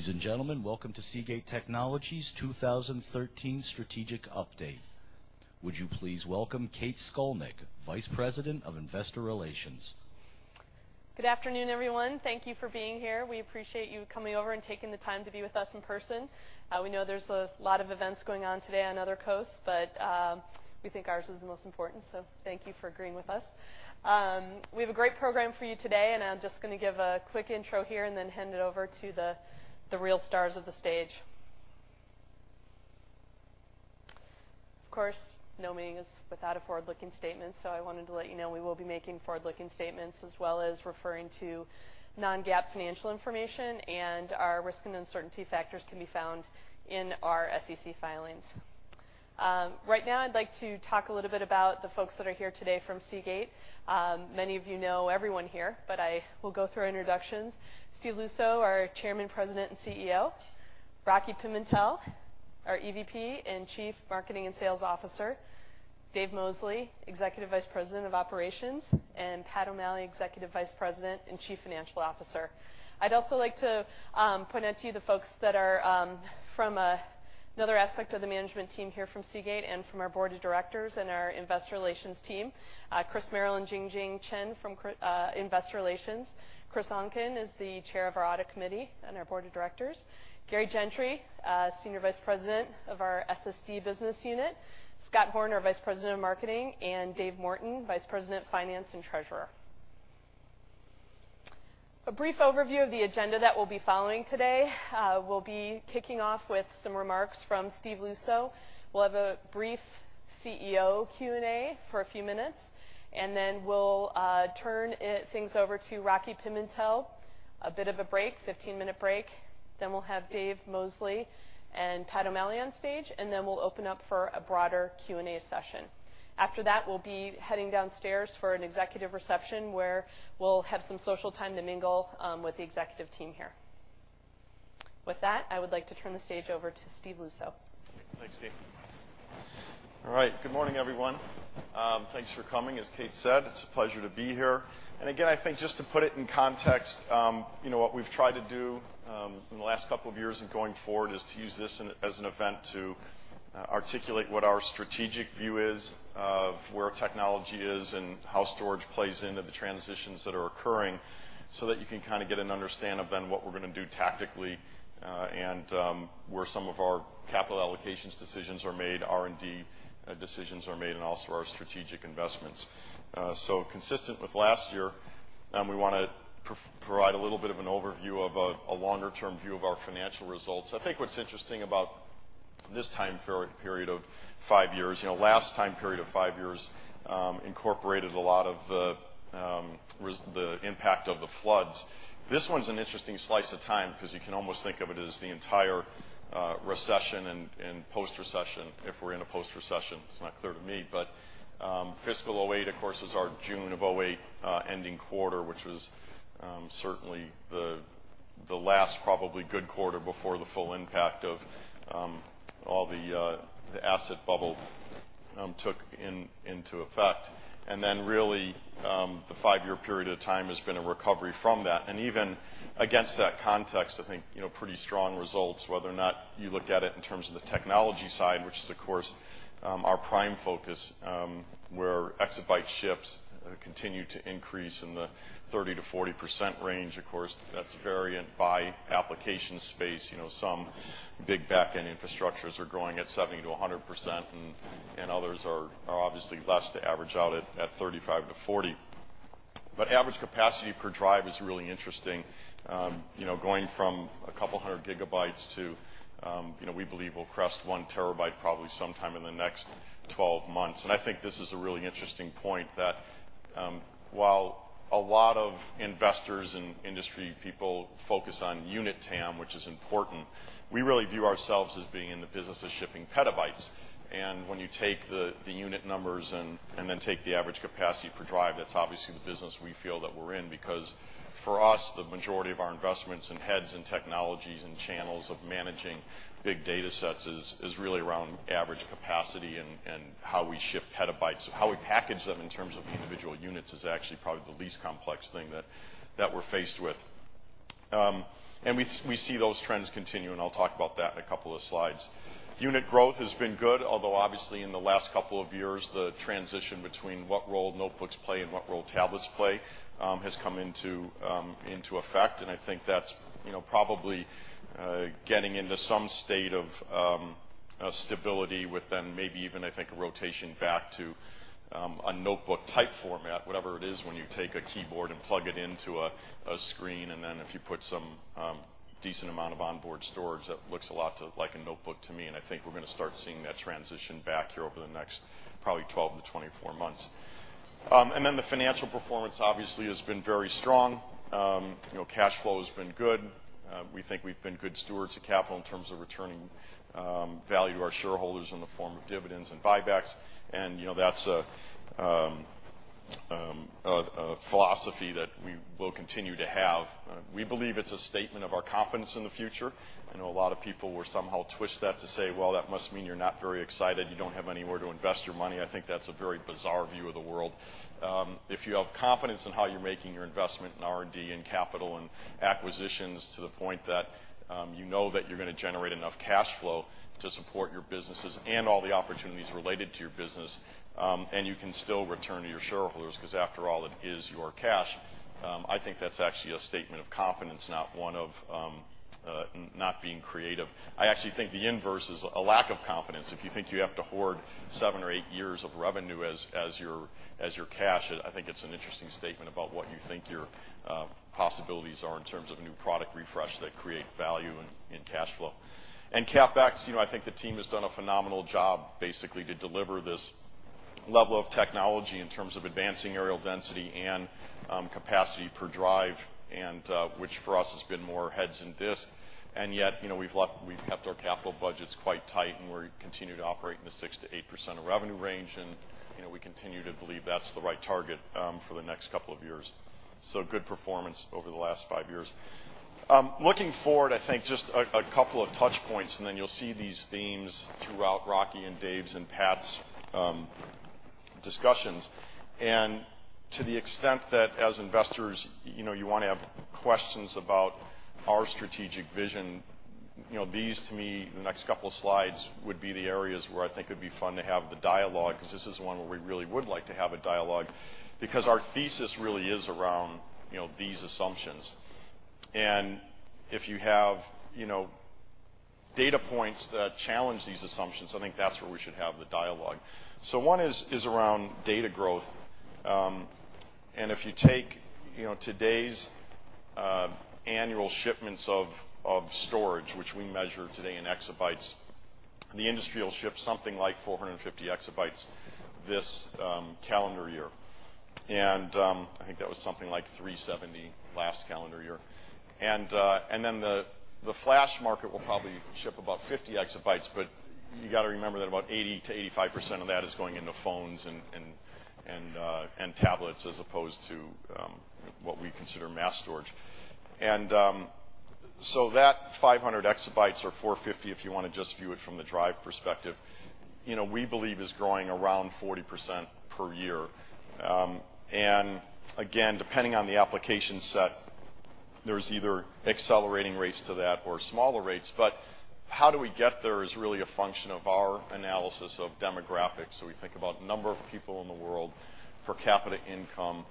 Ladies and gentlemen, welcome to Seagate Technology's 2013 Strategic Update. Would you please welcome Kate Scolnick, Vice President of Investor Relations? Good afternoon, everyone. Thank you for being here. We appreciate you coming over and taking the time to be with us in person. We know there's a lot of events going on today on other coasts, but we think ours is the most important, so thank you for agreeing with us. We have a great program for you today, and I'm just going to give a quick intro here and then hand it over to the real stars of the stage. Of course, no meeting is without a forward-looking statement, so I wanted to let you know we will be making forward-looking statements, as well as referring to non-GAAP financial information, and our risk and uncertainty factors can be found in our SEC filings. Right now I'd like to talk a little bit about the folks that are here today from Seagate. Many of you know everyone here, but I will go through introductions. Steve Luczo, our Chairman, President, and CEO. Rocky Pimentel, our Executive Vice President and Chief Marketing and Sales Officer. Dave Mosley, Executive Vice President of Operations, and Pat O'Malley, Executive Vice President and Chief Financial Officer. I'd also like to point out to you the folks that are from another aspect of the management team here from Seagate and from our Board of Directors and our Investor Relations team. Chris Merrill and Jingjing Chen from Investor Relations. Chris Oncken is the Chair of our Audit Committee and our Board of Directors. Gary Gentry, Senior Vice President of our SSD business unit. Scott Horn, our Vice President of Marketing, and Dave Morton, Vice President of Finance and Treasurer. A brief overview of the agenda that we'll be following today. We'll be kicking off with some remarks from Steve Luczo. We'll have a brief CEO Q&A for a few minutes, and then we'll turn things over to Rocky Pimentel. A bit of a break, 15-minute break, then we'll have Dave Mosley and Pat O'Malley on stage, and then we'll open up for a broader Q&A session. After that, we'll be heading downstairs for an executive reception where we'll have some social time to mingle with the executive team here. With that, I would like to turn the stage over to Steve Luczo. Thanks, Kate. All right. Good morning, everyone. Thanks for coming. As Kate said, it's a pleasure to be here. Again, I think just to put it in context, what we've tried to do in the last couple of years and going forward is to use this as an event to articulate what our strategic view is of where technology is and how storage plays into the transitions that are occurring so that you can get an understanding of then what we're going to do tactically and where some of our capital allocations decisions are made, R&D decisions are made, and also our strategic investments. Consistent with last year, we want to provide a little bit of an overview of a longer-term view of our financial results. I think what's interesting about this time period of 5 years, last time period of 5 years, incorporated a lot of the impact of the floods. This one's an interesting slice of time because you can almost think of it as the entire recession and post-recession, if we're in a post-recession. It's not clear to me, Fiscal 2008, of course, is our June of 2008 ending quarter, which was certainly the last probably good quarter before the full impact of all the asset bubble took into effect. Really, the 5-year period of time has been a recovery from that. Even against that context, I think, pretty strong results, whether or not you look at it in terms of the technology side, which is, of course, our prime focus, where exabyte ships continue to increase in the 30%-40% range. Of course, that's variant by application space. Some big backend infrastructures are growing at 70%-100%, others are obviously less to average out at 35%-40%. Average capacity per drive is really interesting, going from a couple of hundred gigabytes to we believe we'll crest 1 terabyte probably sometime in the next 12 months. I think this is a really interesting point that while a lot of investors and industry people focus on unit TAM, which is important, we really view ourselves as being in the business of shipping petabytes. When you take the unit numbers and then take the average capacity per drive, that's obviously the business we feel that we're in because for us, the majority of our investments in heads and technologies and channels of managing big data sets is really around average capacity and how we ship petabytes. How we package them in terms of individual units is actually probably the least complex thing that we're faced with. We see those trends continue, and I'll talk about that in a couple of slides. Unit growth has been good, although obviously in the last couple of years, the transition between what role notebooks play and what role tablets play has come into effect, and I think that's probably getting into some state of stability with then maybe even, I think, a rotation back to a notebook-type format, whatever it is, when you take a keyboard and plug it into a screen, and then if you put some decent amount of onboard storage, that looks a lot to like a notebook to me, and I think we're going to start seeing that transition back here over the next probably 12-24 months. The financial performance obviously has been very strong. Cash flow has been good. We think we've been good stewards of capital in terms of returning value to our shareholders in the form of dividends and buybacks, that's a philosophy that we will continue to have. We believe it's a statement of our confidence in the future. I know a lot of people will somehow twist that to say, "Well, that must mean you're not very excited. You don't have anywhere to invest your money." I think that's a very bizarre view of the world. If you have confidence in how you're making your investment in R&D, capital, and acquisitions to the point that you know you're going to generate enough cash flow to support your businesses and all the opportunities related to your business, and you can still return to your shareholders because, after all, it is your cash. I think that's actually a statement of confidence, not one of not being creative. I actually think the inverse is a lack of confidence. If you think you have to hoard seven or eight years of revenue as your cash, I think it's an interesting statement about what you think your possibilities are in terms of new product refresh that create value in cash flow. CapEx, I think the team has done a phenomenal job, basically, to deliver this level of technology in terms of advancing areal density and capacity per drive, which for us has been more heads and disks. Yet, we've kept our capital budgets quite tight, we continue to operate in the 6%-8% of revenue range. We continue to believe that's the right target for the next couple of years. Good performance over the last five years. Looking forward, I think just a couple of touch points, then you'll see these themes throughout Rocky and Dave's and Pat's discussions. To the extent that as investors, you want to have questions about our strategic vision, these to me, the next couple of slides, would be the areas where I think it'd be fun to have the dialogue because this is one where we really would like to have a dialogue because our thesis really is around these assumptions. If you have data points that challenge these assumptions, I think that's where we should have the dialogue. One is around data growth. If you take today's annual shipments of storage, which we measure today in exabytes, the industry will ship something like 450 exabytes this calendar year. I think that was something like 370 last calendar year. The flash market will probably ship about 50 exabytes, but you've got to remember that about 80%-85% of that is going into phones and tablets as opposed to what we consider mass storage. That 500 exabytes or 450, if you want to just view it from the drive perspective, we believe is growing around 40% per year. Depending on the application set, there's either accelerating rates to that or smaller rates. How do we get there is really a function of our analysis of demographics. We think about the number of people in the world, per capita income,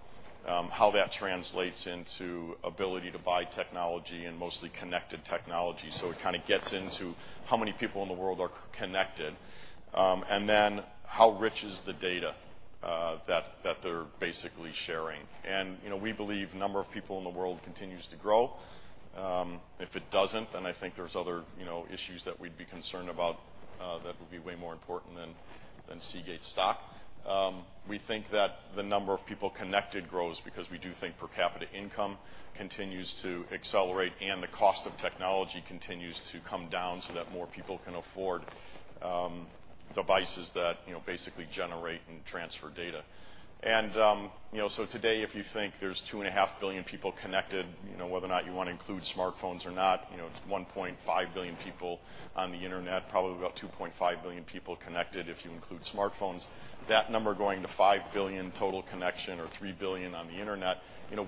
how that translates into ability to buy technology and mostly connected technology. It gets into how many people in the world are connected, and then how rich is the data that they're basically sharing. We believe the number of people in the world continues to grow. If it doesn't, then I think there's other issues that we'd be concerned about that would be way more important than Seagate stock. We think that the number of people connected grows because we do think per capita income continues to accelerate and the cost of technology continues to come down so that more people can afford devices that basically generate and transfer data. Today, if you think there's 2.5 billion people connected, whether or not you want to include smartphones or not, it's 1.5 billion people on the internet, probably about 2.5 billion people connected if you include smartphones. That number going to 5 billion total connection or 3 billion on the internet,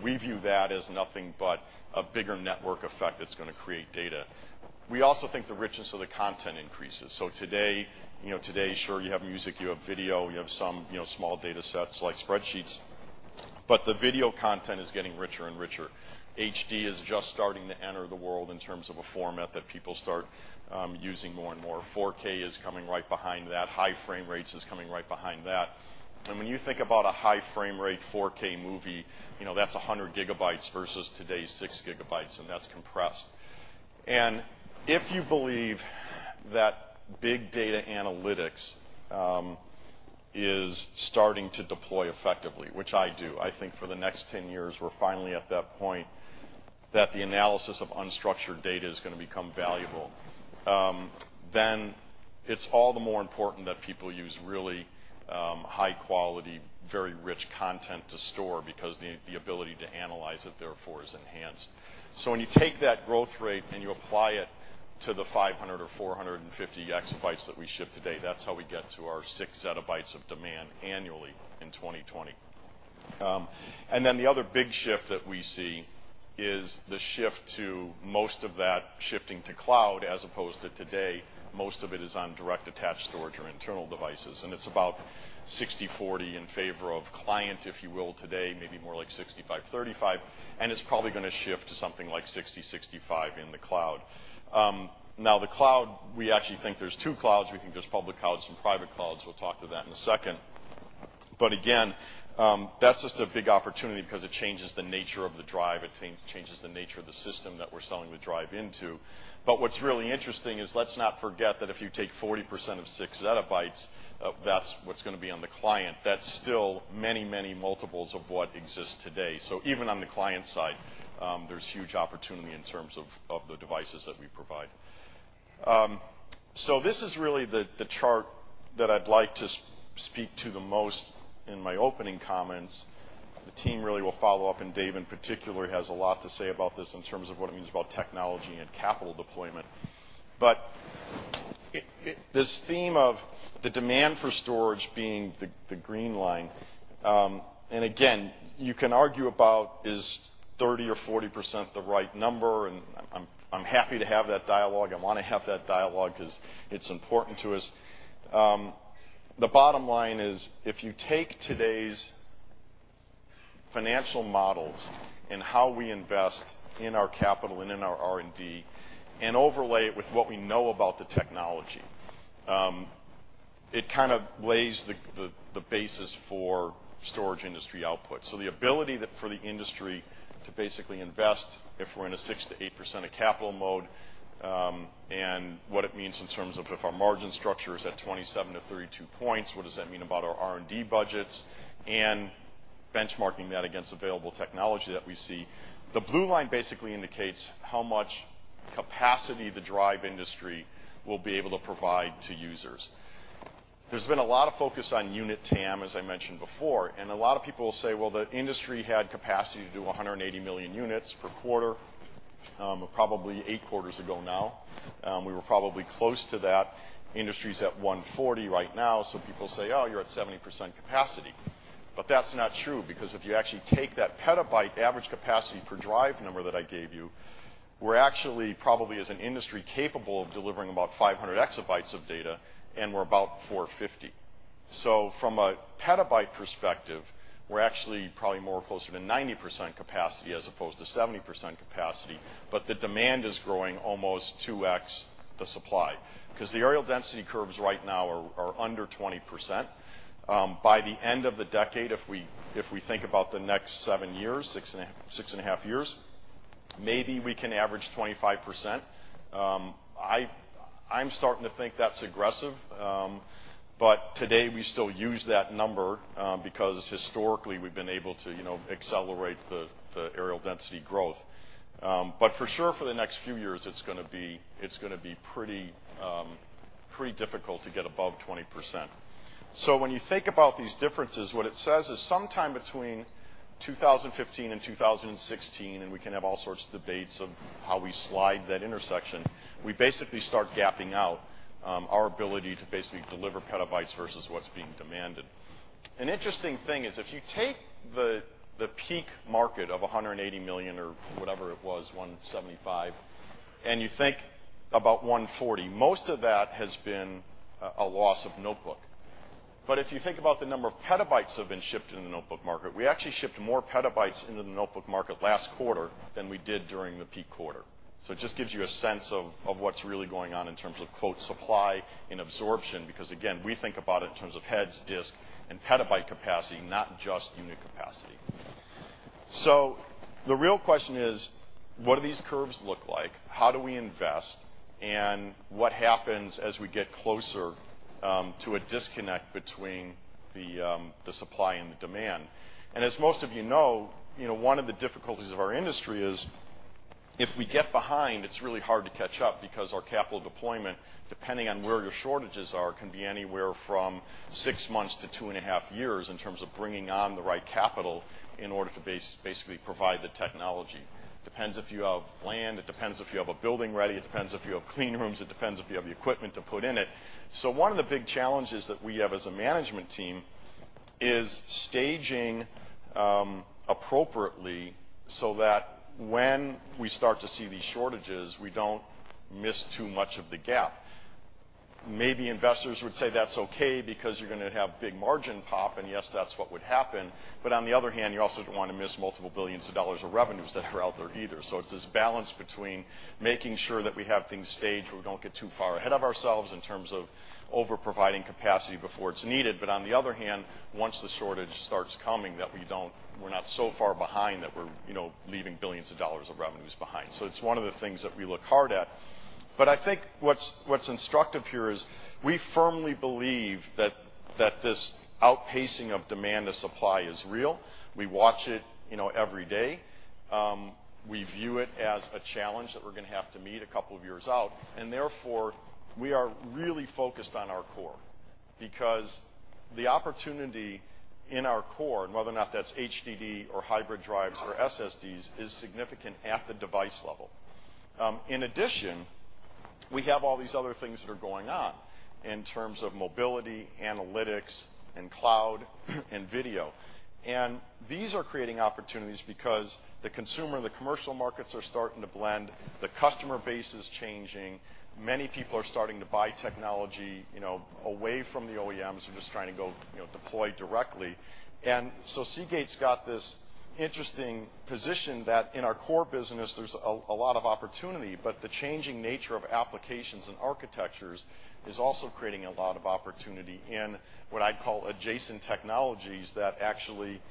we view that as nothing but a bigger network effect that's going to create data. We also think the richness of the content increases. Today, sure you have music, you have video, you have some small data sets like spreadsheets, but the video content is getting richer and richer. HD is just starting to enter the world in terms of a format that people start using more and more. 4K is coming right behind that. High frame rates is coming right behind that. When you think about a high frame rate 4K movie, that's 100 gigabytes versus today's 6 gigabytes, and that's compressed. If you believe that big data analytics is starting to deploy effectively, which I do, I think for the next 10 years, we're finally at that point that the analysis of unstructured data is going to become valuable, then it's all the more important that people use really high-quality, very rich content to store because the ability to analyze it therefore is enhanced. When you take that growth rate and you apply it to the 500 or 450 exabytes that we ship today, that's how we get to our 6 zettabytes of demand annually in 2020. The other big shift that we see is the shift to most of that shifting to cloud as opposed to today, most of it is on direct attached storage or internal devices. It's about 60/40 in favor of client, if you will, today, maybe more like 65/35, and it's probably going to shift to something like 60/65 in the cloud. The cloud, we actually think there's two clouds. We think there's public clouds and private clouds. We'll talk to that in a second. Again, that's just a big opportunity because it changes the nature of the drive. It changes the nature of the system that we're selling the drive into. What's really interesting is let's not forget that if you take 40% of 6 zettabytes, that's what's going to be on the client. That's still many multiples of what exists today. Even on the client side, there's huge opportunity in terms of the devices that we provide. This is really the chart that I'd like to speak to the most in my opening comments. The team really will follow up, and Dave in particular has a lot to say about this in terms of what it means about technology and capital deployment. This theme of the demand for storage being the green line, and again, you can argue about is 30% or 40% the right number, and I'm happy to have that dialogue. I want to have that dialogue because it's important to us. The bottom line is, if you take today's financial models and how we invest in our capital and in our R&D and overlay it with what we know about the technology, it kind of lays the basis for storage industry output. The ability for the industry to basically invest if we're in a 6%-8% of capital mode, and what it means in terms of if our margin structure is at 27-32 points, what does that mean about our R&D budgets, and benchmarking that against available technology that we see. The blue line basically indicates how much capacity the drive industry will be able to provide to users. There's been a lot of focus on unit TAM, as I mentioned before, and a lot of people will say, "Well, the industry had capacity to do 180 million units per quarter," probably eight quarters ago now. We were probably close to that. Industry's at 140 right now. People say, "Oh, you're at 70% capacity." That's not true, because if you actually take that petabyte average capacity per drive number that I gave you, we're actually probably as an industry capable of delivering about 500 exabytes of data, and we're about 450. From a petabyte perspective, we're actually probably more closer to 90% capacity as opposed to 70% capacity, but the demand is growing almost 2x the supply. The areal density curves right now are under 20%. By the end of the decade, if we think about the next seven years, six and a half years, maybe we can average 25%. I'm starting to think that's aggressive. Today, we still use that number, because historically, we've been able to accelerate the areal density growth. For sure, for the next few years, it's going to be pretty difficult to get above 20%. When you think about these differences, what it says is sometime between 2015 and 2016, and we can have all sorts of debates of how we slide that intersection, we basically start gapping out our ability to basically deliver petabytes versus what's being demanded. An interesting thing is if you take the peak market of $180 million or whatever it was, 175, and you think about 140, most of that has been a loss of notebook. If you think about the number of petabytes that have been shipped in the notebook market, we actually shipped more petabytes into the notebook market last quarter than we did during the peak quarter. It just gives you a sense of what's really going on in terms of, quote, "supply and absorption," because again, we think about it in terms of heads, disk, and petabyte capacity, not just unit capacity. The real question is, what do these curves look like? How do we invest? What happens as we get closer to a disconnect between the supply and the demand? As most of you know, one of the difficulties of our industry is if we get behind, it's really hard to catch up because our capital deployment, depending on where your shortages are, can be anywhere from six months to two and a half years in terms of bringing on the right capital in order to basically provide the technology. It depends if you have land. It depends if you have a building ready. It depends if you have clean rooms. It depends if you have the equipment to put in it. One of the big challenges that we have as a management team is staging appropriately so that when we start to see these shortages, we don't miss too much of the gap. Maybe investors would say that's okay because you're going to have big margin pop, and yes, that's what would happen. On the other hand, you also don't want to miss multiple billions of dollars of revenues that are out there either. It's this balance between making sure that we have things staged where we don't get too far ahead of ourselves in terms of over-providing capacity before it's needed. On the other hand, once the shortage starts coming, that we're not so far behind that we're leaving billions of dollars of revenues behind. It's one of the things that we look hard at. I think what's instructive here is we firmly believe that this outpacing of demand to supply is real. We watch it every day. We view it as a challenge that we're going to have to meet a couple of years out, and therefore, we are really focused on our core because the opportunity in our core, and whether or not that's HDD or hybrid drives or SSDs, is significant at the device level. In addition, we have all these other things that are going on in terms of mobility, analytics, and cloud, and video. These are creating opportunities because the consumer and the commercial markets are starting to blend. The customer base is changing. Many people are starting to buy technology away from the OEMs who are just trying to go deploy directly. Seagate's got this interesting position that in our core business, there's a lot of opportunity, but the changing nature of applications and architectures is also creating a lot of opportunity in what I'd call adjacent technologies that actually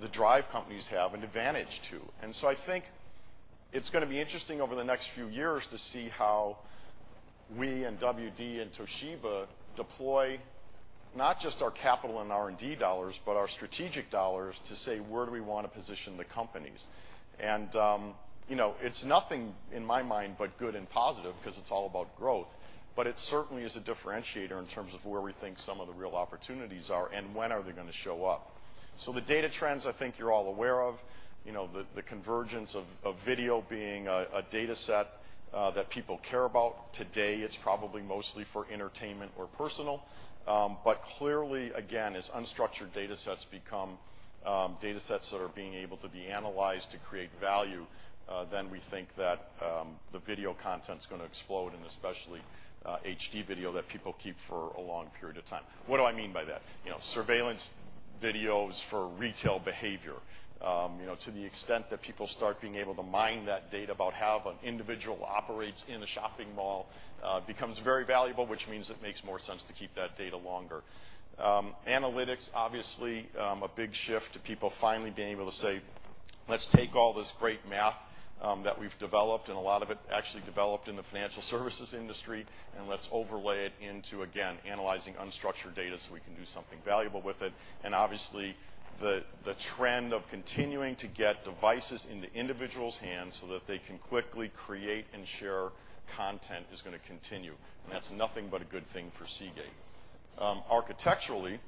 the drive companies have an advantage to. I think it's going to be interesting over the next few years to see how We and WD and Toshiba deploy not just our capital and R&D dollars, but our strategic dollars to say where do we want to position the companies. It's nothing, in my mind, but good and positive because it's all about growth, but it certainly is a differentiator in terms of where we think some of the real opportunities are and when are they going to show up. The data trends, I think you're all aware of, the convergence of video being a data set that people care about. Today, it's probably mostly for entertainment or personal. Clearly, again, as unstructured data sets become data sets that are being able to be analyzed to create value, then we think that the video content is going to explode, and especially HD video that people keep for a long period of time. What do I mean by that? Surveillance videos for retail behavior. To the extent that people start being able to mine that data about how an individual operates in a shopping mall becomes very valuable, which means it makes more sense to keep that data longer. Analytics, obviously, a big shift to people finally being able to say, "Let's take all this great math that we've developed, and a lot of it actually developed in the financial services industry, and let's overlay it into, again, analyzing unstructured data so we can do something valuable with it." Obviously, the trend of continuing to get devices into individuals' hands so that they can quickly create and share content is going to continue. That's nothing but a good thing for Seagate. Architecturally,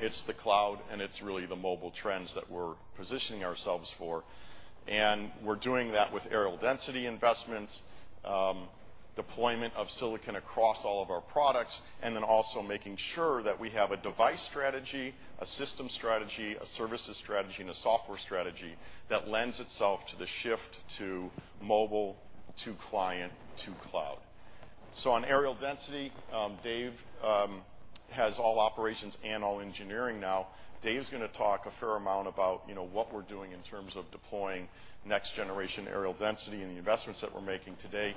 it's the cloud, it's really the mobile trends that we're positioning ourselves for, we're doing that with areal density investments, deployment of silicon across all of our products, then also making sure that we have a device strategy, a system strategy, a services strategy, and a software strategy that lends itself to the shift to mobile, to client, to cloud. On areal density, Dave has all operations and all engineering now. Dave's going to talk a fair amount about what we're doing in terms of deploying next-generation areal density and the investments that we're making today.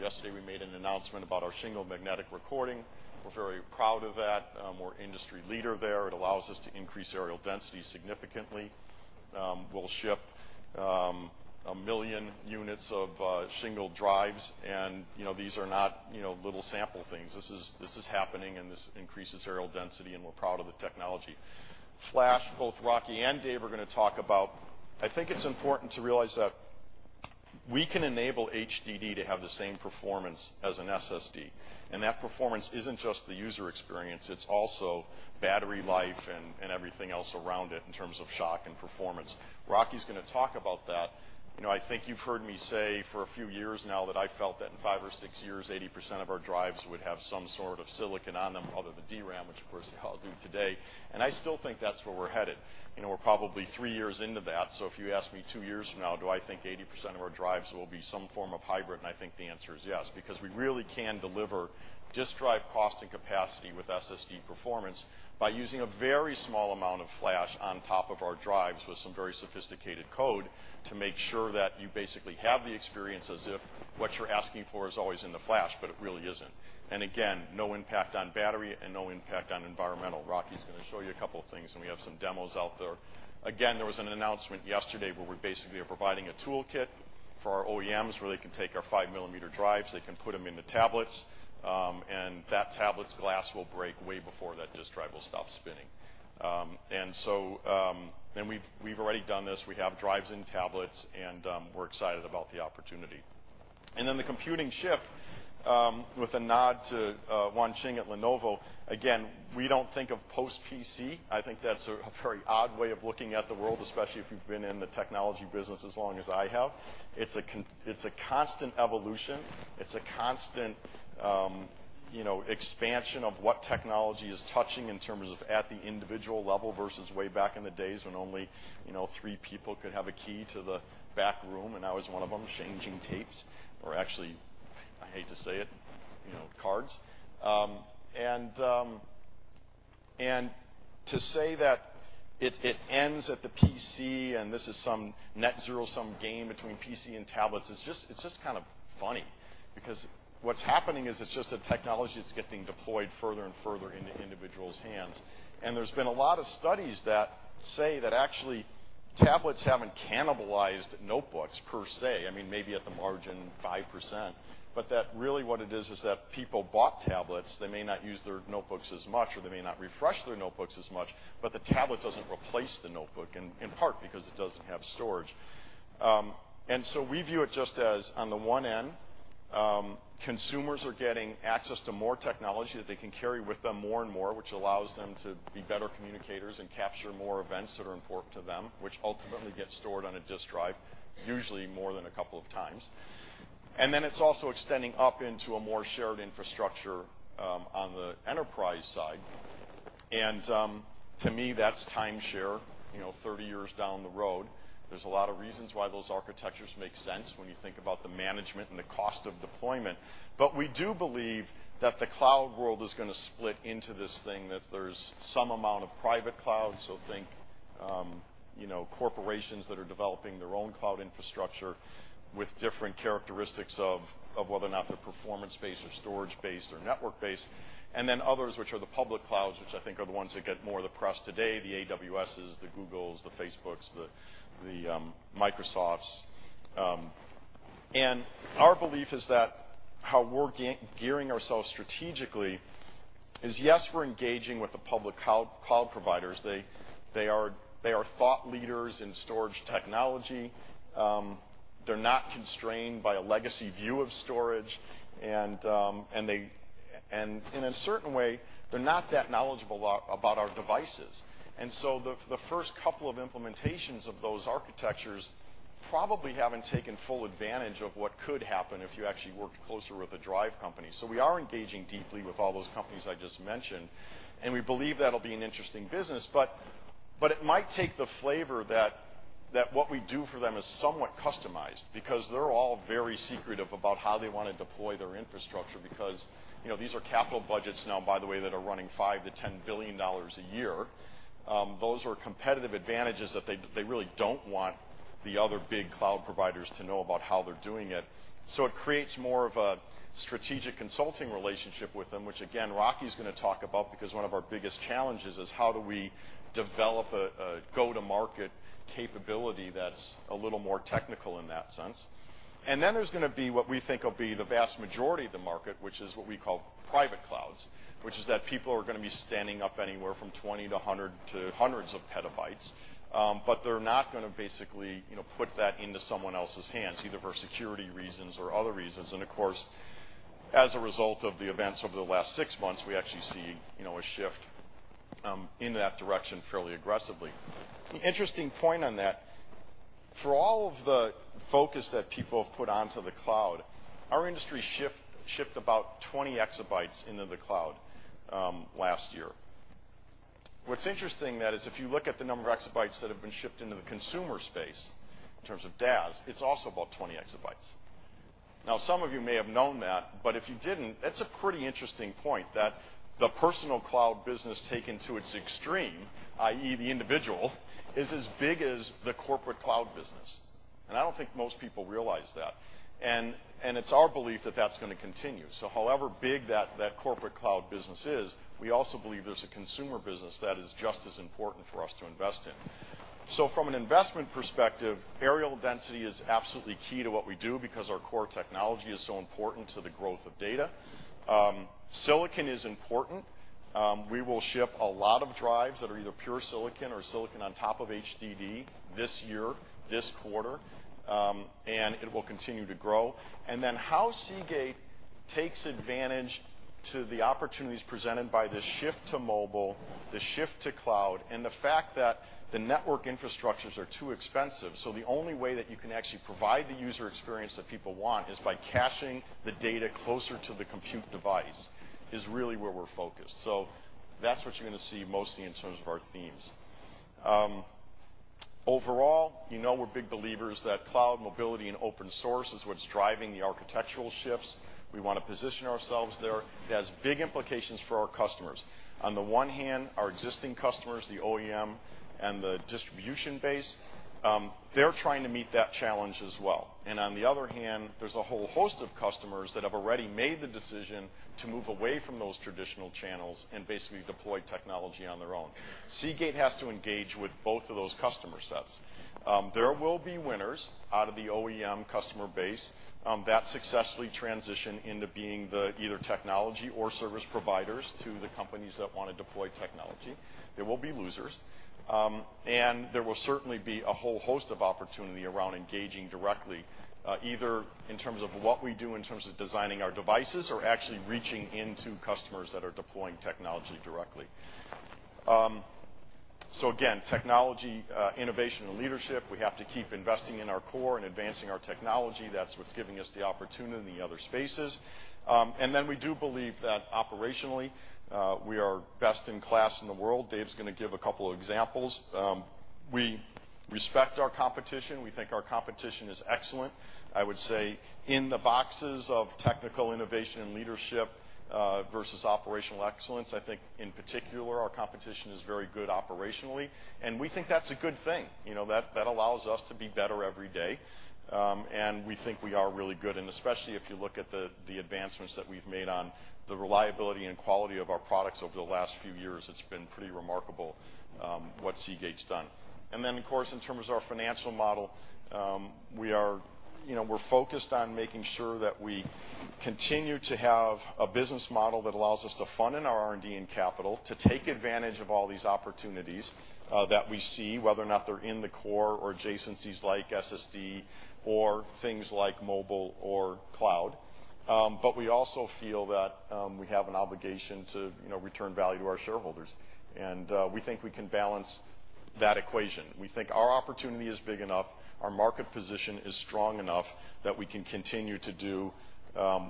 Yesterday, we made an announcement about our shingled magnetic recording. We're very proud of that. We're industry leader there. It allows us to increase areal density significantly. We'll ship 1 million units of shingled drives, these are not little sample things. This is happening, this increases areal density, we're proud of the technology. Flash, both Rocky and Dave are going to talk about. I think it's important to realize that we can enable HDD to have the same performance as an SSD, that performance isn't just the user experience, it's also battery life and everything else around it in terms of shock and performance. Rocky's going to talk about that. I think you've heard me say for a few years now that I felt that in five or six years, 80% of our drives would have some sort of silicon on them other than DRAM, which of course they all do today, and I still think that's where we're headed. We're probably three years into that. If you ask me two years from now, do I think 80% of our drives will be some form of hybrid, and I think the answer is yes, because we really can deliver disk drive cost and capacity with SSD performance by using a very small amount of flash on top of our drives with some very sophisticated code to make sure that you basically have the experience as if what you're asking for is always in the flash, but it really isn't. Again, no impact on battery and no impact on environmental. Rocky's going to show you a couple of things, and we have some demos out there. Again, there was an announcement yesterday where we basically are providing a toolkit for our OEMs where they can take our 5-millimeter drives, they can put them in the tablets, and that tablet's glass will break way before that disk drive will stop spinning. We've already done this. We have drives in tablets, and we're excited about the opportunity. Then the computing shift, with a nod to Wenxia at Lenovo, again, we don't think of post-PC. I think that's a very odd way of looking at the world, especially if you've been in the technology business as long as I have. It's a constant evolution. It's a constant expansion of what technology is touching in terms of at the individual level versus way back in the days when only three people could have a key to the back room, and I was one of them changing tapes, or actually, I hate to say it, cards. To say that it ends at the PC and this is some net zero-sum game between PC and tablets, it's just kind of funny because what's happening is it's just a technology that's getting deployed further and further into individuals' hands. There's been a lot of studies that say that actually tablets haven't cannibalized notebooks per se, maybe at the margin 5%, but that really what it is that people bought tablets. They may not use their notebooks as much, or they may not refresh their notebooks as much, but the tablet doesn't replace the notebook, in part because it doesn't have storage. So we view it just as on the one end, consumers are getting access to more technology that they can carry with them more and more, which allows them to be better communicators and capture more events that are important to them, which ultimately gets stored on a disk drive, usually more than a couple of times. It's also extending up into a more shared infrastructure on the enterprise side. To me, that's time share 30 years down the road. There's a lot of reasons why those architectures make sense when you think about the management and the cost of deployment. We do believe that the cloud world is going to split into this thing, that there's some amount of private cloud, so think corporations that are developing their own cloud infrastructure with different characteristics of whether or not they're performance-based or storage-based or network-based, then others, which are the public clouds, which I think are the ones that get more of the press today, the AWSs, the Googles, the Facebooks, the Microsofts. Our belief is that how we're gearing ourselves strategically is, yes, we're engaging with the public cloud providers. They are thought leaders in storage technology. They're not constrained by a legacy view of storage, and in a certain way, they're not that knowledgeable about our devices. The first couple of implementations of those architectures probably haven't taken full advantage of what could happen if you actually worked closer with a drive company. We are engaging deeply with all those companies I just mentioned, and we believe that'll be an interesting business. But it might take the flavor that what we do for them is somewhat customized because they're all very secretive about how they want to deploy their infrastructure because these are capital budgets now, by the way, that are running $5 billion-$10 billion a year. Those are competitive advantages that they really don't want the other big cloud providers to know about how they're doing it. It creates more of a strategic consulting relationship with them, which again, Rocky's going to talk about, because one of our biggest challenges is how do we develop a go-to-market capability that's a little more technical in that sense. There's going to be what we think will be the vast majority of the market, which is what we call private clouds, which is that people are going to be standing up anywhere from 20 to 100 to hundreds of petabytes. They're not going to basically put that into someone else's hands, either for security reasons or other reasons. Of course, as a result of the events over the last six months, we actually see a shift in that direction fairly aggressively. An interesting point on that, for all of the focus that people have put onto the cloud, our industry shipped about 20 exabytes into the cloud last year. What's interesting is that if you look at the number of exabytes that have been shipped into the consumer space in terms of DAS, it's also about 20 exabytes. Now, some of you may have known that, but if you didn't, that's a pretty interesting point that the personal cloud business taken to its extreme, i.e., the individual, is as big as the corporate cloud business. I don't think most people realize that. It's our belief that that's going to continue. However big that corporate cloud business is, we also believe there's a consumer business that is just as important for us to invest in. From an investment perspective, areal density is absolutely key to what we do because our core technology is so important to the growth of data. Silicon is important. We will ship a lot of drives that are either pure silicon or silicon on top of HDD this year, this quarter, and it will continue to grow. How Seagate takes advantage to the opportunities presented by the shift to mobile, the shift to cloud, and the fact that the network infrastructures are too expensive, so the only way that you can actually provide the user experience that people want is by caching the data closer to the compute device, is really where we're focused. That's what you're going to see mostly in terms of our themes. Overall, you know we're big believers that cloud mobility and open source is what's driving the architectural shifts. We want to position ourselves there. It has big implications for our customers. On the one hand, our existing customers, the OEM, and the distribution base, they're trying to meet that challenge as well. On the other hand, there's a whole host of customers that have already made the decision to move away from those traditional channels and basically deploy technology on their own. Seagate has to engage with both of those customer sets. There will be winners out of the OEM customer base that successfully transition into being either technology or service providers to the companies that want to deploy technology. There will be losers. There will certainly be a whole host of opportunity around engaging directly, either in terms of what we do in terms of designing our devices or actually reaching into customers that are deploying technology directly. Again, technology, innovation, and leadership, we have to keep investing in our core and advancing our technology. That's what's giving us the opportunity in the other spaces. We do believe that operationally we are best in class in the world. Dave's going to give a couple of examples. We respect our competition. We think our competition is excellent. I would say in the boxes of technical innovation and leadership versus operational excellence, I think in particular, our competition is very good operationally, and we think that's a good thing. That allows us to be better every day, and we think we are really good, and especially if you look at the advancements that we've made on the reliability and quality of our products over the last few years, it's been pretty remarkable what Seagate's done. Of course, in terms of our financial model, we're focused on making sure that we continue to have a business model that allows us to fund in our R&D and capital to take advantage of all these opportunities that we see, whether or not they're in the core or adjacencies like SSD or things like mobile or cloud. We also feel that we have an obligation to return value to our shareholders, and we think we can balance that equation. We think our opportunity is big enough, our market position is strong enough that we can continue to do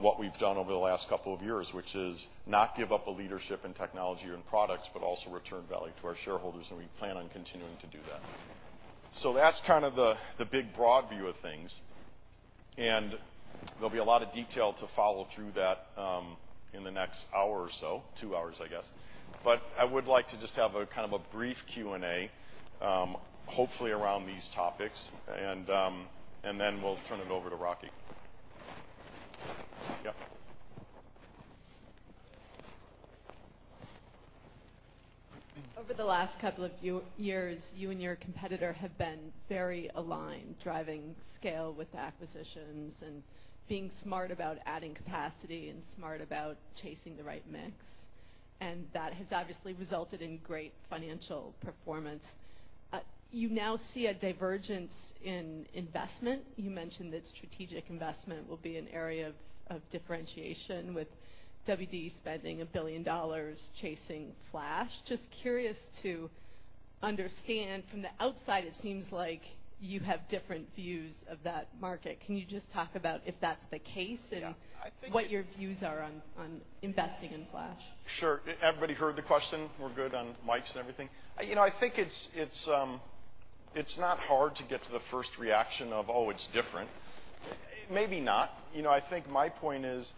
what we've done over the last couple of years, which is not give up the leadership in technology and products, but also return value to our shareholders, and we plan on continuing to do that. That's kind of the big broad view of things, there'll be a lot of detail to follow through that in the next hour or so, 2 hours, I guess. I would like to just have a kind of a brief Q&A, hopefully around these topics, then we'll turn it over to Rocky. Over the last couple of years, you and your competitor have been very aligned, driving scale with acquisitions and being smart about adding capacity and smart about chasing the right mix. That has obviously resulted in great financial performance. You now see a divergence in investment. You mentioned that strategic investment will be an area of differentiation with WD spending $1 billion chasing Flash. Just curious to understand, from the outside, it seems like you have different views of that market. Can you just talk about if that's the case- Yeah. What your views are on investing in Flash? Sure. Everybody heard the question? We're good on mics and everything? I think it's not hard to get to the first reaction of, "Oh, it's different." Maybe not. I think my point is,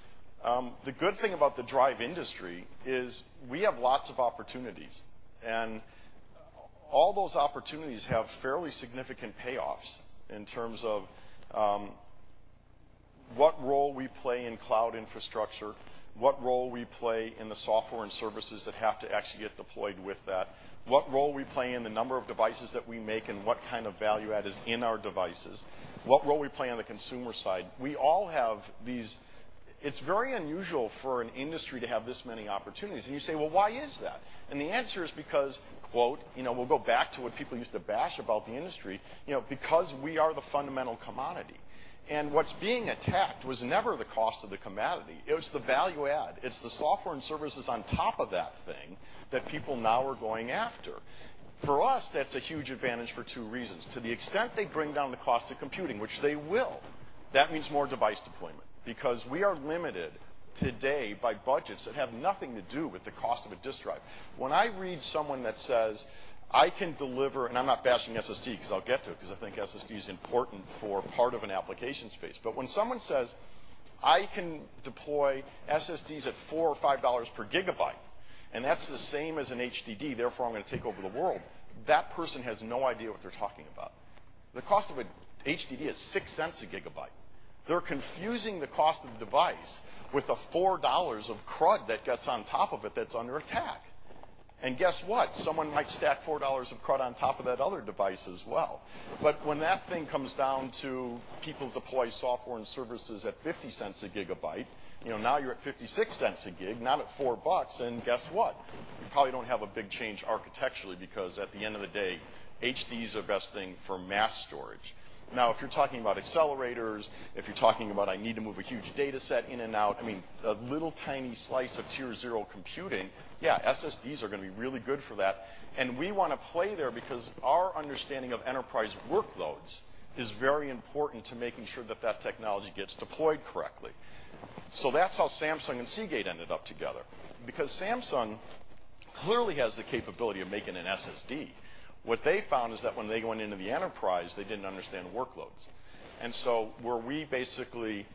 the good thing about the drive industry is we have lots of opportunities, and all those opportunities have fairly significant payoffs in terms of what role we play in cloud infrastructure, what role we play in the software and services that have to actually get deployed with that, what role we play in the number of devices that we make, and what kind of value add is in our devices, what role we play on the consumer side. It's very unusual for an industry to have this many opportunities, and you say, "Well, why is that?" The answer is because, quote, we'll go back to what people used to bash about the industry, because we are the fundamental commodity. What's being attacked was never the cost of the commodity. It was the value add. It's the software and services on top of that thing that people now are going after. For us, that's a huge advantage for two reasons. To the extent they bring down the cost of computing, which they will, that means more device deployment because we are limited today by budgets that have nothing to do with the cost of a disk drive. When I read someone that says, "I can deliver" I'm not bashing SSD because I'll get to it, because I think SSD is important for part of an application space. When someone says, "I can deploy SSDs at $4 or $5 per gigabyte, and that's the same as an HDD, therefore, I'm going to take over the world," that person has no idea what they're talking about. The cost of an HDD is $0.06 a gigabyte. They're confusing the cost of the device with the $4 of crud that gets on top of it that's under attack. Guess what? Someone might stack $4 of crud on top of that other device as well. When that thing comes down to people deploy software and services at $0.50 a gigabyte, now you're at $0.56 a gig, not at $4, and guess what? You probably don't have a big change architecturally, because at the end of the day, HDD is the best thing for mass storage. If you're talking about accelerators, if you're talking about I need to move a huge data set in and out, a little tiny slice of Tier 0 computing, yeah, SSDs are going to be really good for that. We want to play there because our understanding of enterprise workloads is very important to making sure that technology gets deployed correctly. That's how Samsung and Seagate ended up together. Because Samsung clearly has the capability of making an SSD. What they found is that when they went into the enterprise, they didn't understand workloads. Where we basically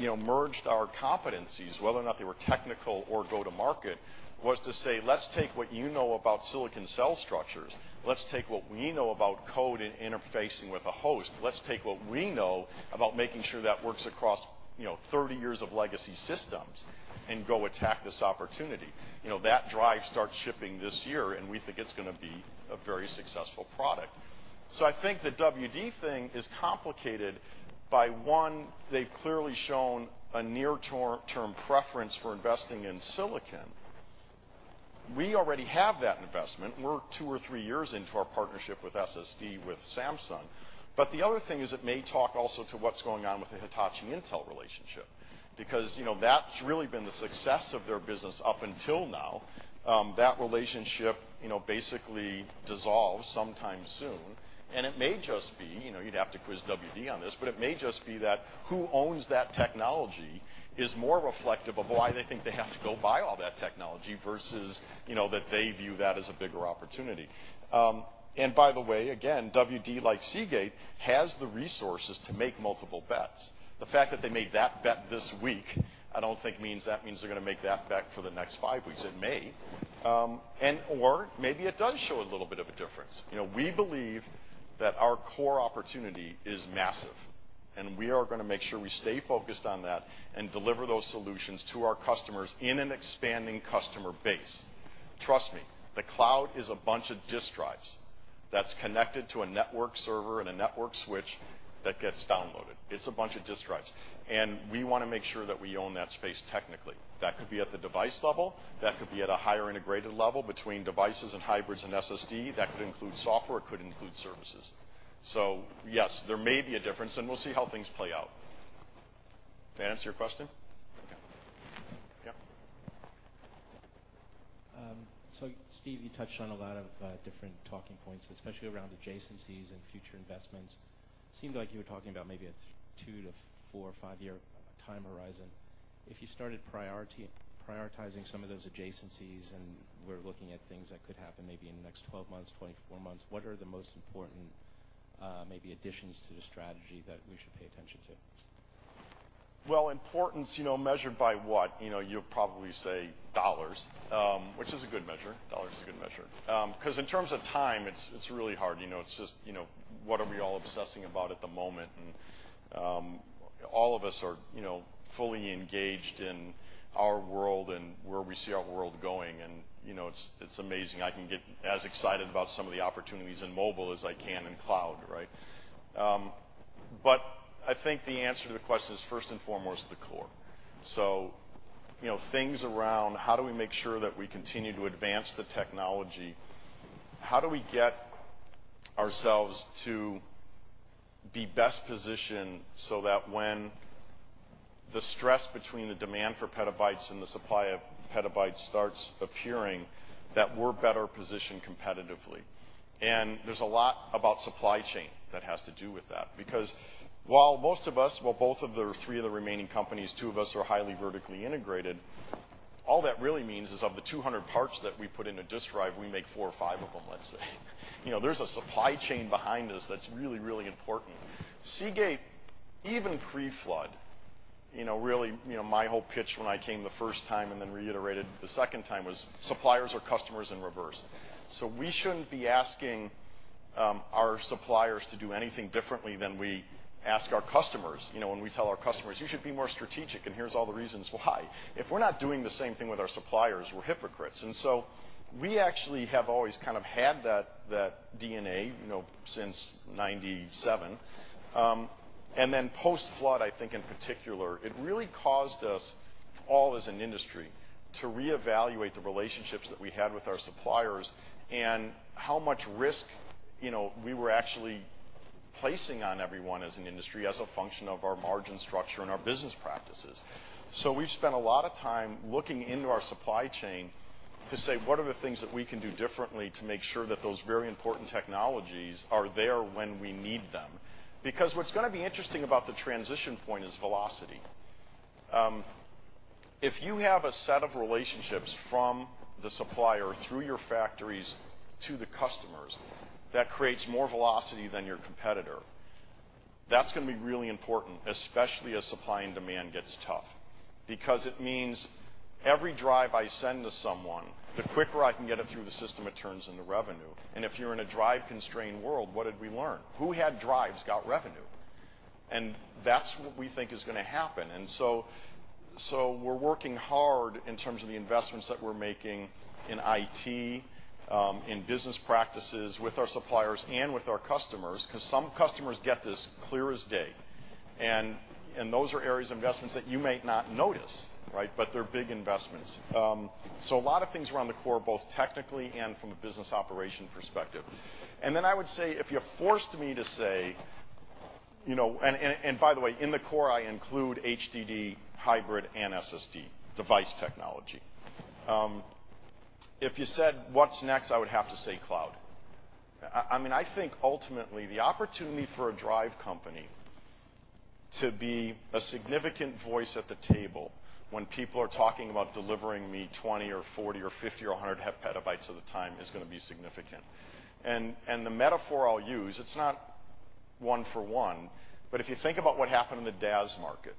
merged our competencies, whether or not they were technical or go to market, was to say, let's take what you know about silicon cell structures, let's take what we know about code and interfacing with a host, let's take what we know about making sure that works across 30 years of legacy systems, and go attack this opportunity. That drive starts shipping this year, we think it's going to be a very successful product. I think the WD thing is complicated by, 1, they've clearly shown a near-term preference for investing in silicon. We already have that investment. We're 2 or 3 years into our partnership with SSD with Samsung. The other thing is it may talk also to what's going on with the Hitachi Intel relationship, because that's really been the success of their business up until now. That relationship basically dissolves sometime soon, and it may just be, you'd have to quiz WD on this, but it may just be that who owns that technology is more reflective of why they think they have to go buy all that technology versus that they view that as a bigger opportunity. By the way, again, WD, like Seagate, has the resources to make multiple bets. The fact that they made that bet this week I don't think means they're going to make that bet for the next 5 weeks. It may. Or maybe it does show a little bit of a difference. We believe that our core opportunity is massive, and we are going to make sure we stay focused on that and deliver those solutions to our customers in an expanding customer base. Trust me, the cloud is a bunch of disk drives that's connected to a network server and a network switch that gets downloaded. It's a bunch of disk drives. We want to make sure that we own that space technically. That could be at the device level, that could be at a higher integrated level between devices and hybrids and SSD. That could include software, could include services. Yes, there may be a difference, and we'll see how things play out. Did I answer your question? Okay. Yeah. Steve, you touched on a lot of different talking points, especially around adjacencies and future investments. Seemed like you were talking about maybe a 2 to 4 or 5-year time horizon. If you started prioritizing some of those adjacencies and we're looking at things that could happen maybe in the next 12 months, 24 months, what are the most important maybe additions to the strategy that we should pay attention to? Well, importance measured by what? You'll probably say dollars, which is a good measure. Dollars is a good measure. In terms of time, it's really hard. It's just what are we all obsessing about at the moment? All of us are fully engaged in our world and where we see our world going, and it's amazing. I can get as excited about some of the opportunities in mobile as I can in cloud, right? I think the answer to the question is first and foremost the core. Things around how do we make sure that we continue to advance the technology? How do we get ourselves to be best positioned so that when the stress between the demand for petabytes and the supply of petabytes starts appearing, that we're better positioned competitively? There's a lot about supply chain that has to do with that, because while most of us, while both of the three of the remaining companies, two of us are highly vertically integrated, all that really means is of the 200 parts that we put in a disk drive, we make four or five of them, let's say. There's a supply chain behind us that's really, really important. Seagate, even pre-flood, really, my whole pitch when I came the first time and then reiterated the second time was suppliers are customers in reverse. We shouldn't be asking our suppliers to do anything differently than we ask our customers. When we tell our customers, "You should be more strategic, and here's all the reasons why." If we're not doing the same thing with our suppliers, we're hypocrites. We actually have always kind of had that DNA since 1997. Post-flood, I think in particular, it really caused us all as an industry to reevaluate the relationships that we had with our suppliers and how much risk we were actually placing on everyone as an industry, as a function of our margin structure and our business practices. We've spent a lot of time looking into our supply chain to say, what are the things that we can do differently to make sure that those very important technologies are there when we need them? Because what's going to be interesting about the transition point is velocity. If you have a set of relationships from the supplier through your factories to the customers that creates more velocity than your competitor, that's going to be really important, especially as supply and demand gets tough. It means every drive I send to someone, the quicker I can get it through the system, it turns into revenue. If you're in a drive-constrained world, what did we learn? Who had drives got revenue. That's what we think is going to happen. We're working hard in terms of the investments that we're making in IT, in business practices with our suppliers and with our customers, some customers get this clear as day, and those are areas of investments that you might not notice, right? They're big investments. A lot of things around the core, both technically and from a business operation perspective. Then I would say, if you forced me to say-- and by the way, in the core, I include HDD, hybrid, and SSD device technology. If you said, what's next, I would have to say cloud. I think ultimately, the opportunity for a drive company to be a significant voice at the table when people are talking about delivering me 20 or 40 or 50 or 100 petabytes at a time is going to be significant. The metaphor I'll use, it's not one for one, but if you think about what happened in the DAS market,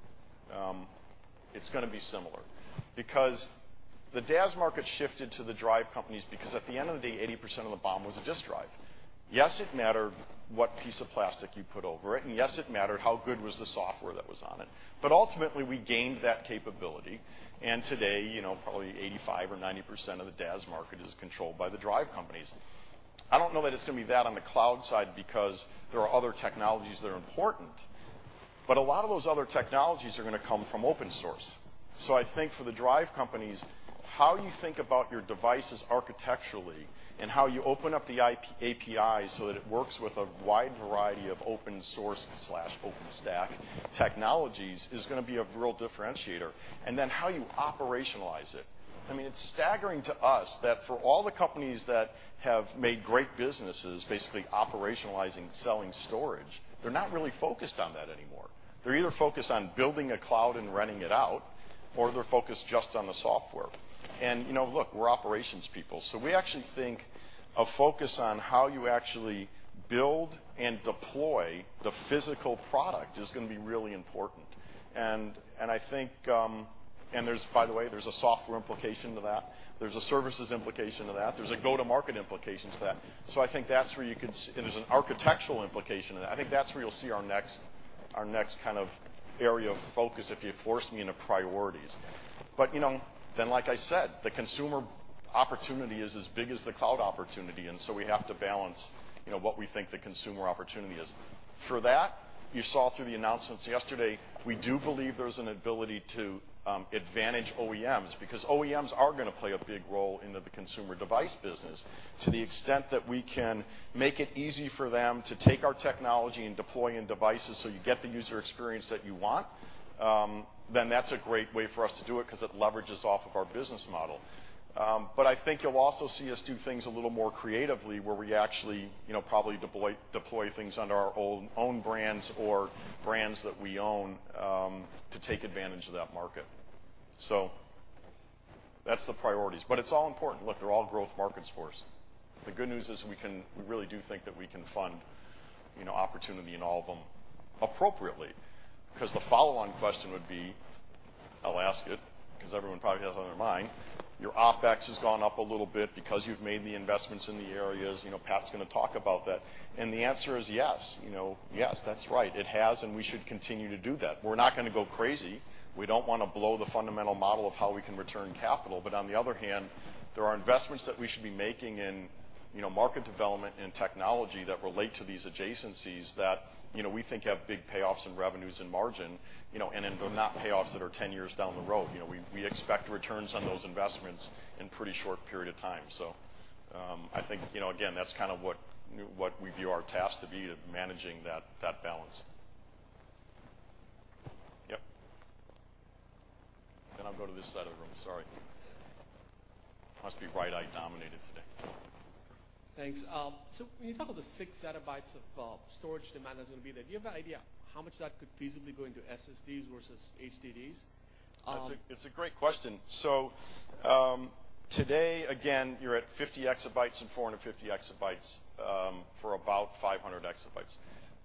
it's going to be similar. The DAS market shifted to the drive companies because at the end of the day, 80% of the BOM was a disk drive. Yes, it mattered what piece of plastic you put over it, and yes, it mattered how good was the software that was on it. Ultimately, we gained that capability, and today probably 85% or 90% of the DAS market is controlled by the drive companies. I don't know that it's going to be that on the cloud side because there are other technologies that are important, a lot of those other technologies are going to come from open source. I think for the drive companies, how you think about your devices architecturally and how you open up the API so that it works with a wide variety of open source/OpenStack technologies is going to be a real differentiator. How you operationalize it. It's staggering to us that for all the companies that have made great businesses basically operationalizing selling storage, they're not really focused on that anymore. They're either focused on building a cloud and renting it out, or they're focused just on the software. Look, we're operations people, we actually think a focus on how you actually build and deploy the physical product is going to be really important. By the way, there's a software implication to that. There's a services implication to that. There's a go-to-market implication to that. There's an architectural implication to that. I think that's where you'll see our next kind of area of focus if you force me into priorities. Like I said, the consumer opportunity is as big as the cloud opportunity, we have to balance what we think the consumer opportunity is. For that, you saw through the announcements yesterday, we do believe there's an ability to advantage OEMs because OEMs are going to play a big role in the consumer device business to the extent that we can make it easy for them to take our technology and deploy in devices so you get the user experience that you want, then that's a great way for us to do it because it leverages off of our business model. I think you'll also see us do things a little more creatively where we actually probably deploy things under our own brands or brands that we own to take advantage of that market. That's the priorities, it's all important. Look, they're all growth markets for us. The good news is we really do think that we can fund opportunity in all of them appropriately. The follow-on question would be I'll ask it because everyone probably has it on their mind. Your OpEx has gone up a little bit because you've made the investments in the areas. Pat's going to talk about that, and the answer is yes. Yes, that's right. It has, and we should continue to do that. We're not going to go crazy. We don't want to blow the fundamental model of how we can return capital. On the other hand, there are investments that we should be making in market development and technology that relate to these adjacencies that we think have big payoffs in revenues and margin, and not payoffs that are 10 years down the road. We expect returns on those investments in pretty short period of time. I think, again, that's what we view our task to be of managing that balance. Yep. I'll go to this side of the room, sorry. Must be right eye dominated today. Thanks. When you talk about the six zettabytes of storage demand that's going to be there, do you have any idea how much that could feasibly go into SSDs versus HDDs? It's a great question. Today, again, you're at 50 exabytes and 450 exabytes for about 500 exabytes.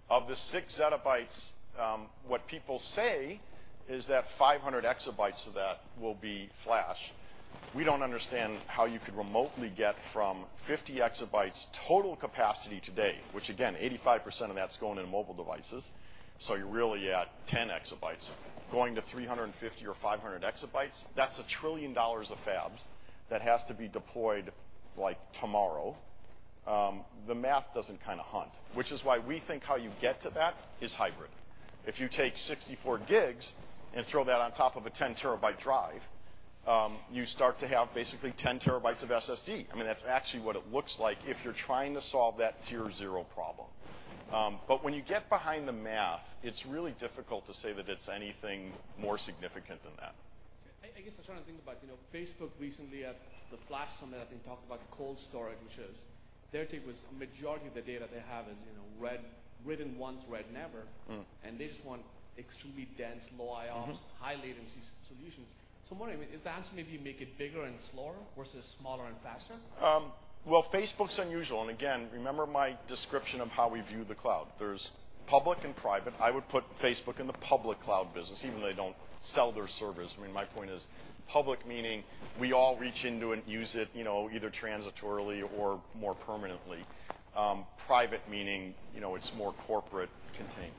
Of the six zettabytes, what people say is that 500 exabytes of that will be flash. We don't understand how you could remotely get from 50 exabytes total capacity today, which again, 85% of that's going into mobile devices. You're really at 10 exabytes going to 350 or 500 exabytes. That's $1 trillion of fabs that has to be deployed tomorrow. The math doesn't hunt, which is why we think how you get to that is hybrid. If you take 64 gigs and throw that on top of a 10-terabyte drive, you start to have basically 10 terabytes of SSD. That's actually what it looks like if you're trying to solve that tier 0 problem. When you get behind the math, it's really difficult to say that it's anything more significant than that. I guess I was trying to think about Facebook recently at the Flash Summit, I think, talked about cold storage, which was their take was a majority of the data they have is written once, read never, and they just want extremely dense, low IOPS, high latency solutions. I'm wondering, is the answer maybe make it bigger and slower versus smaller and faster? Facebook's unusual. Again, remember my description of how we view the cloud. There's public and private. I would put Facebook in the public cloud business, even though they don't sell their service. My point is public meaning we all reach into and use it either transitorily or more permanently. Private meaning it's more corporate contained.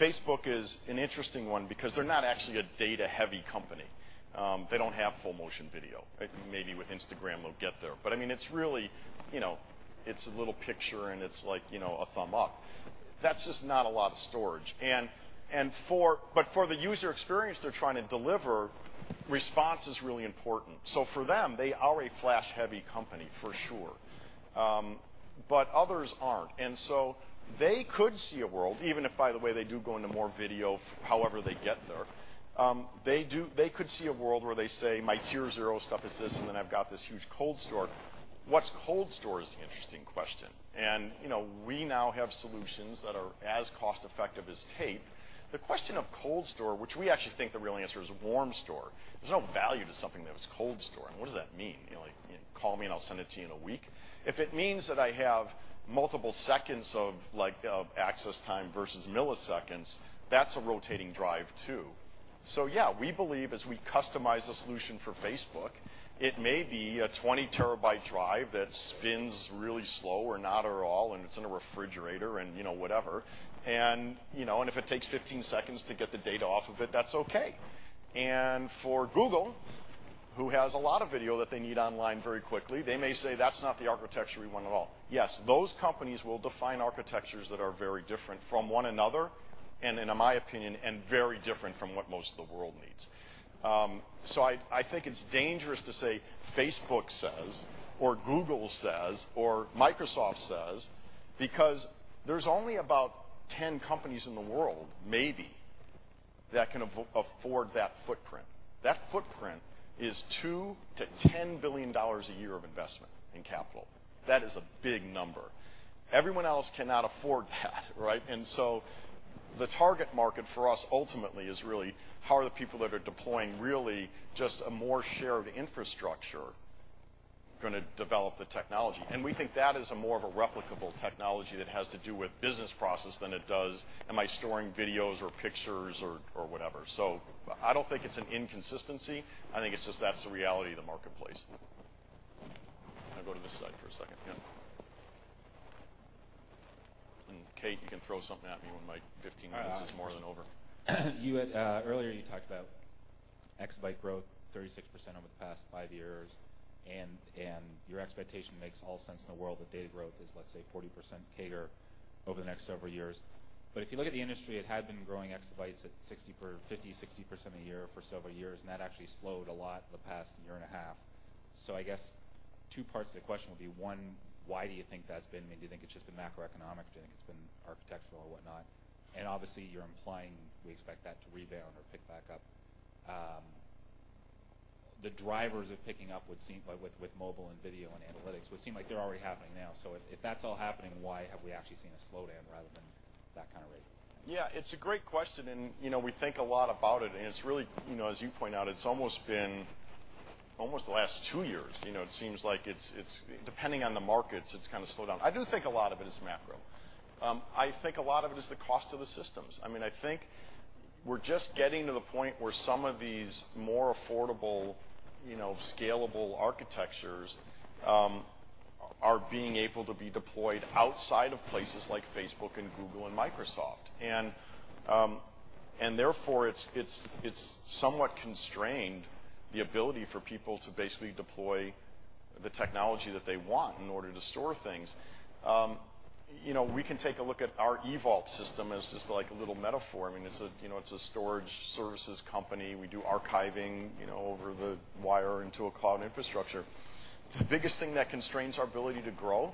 Facebook is an interesting one because they're not actually a data-heavy company. They don't have full motion video. Maybe with Instagram they'll get there. It's a little picture, and it's a thumb up. That's just not a lot of storage. For the user experience they're trying to deliver, response is really important. For them, they are a flash-heavy company for sure. Others aren't. They could see a world, even if, by the way, they do go into more video, however they get there. They could see a world where they say, "My tier 0 stuff is this, then I've got this huge cold store." What's cold store is the interesting question. We now have solutions that are as cost-effective as tape. The question of cold store, which we actually think the real answer is warm store. There's no value to something that was cold store. What does that mean? Call me, and I'll send it to you in a week? If it means that I have multiple seconds of access time versus milliseconds, that's a rotating drive, too. Yeah, we believe as we customize the solution for Facebook, it may be a 20-terabyte drive that spins really slow or not at all, and it's in a refrigerator and whatever. If it takes 15 seconds to get the data off of it, that's okay. For Google, who has a lot of video that they need online very quickly, they may say, "That's not the architecture we want at all." Yes, those companies will define architectures that are very different from one another, and in my opinion, very different from what most of the world needs. I think it's dangerous to say Facebook says or Google says or Microsoft says, because there's only about 10 companies in the world, maybe, that can afford that footprint. That footprint is $2 billion-$10 billion a year of investment in capital. That is a big number. Everyone else cannot afford that, right? The target market for us ultimately is really how are the people that are deploying really just a more shared infrastructure going to develop the technology. We think that is a more of a replicable technology that has to do with business process than it does am I storing videos or pictures or whatever. I don't think it's an inconsistency. I think it's just that's the reality of the marketplace. I'll go to this side for a second. Yeah. Kate, you can throw something at me when my 15 minutes is more than over. Earlier, you talked about exabyte growth, 36% over the past five years, and your expectation makes all sense in the world that data growth is, let's say, 40% CAGR over the next several years. If you look at the industry, it had been growing exabytes at 50%, 60% a year for several years, and that actually slowed a lot the past year and a half. I guess two parts of the question would be, one, why do you think that's been? Do you think it's just the macroeconomics? Do you think it's been architectural or whatnot? Obviously, you're implying we expect that to rebound or pick back up. The drivers of picking up with mobile and video and analytics would seem like they're already happening now. If that's all happening, why have we actually seen a slowdown rather than that kind of rate? It's a great question, we think a lot about it, and as you point out, it's almost been Almost the last two years. It seems like depending on the markets, it's kind of slowed down. I do think a lot of it is macro. I think a lot of it is the cost of the systems. I think we're just getting to the point where some of these more affordable, scalable architectures are being able to be deployed outside of places like Facebook and Google and Microsoft. Therefore, it's somewhat constrained the ability for people to basically deploy the technology that they want in order to store things. We can take a look at our EVault system as just a little metaphor. It's a storage services company. We do archiving over the wire into a cloud infrastructure. The biggest thing that constrains our ability to grow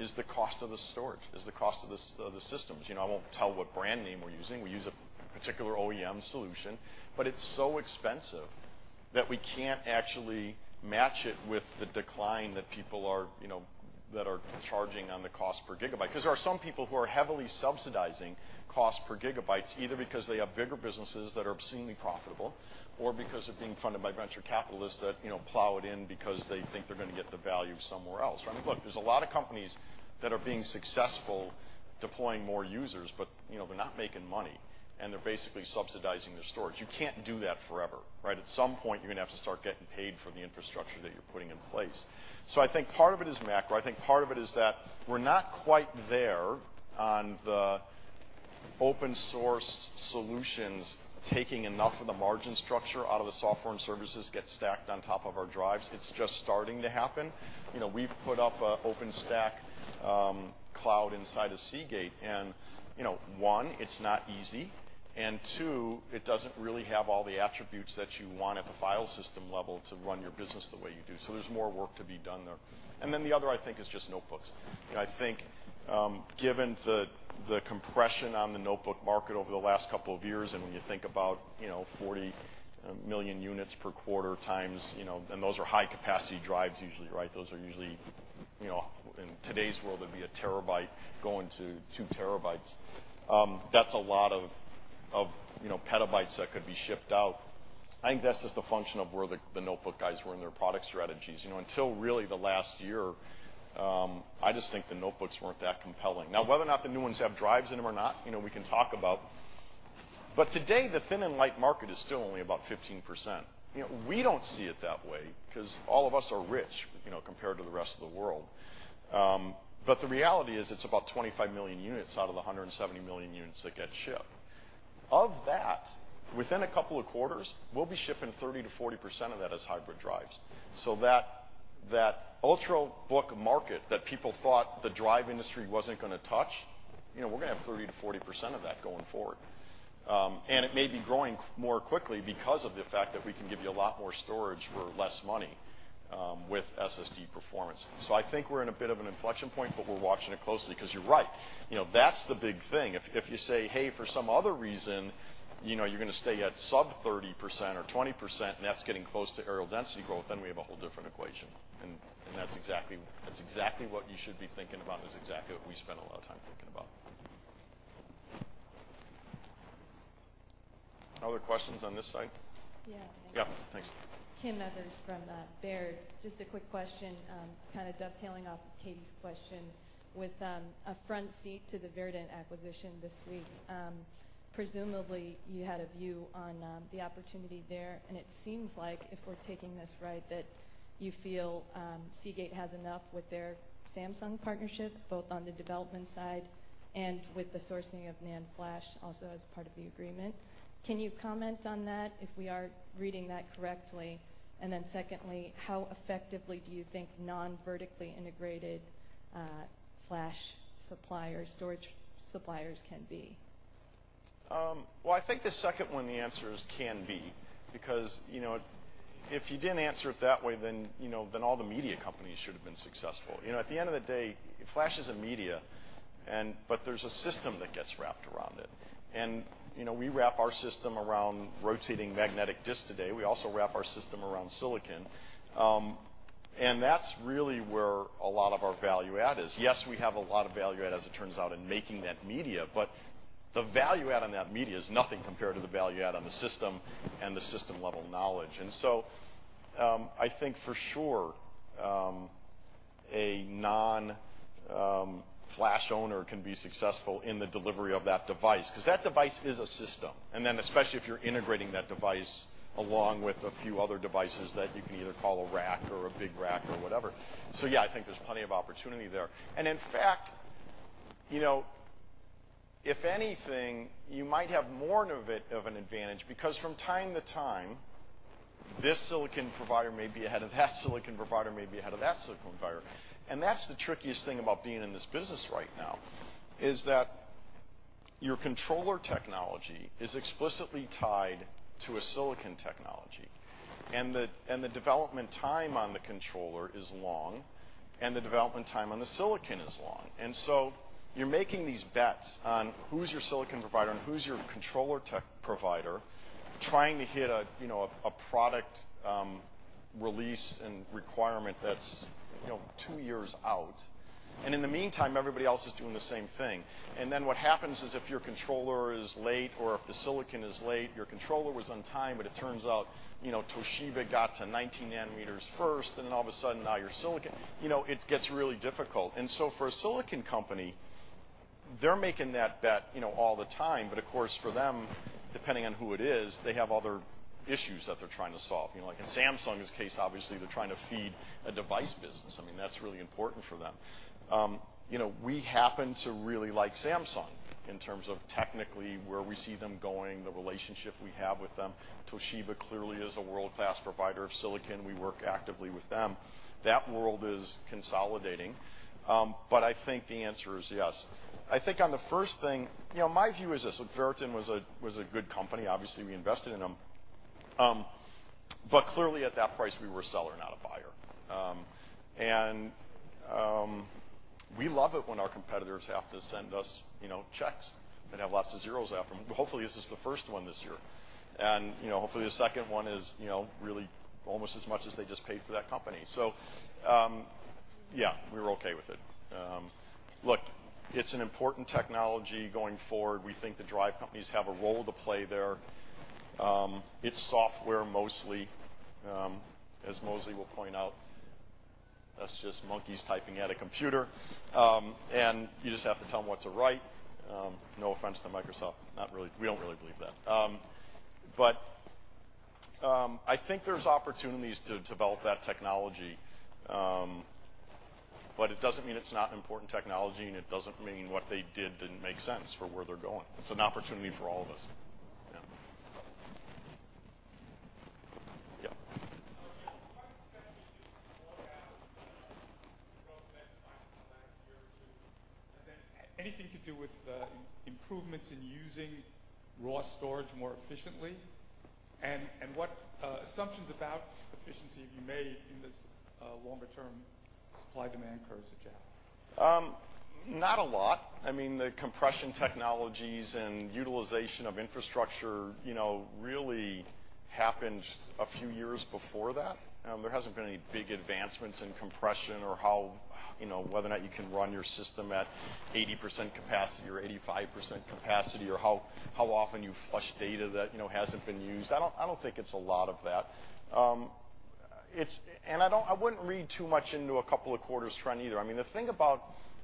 is the cost of the storage, is the cost of the systems. I won't tell what brand name we're using. We use a particular OEM solution, but it's so expensive that we can't actually match it with the decline that people are charging on the cost per gigabyte. Because there are some people who are heavily subsidizing cost per gigabyte, either because they have bigger businesses that are obscenely profitable or because they're being funded by venture capitalists that plow it in because they think they're going to get the value somewhere else. Look, there's a lot of companies that are being successful deploying more users, but they're not making money, and they're basically subsidizing their storage. You can't do that forever, right? At some point, you're going to have to start getting paid for the infrastructure that you're putting in place. I think part of it is macro. I think part of it is that we're not quite there on the open source solutions taking enough of the margin structure out of the software and services get stacked on top of our drives. It's just starting to happen. We've put up an OpenStack cloud inside of Seagate and, one, it's not easy, and two, it doesn't really have all the attributes that you want at the file system level to run your business the way you do. There's more work to be done there. The other, I think, is just notebooks. I think given the compression on the notebook market over the last couple of years, when you think about 40 million units per quarter times-- and those are high-capacity drives usually. Those are usually, in today's world, it'd be a terabyte going to two terabytes. That's a lot of petabytes that could be shipped out. I think that's just a function of where the notebook guys were in their product strategies. Until really the last year, I just think the notebooks weren't that compelling. Now, whether or not the new ones have drives in them or not, we can talk about. But today, the thin and light market is still only about 15%. We don't see it that way because all of us are rich compared to the rest of the world. The reality is it's about 25 million units out of the 170 million units that get shipped. Of that, within a couple of quarters, we'll be shipping 30%-40% of that as hybrid drives. That Ultrabook market that people thought the drive industry wasn't going to touch, we're going to have 30%-40% of that going forward. And it may be growing more quickly because of the fact that we can give you a lot more storage for less money with SSD performance. I think we're in a bit of an inflection point, but we're watching it closely because you're right. That's the big thing. If you say, hey, for some other reason, you're going to stay at sub 30% or 20%, and that's getting close to areal density growth, then we have a whole different equation. That's exactly what you should be thinking about, and it's exactly what we spend a lot of time thinking about. Other questions on this side? Yeah. Yeah, thanks. Kim Evans from Baird. Just a quick question, kind of dovetailing off Katy's question with a front seat to the Virident acquisition this week. Presumably, you had a view on the opportunity there, and it seems like if we're taking this right, that you feel Seagate has enough with their Samsung partnership, both on the development side and with the sourcing of NAND flash also as part of the agreement. Can you comment on that, if we are reading that correctly? Then secondly, how effectively do you think non-vertically integrated flash storage suppliers can be? Well, I think the second one, the answer is can be, because if you didn't answer it that way, then all the media companies should have been successful. At the end of the day, flash is a media, but there's a system that gets wrapped around it. We wrap our system around rotating magnetic disks today. We also wrap our system around silicon. That's really where a lot of our value add is. Yes, we have a lot of value add, as it turns out, in making that media, but the value add on that media is nothing compared to the value add on the system and the system-level knowledge. I think for sure, a non-flash owner can be successful in the delivery of that device because that device is a system, and then especially if you're integrating that device along with a few other devices that you can either call a rack or a big rack or whatever. Yeah, I think there's plenty of opportunity there. In fact, if anything, you might have more of an advantage because from time to time, this silicon provider may be ahead of that silicon provider may be ahead of that silicon provider. That's the trickiest thing about being in this business right now, is that your controller technology is explicitly tied to a silicon technology, and the development time on the controller is long, and the development time on the silicon is long. You're making these bets on who's your silicon provider and who's your controller tech provider, trying to hit a product release and requirement that's 2 years out. In the meantime, everybody else is doing the same thing. What happens is, if your controller is late or if the silicon is late, your controller was on time, but it turns out Toshiba got to 19 nanometers first, then all of a sudden, now your silicon-- It gets really difficult. For a silicon company, they're making that bet all the time. Of course, for them, depending on who it is, they have other issues that they're trying to solve. Like in Samsung's case, obviously, they're trying to feed a device business. That's really important for them. We happen to really like Samsung in terms of technically where we see them going, the relationship we have with them. Toshiba clearly is a world-class provider of silicon. We work actively with them. That world is consolidating. I think the answer is yes. I think on the first thing, my view is this, that Virident was a good company. Obviously, we invested in them. Clearly, at that price, we were a seller, not a buyer. We love it when our competitors have to send us checks that have lots of zeros after them. Hopefully, this is the first one this year. Hopefully, the second one is really almost as much as they just paid for that company. Yeah, we were okay with it. Look, it's an important technology going forward. We think the drive companies have a role to play there. It's software mostly, as Mosley will point out. That's just monkeys typing at a computer, and you just have to tell them what to write. No offense to Microsoft, we don't really believe that. I think there's opportunities to develop that technology, but it doesn't mean it's not important technology, and it doesn't mean what they did didn't make sense for where they're going. It's an opportunity for all of us. Yeah. Yeah. Part of the spending is slowed down, growth spent by the last year or 2. Anything to do with improvements in using raw storage more efficiently, and what assumptions about efficiency have you made in this longer-term supply-demand curves that you have? Not a lot. The compression technologies and utilization of infrastructure really happened a few years before that. There hasn't been any big advancements in compression or whether or not you can run your system at 80% capacity or 85% capacity or how often you flush data that hasn't been used. I don't think it's a lot of that. I wouldn't read too much into a couple of quarters trend either. The thing about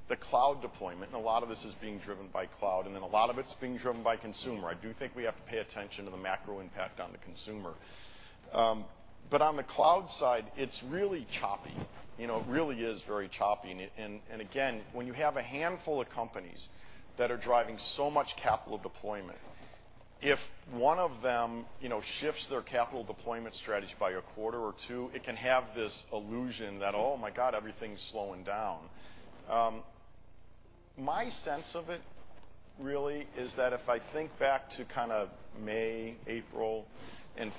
the cloud deployment, a lot of this is being driven by cloud, a lot of it's being driven by consumer. I do think we have to pay attention to the macro impact on the consumer. On the cloud side, it's really choppy. It really is very choppy. Again, when you have a handful of companies that are driving so much capital deployment, if one of them shifts their capital deployment strategy by a quarter or 2, it can have this illusion that, oh my God, everything's slowing down. My sense of it really is that if I think back to May, April,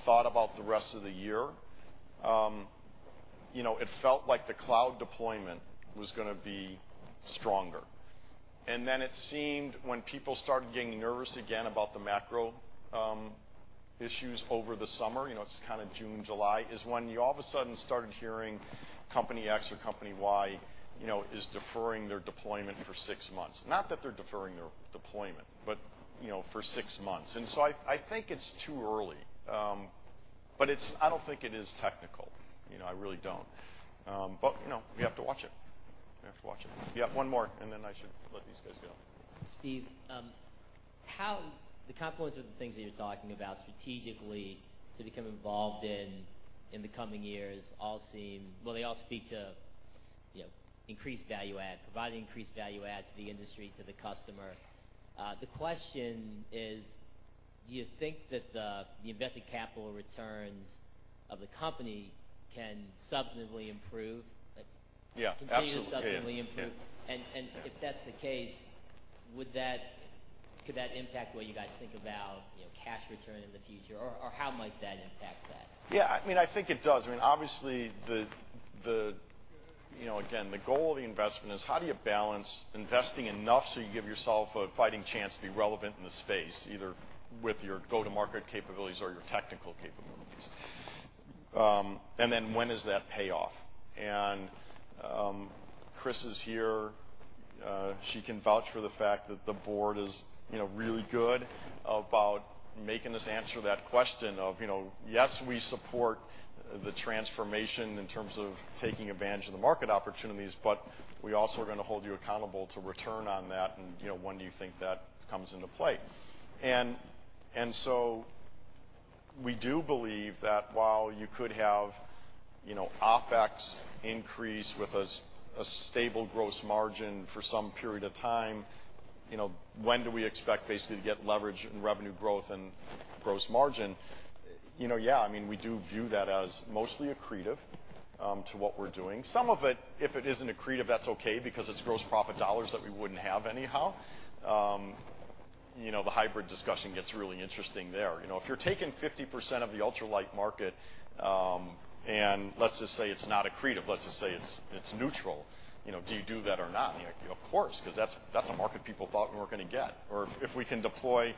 thought about the rest of the year, it felt like the cloud deployment was going to be stronger. It seemed when people started getting nervous again about the macro issues over the summer, it's June, July, is when you all of a sudden started hearing company X or company Y is deferring their deployment for 6 months. Not that they're deferring their deployment, for 6 months. I think it's too early, I don't think it is technical. I really don't. We have to watch it. Yeah, one more, I should let these guys go. Steve, how the components of the things that you're talking about strategically to become involved in in the coming years well, they all speak to increased value add, providing increased value add to the industry, to the customer. The question is, do you think that the invested capital returns of the company can substantively improve- Yeah, absolutely continue to substantively improve? Yeah. If that's the case, could that impact what you guys think about cash return in the future, or how might that impact that? Yeah, I think it does. Obviously, again, the goal of the investment is how do you balance investing enough so you give yourself a fighting chance to be relevant in the space, either with your go-to-market capabilities or your technical capabilities, and then when is that payoff? Chris is here, she can vouch for the fact that the board is really good about making us answer that question of, yes, we support the transformation in terms of taking advantage of the market opportunities, but we also are going to hold you accountable to return on that and when do you think that comes into play. We do believe that while you could have OpEx increase with a stable gross margin for some period of time, when do we expect, basically, to get leverage in revenue growth and gross margin? Yeah, we do view that as mostly accretive to what we're doing. Some of it, if it isn't accretive, that's okay because it's gross profit dollars that we wouldn't have anyhow. The hybrid discussion gets really interesting there. If you're taking 50% of the ultralight market, and let's just say it's not accretive, let's just say it's neutral. Do you do that or not? Of course, because that's a market people thought we were going to get. Or if we can deploy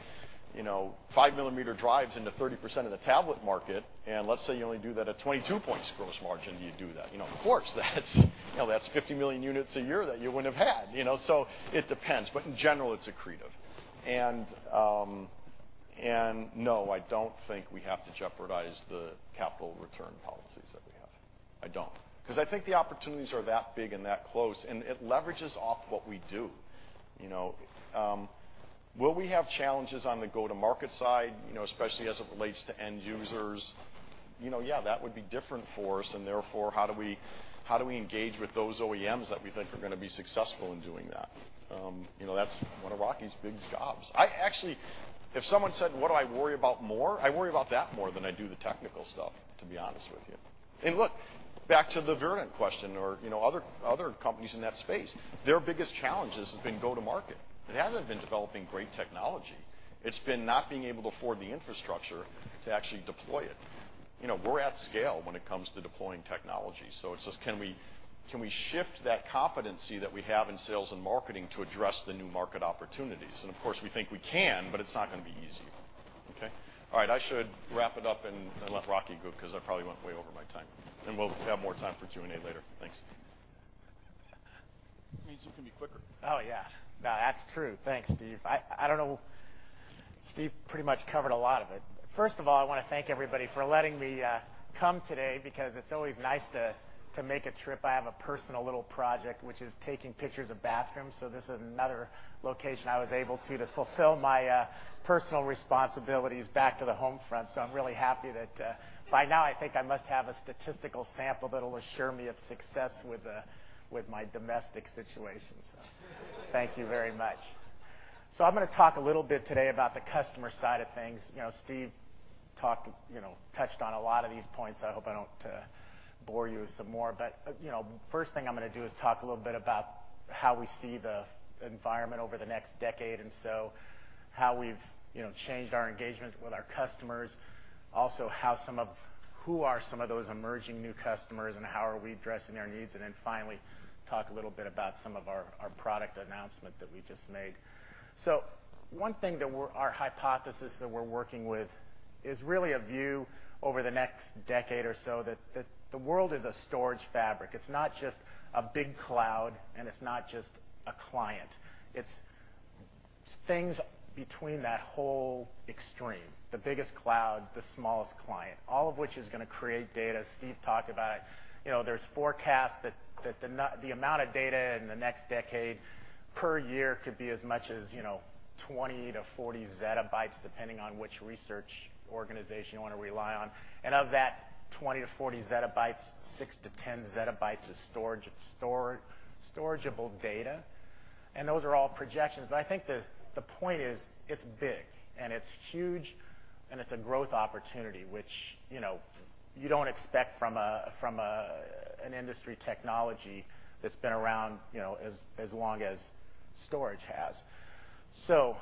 5-millimeter drives into 30% of the tablet market, and let's say you only do that at 22% gross margin, do you do that? Of course. That's 50 million units a year that you wouldn't have had. It depends. In general, it's accretive. No, I don't think we have to jeopardize the capital return policies that we have. I don't. I think the opportunities are that big and that close, and it leverages off what we do. Will we have challenges on the go-to-market side, especially as it relates to end users? Yeah. That would be different for us, and therefore, how do we engage with those OEMs that we think are going to be successful in doing that? That's one of Rocky's big jobs. I actually, if someone said, what do I worry about more, I worry about that more than I do the technical stuff, to be honest with you. Look, back to the Virident question or other companies in that space. Their biggest challenge has been go to market. It hasn't been developing great technology. It's been not being able to afford the infrastructure to actually deploy it. We're at scale when it comes to deploying technology. It's just, can we shift that competency that we have in sales and marketing to address the new market opportunities? Of course, we think we can, but it's not going to be easy. Okay? All right, I should wrap it up and let Rocky go because I probably went way over my time, and we'll have more time for Q&A later. Thanks. Means you can be quicker. Oh, yeah. No, that's true. Thanks, Steve. I don't know. Steve pretty much covered a lot of it. First of all, I want to thank everybody for letting me come today, because it's always nice to make a trip. I have a personal little project, which is taking pictures of bathrooms. This is another location I was able to fulfill my personal responsibilities back to the home front. I'm really happy that by now, I think I must have a statistical sample that'll assure me of success with my domestic situation. Thank you very much. I'm going to talk a little bit today about the customer side of things. Steve touched on a lot of these points, so I hope I don't bore you with some more. First thing I'm going to do is talk a little bit about how we see the environment over the next decade or so, how we've changed our engagement with our customers, also who are some of those emerging new customers, and how are we addressing their needs, and then finally, talk a little bit about some of our product announcement that we just made. One thing that our hypothesis that we're working with is really a view over the next decade or so that the world is a storage fabric. It's not just a big cloud, and it's not just a client. It's things between that whole extreme, the biggest cloud, the smallest client, all of which is going to create data. Steve talked about it. There's forecasts that the amount of data in the next decade per year could be as much as 20 to 40 zettabytes, depending on which research organization you want to rely on. Of that 20 to 40 zettabytes, 6 to 10 zettabytes is storageable data, and those are all projections. I think the point is it's big and it's huge, and it's a growth opportunity, which you don't expect from an industry technology that's been around as long as storage has. The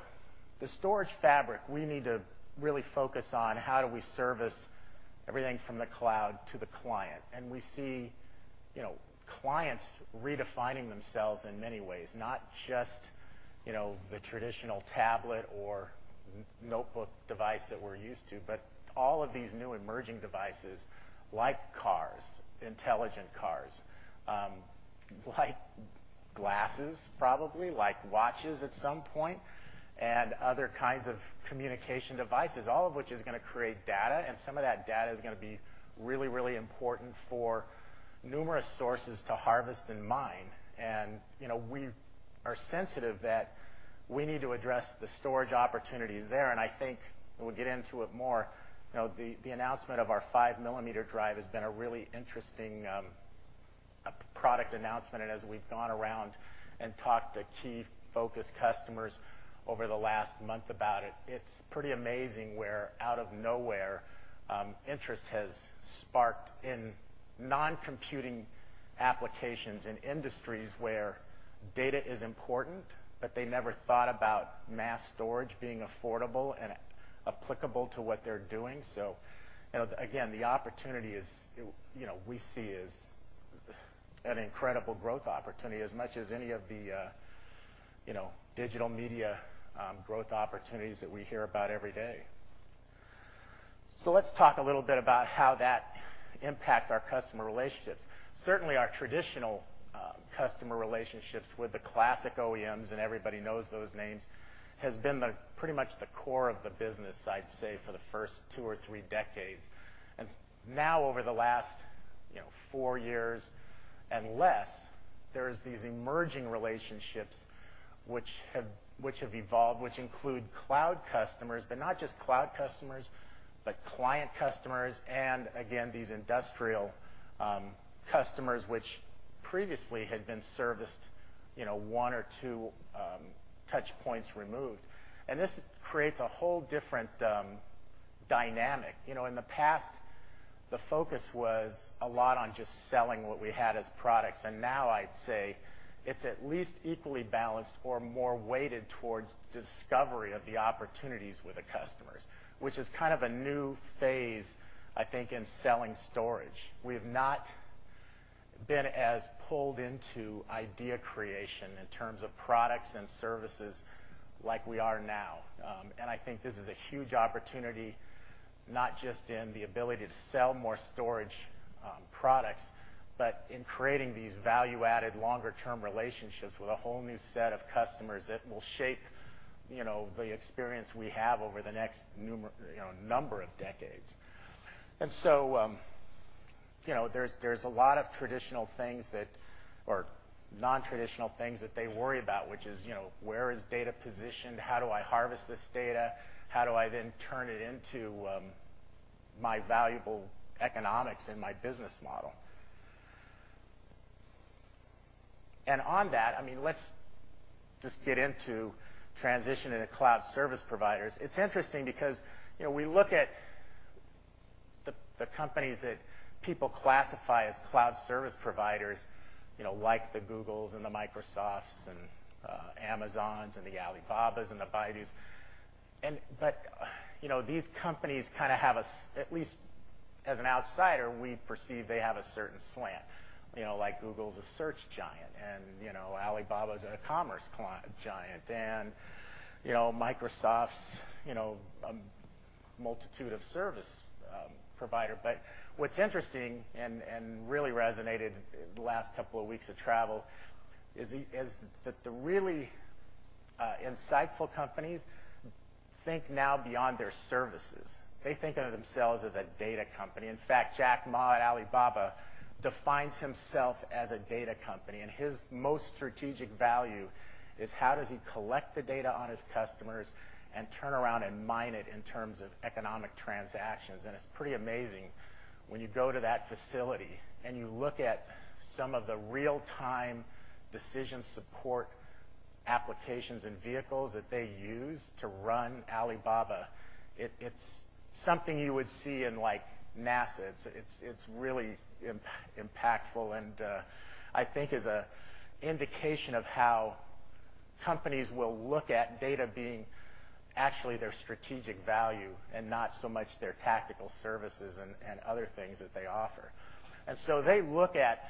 storage fabric, we need to really focus on how do we service everything from the cloud to the client. We see clients redefining themselves in many ways, not just the traditional tablet or notebook device that we're used to, but all of these new emerging devices, like cars, intelligent cars, like glasses probably, like watches at some point, and other kinds of communication devices, all of which is going to create data, and some of that data is going to be really important for numerous sources to harvest and mine. We are sensitive that we need to address the storage opportunities there. I think when we get into it more, the announcement of our five-millimeter drive has been a really interesting product announcement. As we've gone around and talked to key focus customers over the last month about it's pretty amazing where out of nowhere, interest has sparked in non-computing applications in industries where data is important, but they never thought about mass storage being affordable and applicable to what they're doing. Again, the opportunity we see is an incredible growth opportunity as much as any of the digital media growth opportunities that we hear about every day. Let's talk a little bit about how that impacts our customer relationships. Certainly, our traditional customer relationships with the classic OEMs, and everybody knows those names, has been pretty much the core of the business, I'd say, for the first two or three decades. Now over the last four years and less, there are these emerging relationships which have evolved, which include cloud customers, but not just cloud customers, but client customers, and again, these industrial customers which previously had been serviced one or two touchpoints removed. This creates a whole different dynamic. In the past, the focus was a lot on just selling what we had as products. Now I'd say it's at least equally balanced or more weighted towards discovery of the opportunities with the customers, which is a new phase, I think, in selling storage. We have not been as pulled into idea creation in terms of products and services like we are now. I think this is a huge opportunity, not just in the ability to sell more storage products, but in creating these value-added longer-term relationships with a whole new set of customers that will shape the experience we have over the next number of decades. There's a lot of traditional things that-- or non-traditional things that they worry about, which is, where is data positioned? How do I harvest this data? How do I then turn it into my valuable economics in my business model? On that, let's just get into transitioning to cloud service providers. It's interesting because we look at the companies that people classify as cloud service providers, like the Google, and the Microsoft, and Amazon, and the Alibaba, and the Baidu. These companies have, at least as an outsider, we perceive they have a certain slant. Google's a search giant, Alibaba is a commerce giant, Microsoft's a multitude of service provider. What's interesting and really resonated the last couple of weeks of travel is that the really insightful companies think now beyond their services. They think of themselves as a data company. In fact, Jack Ma at Alibaba defines himself as a data company, and his most strategic value is how does he collect the data on his customers and turn around and mine it in terms of economic transactions. It's pretty amazing when you go to that facility and you look at some of the real-time decision support applications and vehicles that they use to run Alibaba. It's something you would see in NASA. It's really impactful and I think is an indication of how companies will look at data being actually their strategic value and not so much their tactical services and other things that they offer. They look at,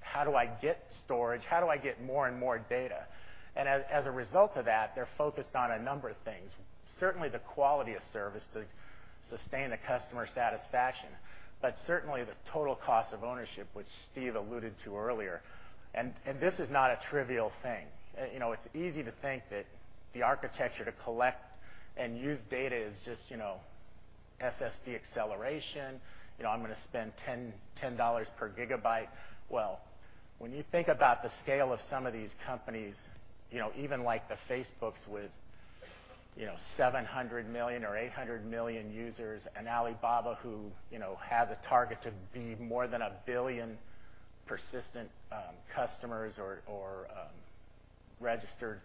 how do I get storage? How do I get more and more data? As a result of that, they're focused on a number of things. Certainly, the quality of service to sustain the customer satisfaction. Certainly, the total cost of ownership, which Steve alluded to earlier. This is not a trivial thing. It's easy to think that the architecture to collect and use data is just SSD acceleration. I'm going to spend $10 per gigabyte. When you think about the scale of some of these companies, even like the Facebooks with 700 million or 800 million users, Alibaba who has a target to be more than 1 billion persistent customers or registered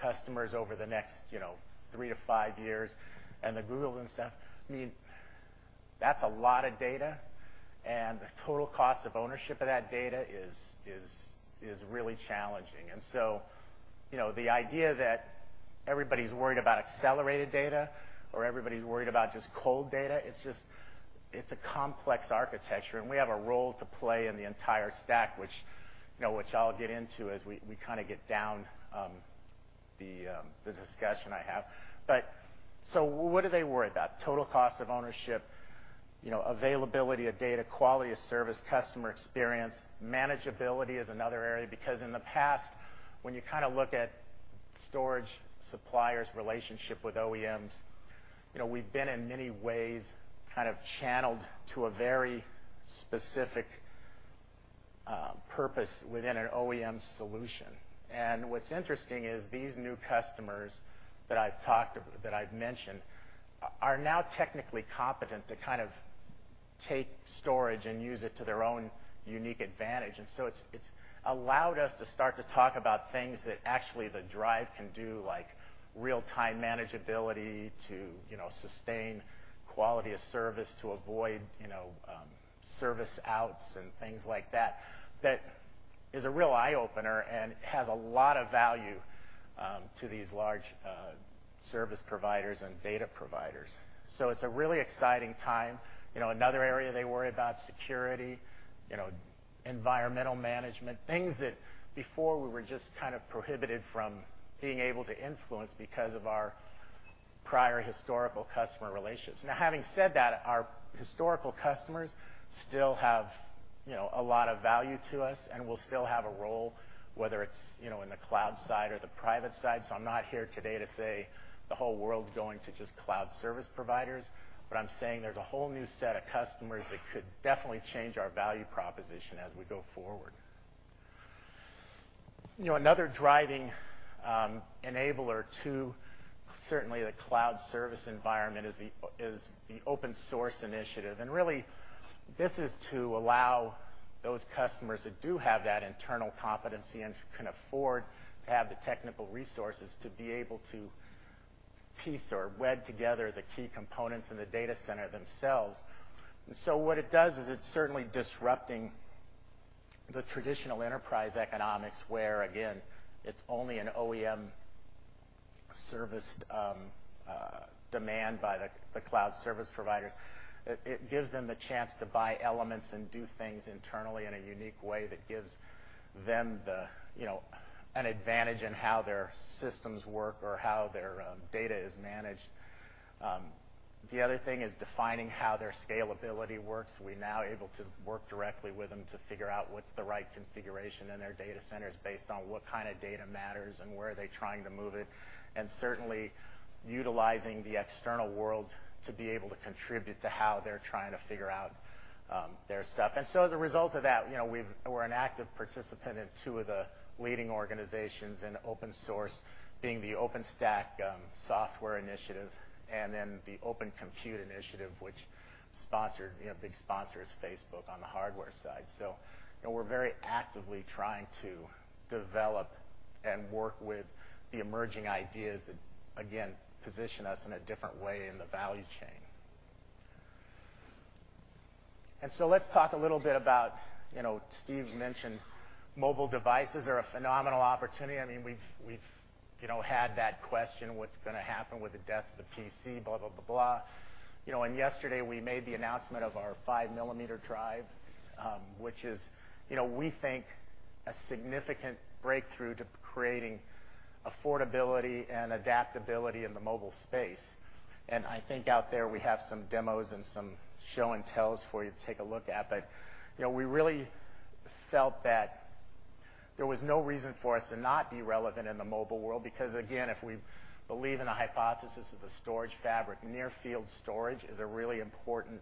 customers over the next 3 to 5 years, and the Googles and stuff, that's a lot of data, and the total cost of ownership of that data is really challenging. The idea that everybody's worried about accelerated data or everybody's worried about just cold data, it's a complex architecture, and we have a role to play in the entire stack, which I'll get into as we get down the discussion I have. What are they worried about? Total cost of ownership, availability of data, quality of service, customer experience. Manageability is another area because in the past, when you look at storage suppliers' relationship with OEMs, we've been, in many ways, channeled to a very specific purpose within an OEM solution. What's interesting is these new customers that I've mentioned are now technically competent to take storage and use it to their own unique advantage. It's allowed us to start to talk about things that actually the drive can do, like real-time manageability to sustain quality of service, to avoid service outs and things like that is a real eye-opener and has a lot of value to these large service providers and data providers. It's a really exciting time. Another area they worry about, security, environmental management, things that before we were just prohibited from being able to influence because of our prior historical customer relations. Now, having said that, our historical customers still have a lot of value to us and will still have a role, whether it's in the cloud side or the private side. I'm not here today to say the whole world's going to just cloud service providers. I'm saying there's a whole new set of customers that could definitely change our value proposition as we go forward. Another driving enabler to, certainly, the cloud service environment is the open source initiative. Really, this is to allow those customers that do have that internal competency and can afford to have the technical resources to be able to piece or wed together the key components in the data center themselves. What it does is it's certainly disrupting the traditional enterprise economics, where again, it's only an OEM serviced demand by the cloud service providers. It gives them the chance to buy elements and do things internally in a unique way that gives them an advantage in how their systems work or how their data is managed. The other thing is defining how their scalability works. We're now able to work directly with them to figure out what's the right configuration in their data centers based on what kind of data matters and where are they trying to move it, and certainly utilizing the external world to be able to contribute to how they're trying to figure out their stuff. As a result of that, we're an active participant in two of the leading organizations in open source, being the OpenStack Software Initiative and then the Open Compute Initiative, which big sponsor is Facebook on the hardware side. We're very actively trying to develop and work with the emerging ideas that, again, position us in a different way in the value chain. Let's talk a little bit about, Steve mentioned mobile devices are a phenomenal opportunity. We've had that question, what's going to happen with the death of the PC, blah, blah. Yesterday, we made the announcement of our 5-millimeter drive, which is, we think, a significant breakthrough to creating affordability and adaptability in the mobile space. I think out there we have some demos and some show and tells for you to take a look at. We really felt that there was no reason for us to not be relevant in the mobile world, because again, if we believe in the hypothesis of the storage fabric, near-field storage is a really important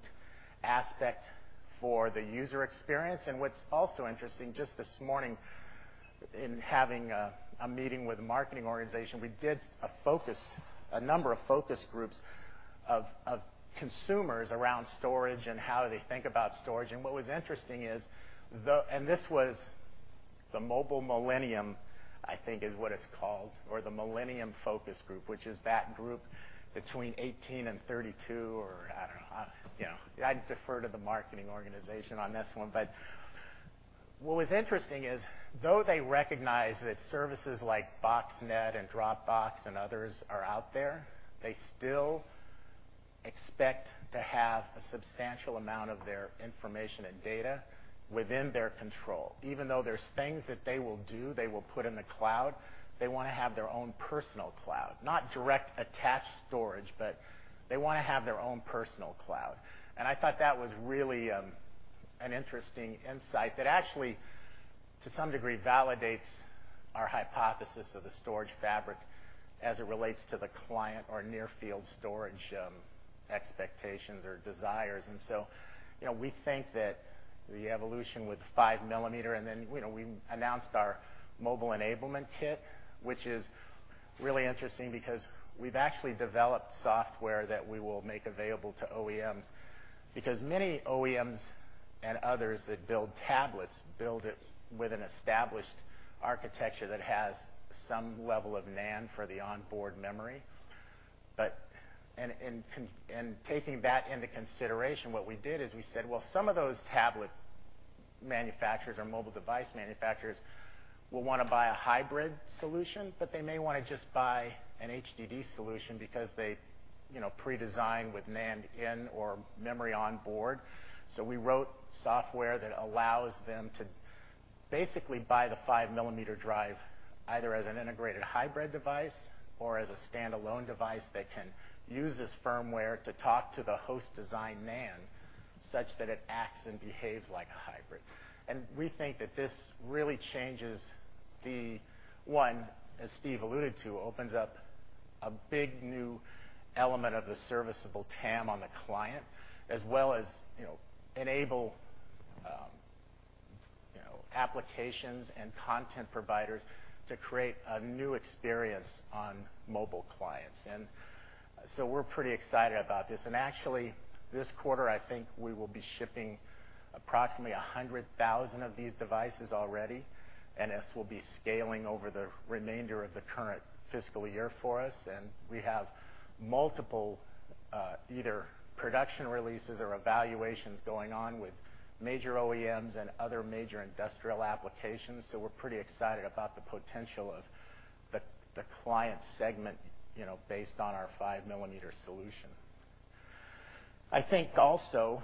aspect for the user experience. What's also interesting, just this morning in having a meeting with the marketing organization, we did a number of focus groups of consumers around storage and how they think about storage. What was interesting is, this was the Mobile Millennial, I think, is what it's called, or the Millennium Focus Group, which is that group between 18 and 32 or I don't know. I'd defer to the marketing organization on this one. What was interesting is, though they recognize that services like Box.net and Dropbox and others are out there, they still expect to have a substantial amount of their information and data within their control. Even though there's things that they will do, they will put in the cloud, they want to have their own personal cloud. Not Direct Attached Storage, but they want to have their own personal cloud. I thought that was really an interesting insight that actually, to some degree, validates our hypothesis of the storage fabric as it relates to the client or near-field storage expectations or desires. We think that the evolution with 5 millimeter, then we announced our mobile enablement kit, which is really interesting because we've actually developed software that we will make available to OEMs, because many OEMs and others that build tablets build it with an established architecture that has some level of NAND for the onboard memory. Taking that into consideration, what we did is we said, well, some of those tablet manufacturers or mobile device manufacturers will want to buy a hybrid solution, but they may want to just buy an HDD solution because they pre-design with NAND in or memory on board. We wrote software that allows them to basically buy the five-millimeter drive either as an integrated hybrid device or as a standalone device that can use this firmware to talk to the host design NAND, such that it acts and behaves like a hybrid. We think that this really changes the one, as Steve alluded to, opens up a big new element of the serviceable TAM on the client, as well as enable applications and content providers to create a new experience on mobile clients. We are pretty excited about this. Actually this quarter, I think we will be shipping approximately 100,000 of these devices already, and this will be scaling over the remainder of the current fiscal year for us. We have multiple either production releases or evaluations going on with major OEMs and other major industrial applications. We are pretty excited about the potential of the client segment based on our five-millimeter solution. I think also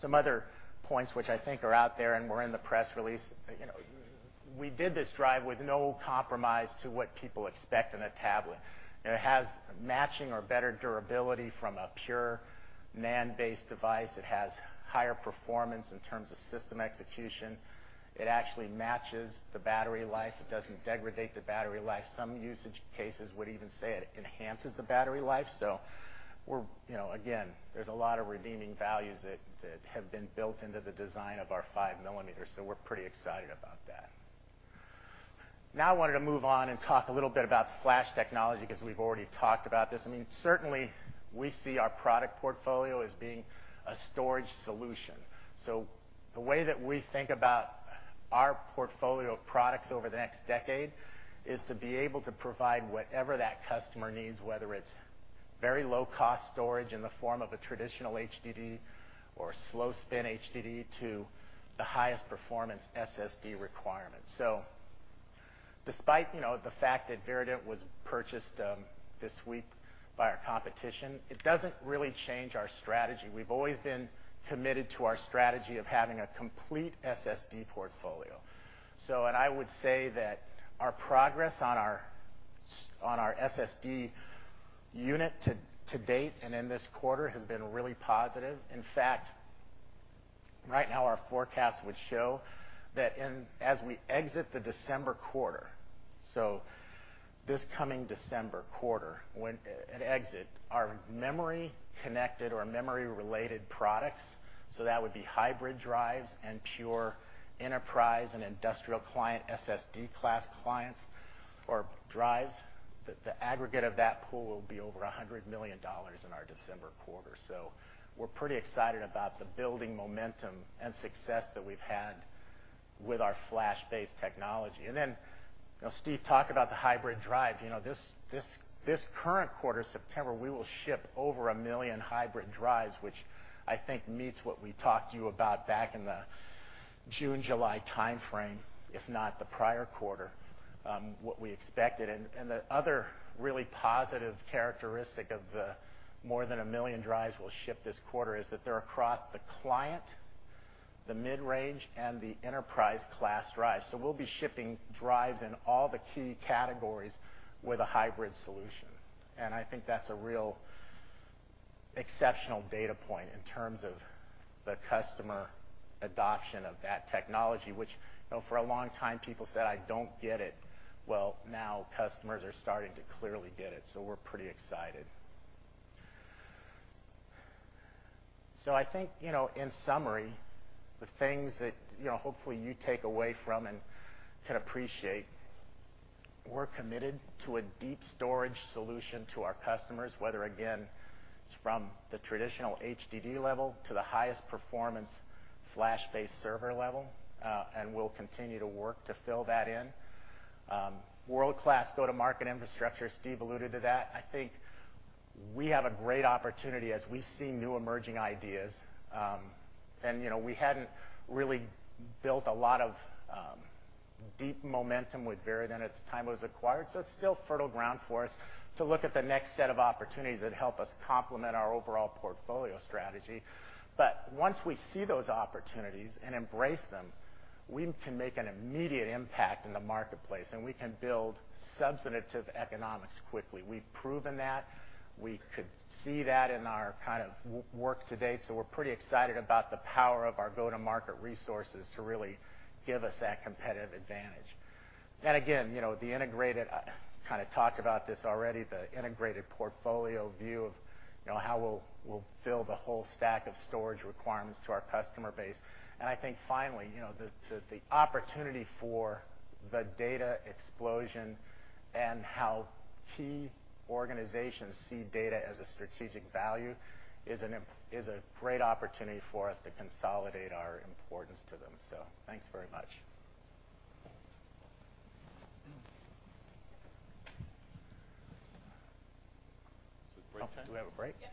some other points which I think are out there and were in the press release. We did this drive with no compromise to what people expect in a tablet. It has matching or better durability from a pure NAND-based device. It has higher performance in terms of system execution. It actually matches the battery life. It doesn't degrade the battery life. Some usage cases would even say it enhances the battery life. Again, there's a lot of redeeming values that have been built into the design of our five-millimeter. We are pretty excited about that. I wanted to move on and talk a little bit about flash technology, because we've already talked about this. Certainly, we see our product portfolio as being a storage solution. The way that we think about our portfolio of products over the next decade is to be able to provide whatever that customer needs, whether it's very low-cost storage in the form of a traditional HDD or slow spin HDD to the highest performance SSD requirement. Despite the fact that Virident was purchased this week by our competition, it doesn't really change our strategy. We've always been committed to our strategy of having a complete SSD portfolio. I would say that our progress on our SSD unit to date and in this quarter has been really positive. In fact, right now our forecast would show that as we exit the December quarter, this coming December quarter, at exit, our memory connected or memory related products, that would be hybrid drives and pure enterprise and industrial client SSD class clients or drives, the aggregate of that pool will be over $100 million in our December quarter. We are pretty excited about the building momentum and success that we've had with our flash-based technology. Steve talked about the hybrid drive. This current quarter, September, we will ship over 1 million hybrid drives, which I think meets what we talked to you about back in the June, July timeframe, if not the prior quarter, what we expected. The other really positive characteristic of the more than 1 million drives we'll ship this quarter is that they're across the client, the mid-range, and the enterprise class drives. We'll be shipping drives in all the key categories with a hybrid solution. I think that's a real exceptional data point in terms of the customer adoption of that technology, which for a long time people said, "I don't get it." Now customers are starting to clearly get it, so we're pretty excited. I think, in summary, the things that hopefully you take away from and can appreciate, we're committed to a deep storage solution to our customers, whether, again, it's from the traditional HDD level to the highest performance flash-based server level, and we'll continue to work to fill that in. World-class go-to-market infrastructure, Steve alluded to that. I think we have a great opportunity as we see new emerging ideas. We hadn't really built a lot of deep momentum with Virident at the time it was acquired, so it's still fertile ground for us to look at the next set of opportunities that help us complement our overall portfolio strategy. Once we see those opportunities and embrace them, we can make an immediate impact in the marketplace, and we can build substantive economics quickly. We've proven that. We could see that in our work to date, so we're pretty excited about the power of our go-to-market resources to really give us that competitive advantage. Again, the integrated, I kind of talked about this already, the integrated portfolio view of how we'll build a whole stack of storage requirements to our customer base. I think finally, the opportunity for the data explosion and how key organizations see data as a strategic value is a great opportunity for us to consolidate our importance to them. Thanks very much. Break time? Do we have a break? Yep.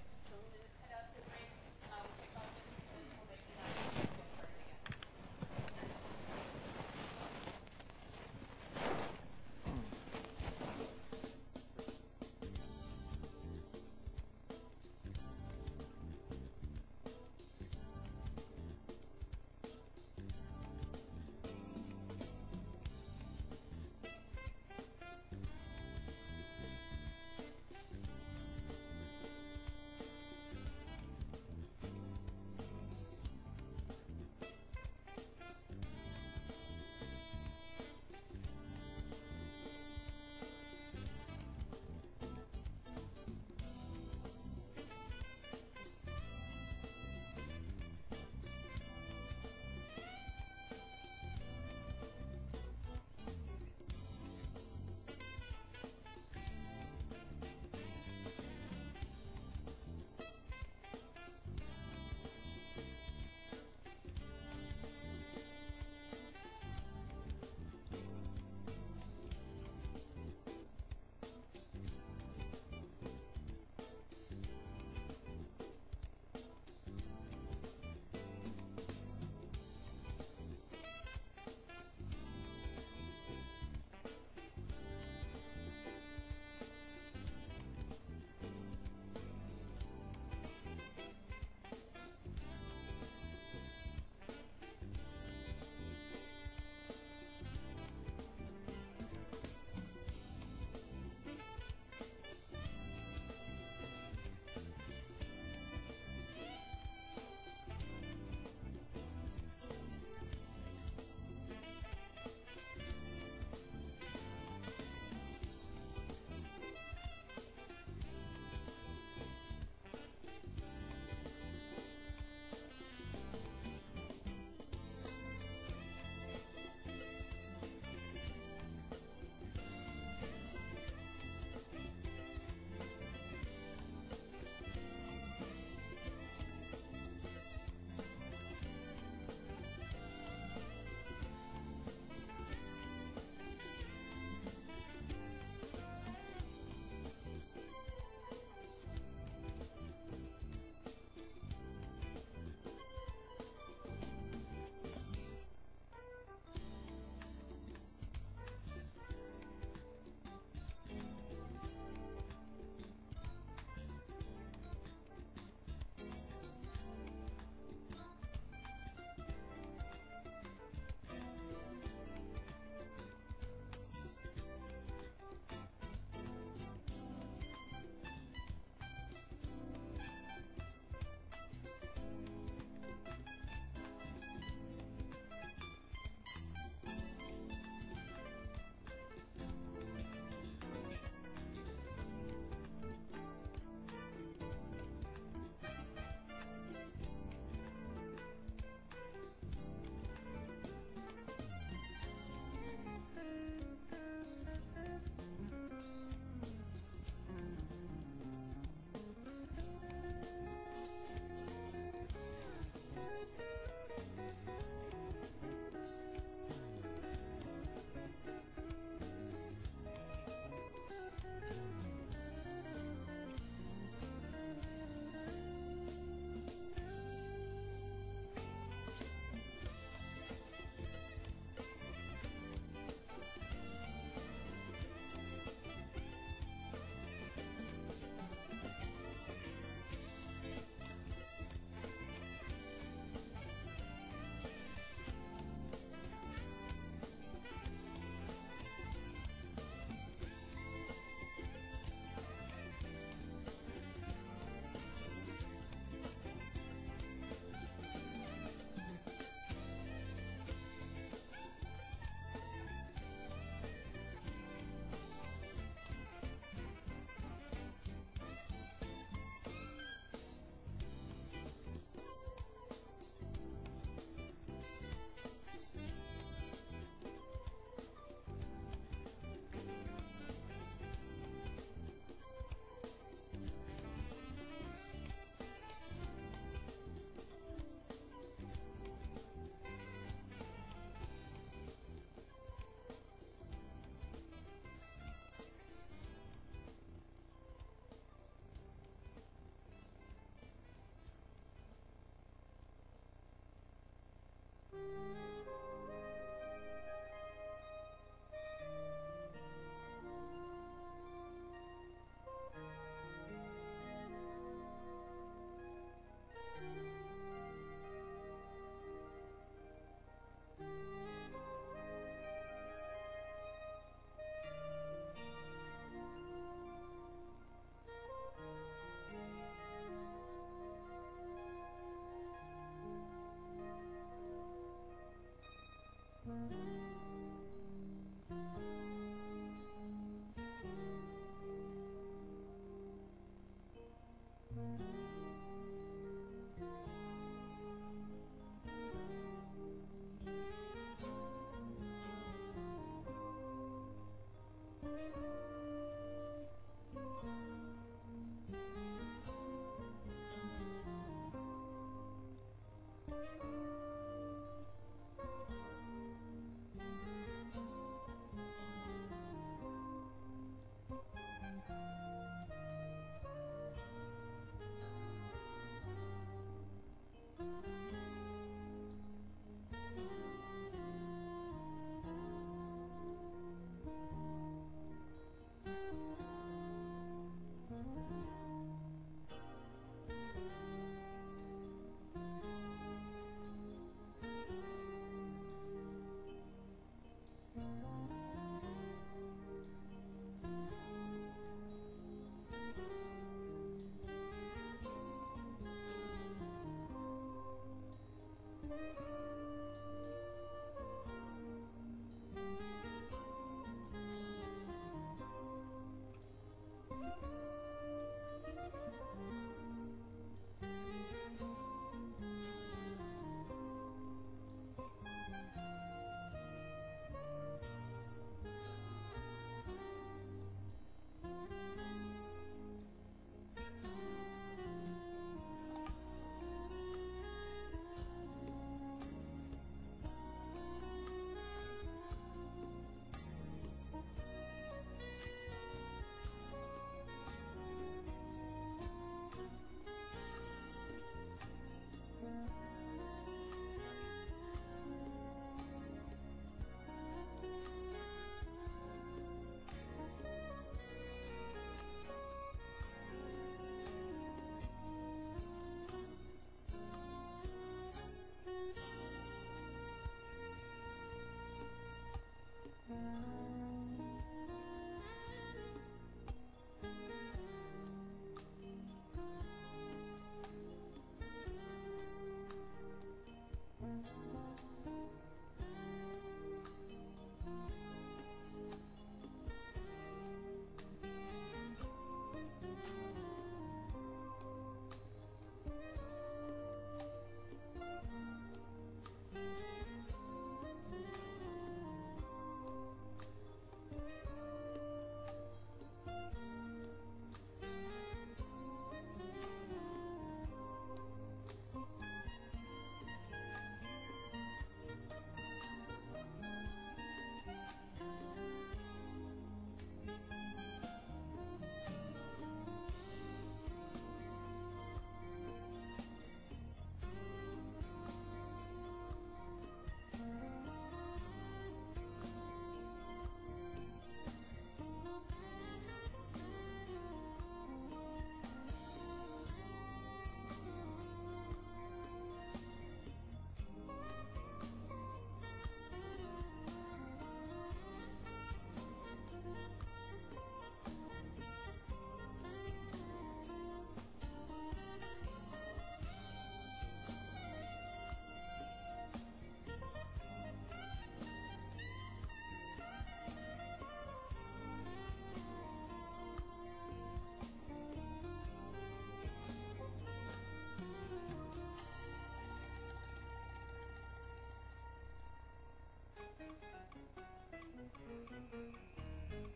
We'll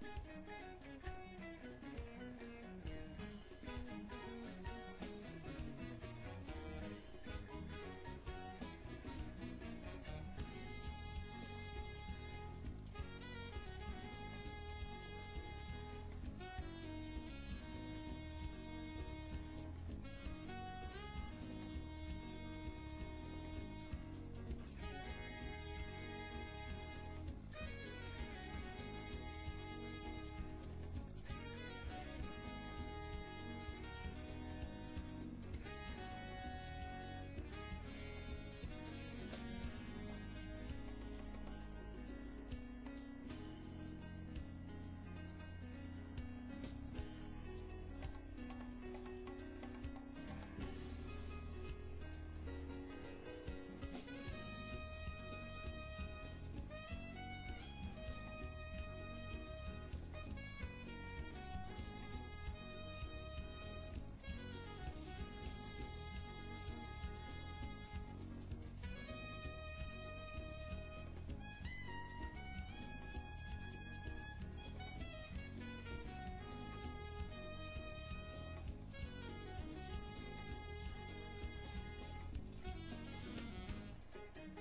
just head out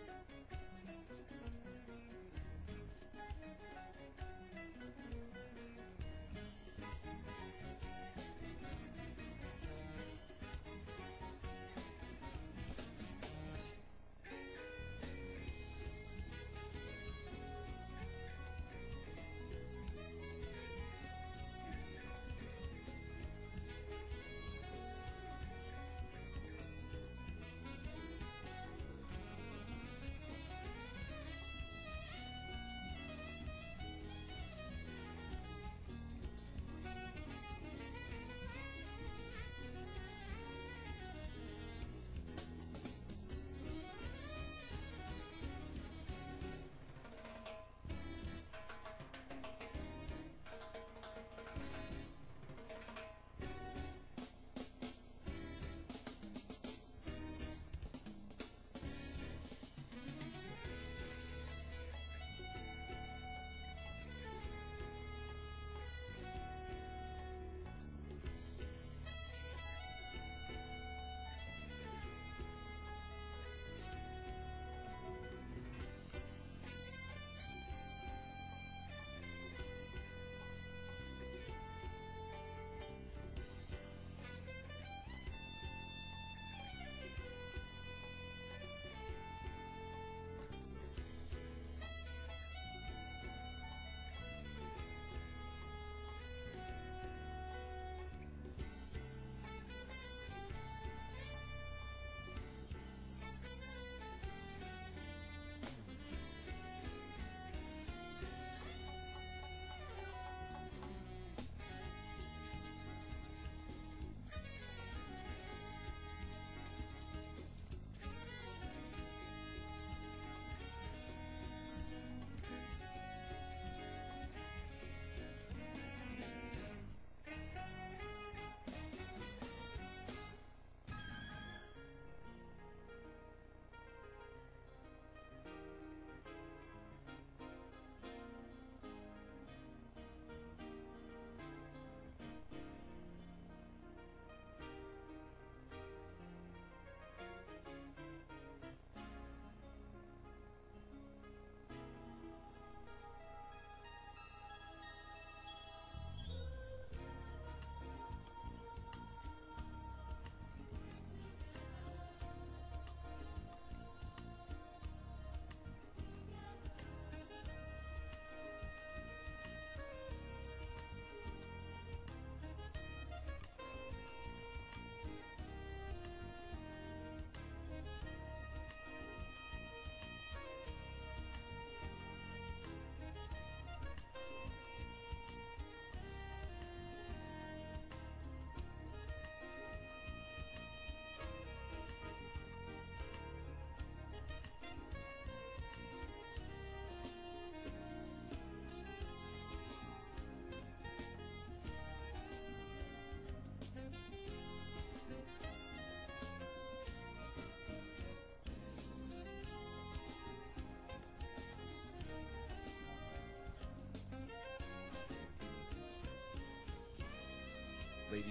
to a break. Ladies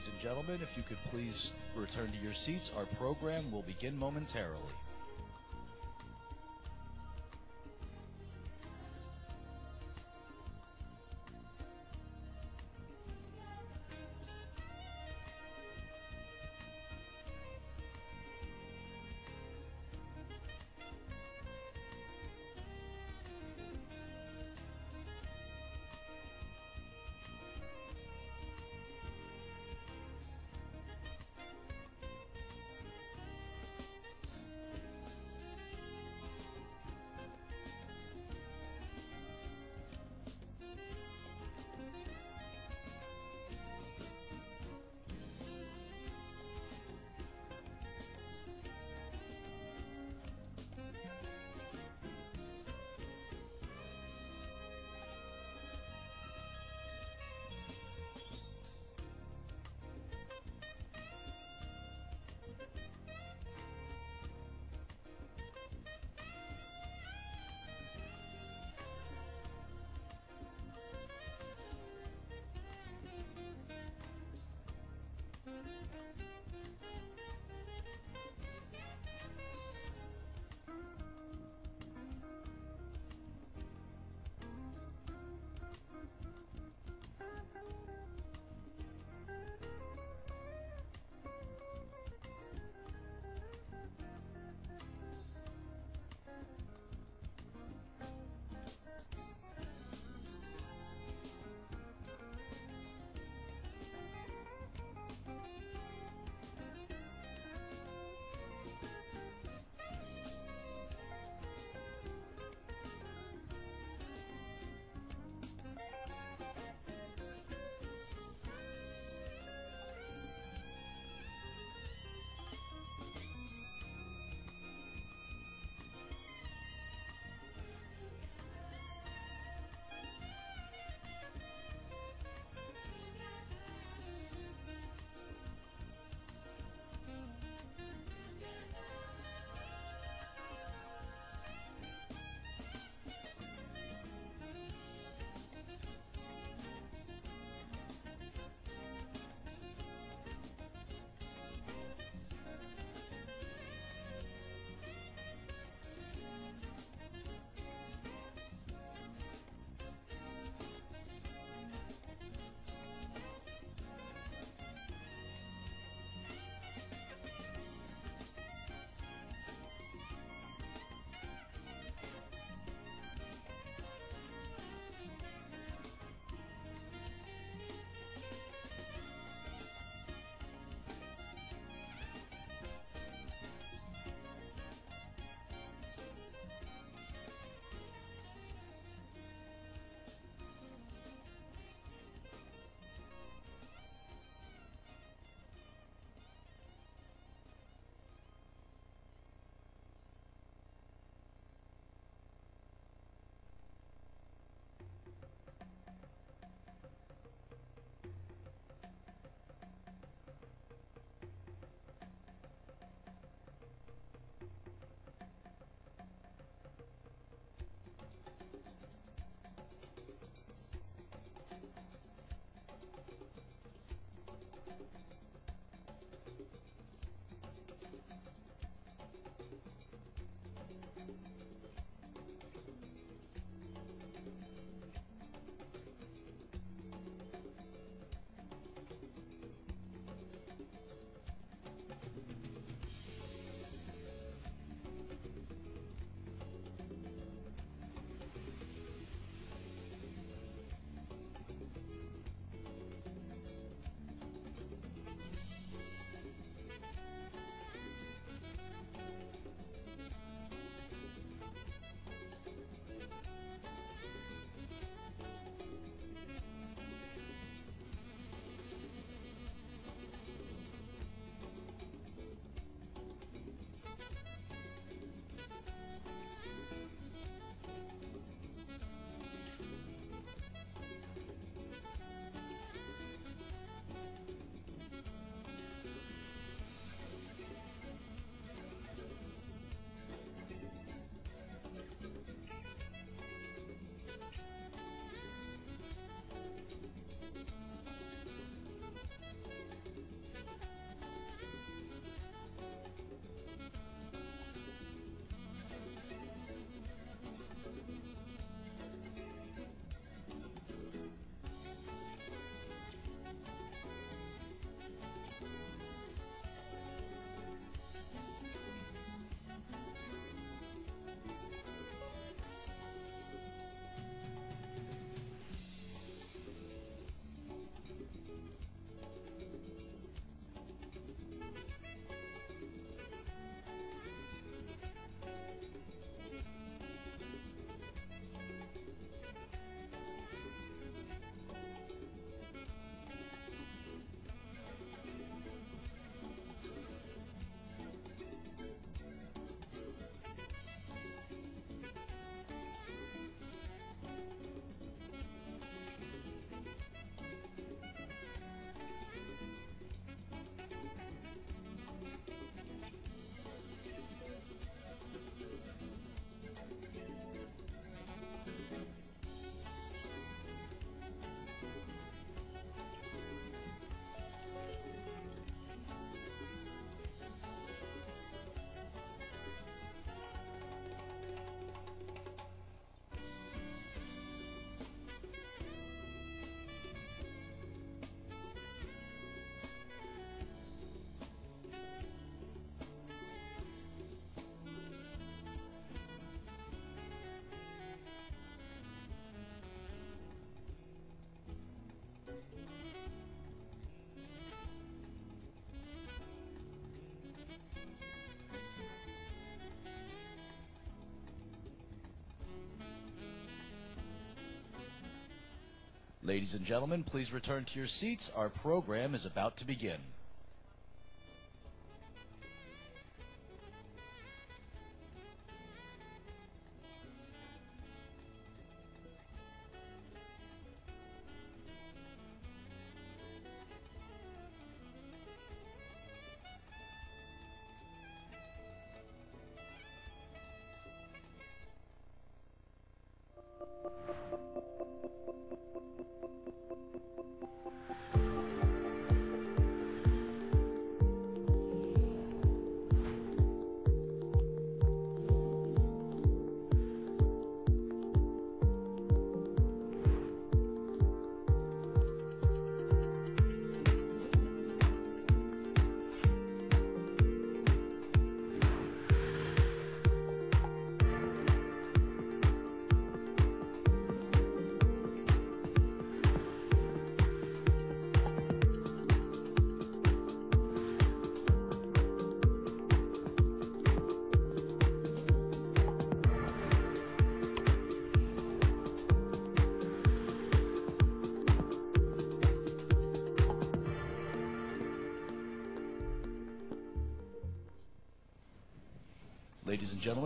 and gentlemen, if you could please return to your seats. Our program will begin momentarily. Ladies and gentlemen, please return to your seats. Our program is about to begin.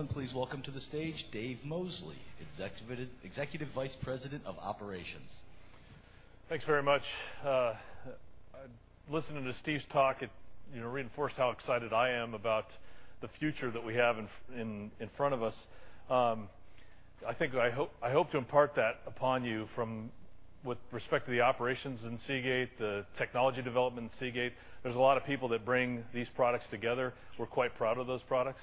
Ladies and gentlemen, please welcome to the stage Dave Mosley, Executive Vice President of Operations. Thanks very much. Listening to Steve's talk, it reinforced how excited I am about the future that we have in front of us. I hope to impart that upon you with respect to the operations in Seagate, the technology development in Seagate. There's a lot of people that bring these products together. We're quite proud of those products.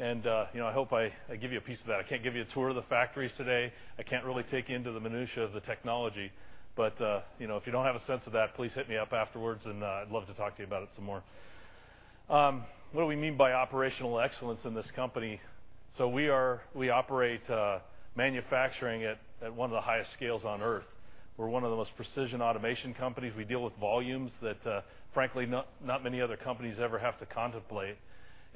I hope I give you a piece of that. I can't give you a tour of the factories today. I can't really take you into the minutiae of the technology, but if you don't have a sense of that, please hit me up afterwards, and I'd love to talk to you about it some more. What do we mean by operational excellence in this company? We operate manufacturing at one of the highest scales on Earth. We're one of the most precision automation companies. We deal with volumes that, frankly, not many other companies ever have to contemplate.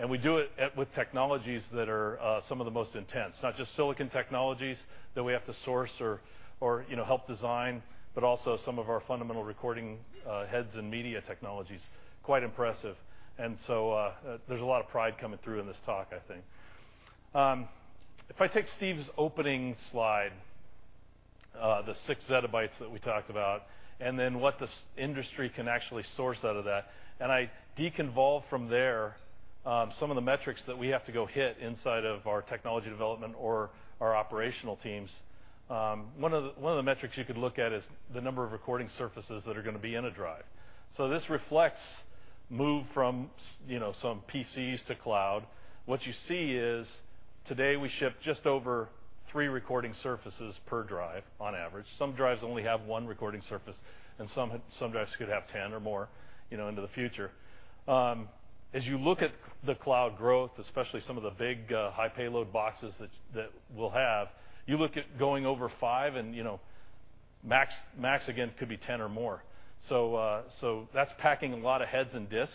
We do it with technologies that are some of the most intense, not just silicon technologies that we have to source or help design, but also some of our fundamental recording heads and media technologies, quite impressive. There's a lot of pride coming through in this talk, I think. If I take Steve's opening slide, the six zettabytes that we talked about, what this industry can actually source out of that, I deconvolve from there some of the metrics that we have to go hit inside of our technology development or our operational teams. One of the metrics you could look at is the number of recording surfaces that are going to be in a drive. This reflects move from some PCs to cloud. What you see is today we ship just over three recording surfaces per drive on average. Some drives only have one recording surface, and some drives could have 10 or more into the future. As you look at the cloud growth, especially some of the big high payload boxes that we'll have, you look at going over five, max again could be 10 or more. That's packing a lot of heads and disks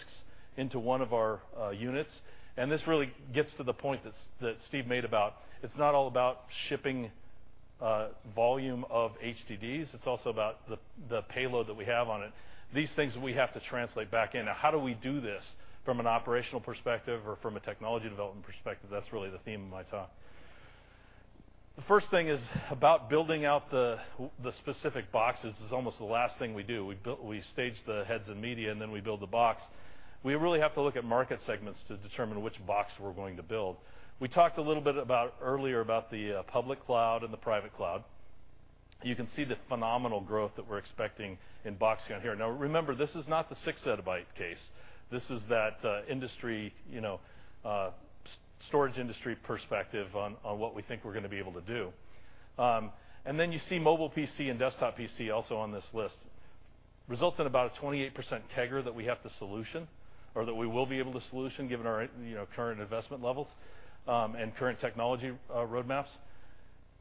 into one of our units, this really gets to the point that Steve made about it's not all about shipping volume of HDDs, it's also about the payload that we have on it. These things we have to translate back in. How do we do this from an operational perspective or from a technology development perspective? That's really the theme of my talk. The first thing is about building out the specific boxes is almost the last thing we do. We stage the heads of media, we build the box. We really have to look at market segments to determine which box we're going to build. We talked a little earlier about the public cloud and the private cloud. You can see the phenomenal growth that we're expecting in box count here. Remember, this is not the six exabyte case. This is that storage industry perspective on what we think we're going to be able to do. You see mobile PC and desktop PC also on this list. Results in about a 28% CAGR that we have to solution or that we will be able to solution given our current investment levels and current technology roadmaps.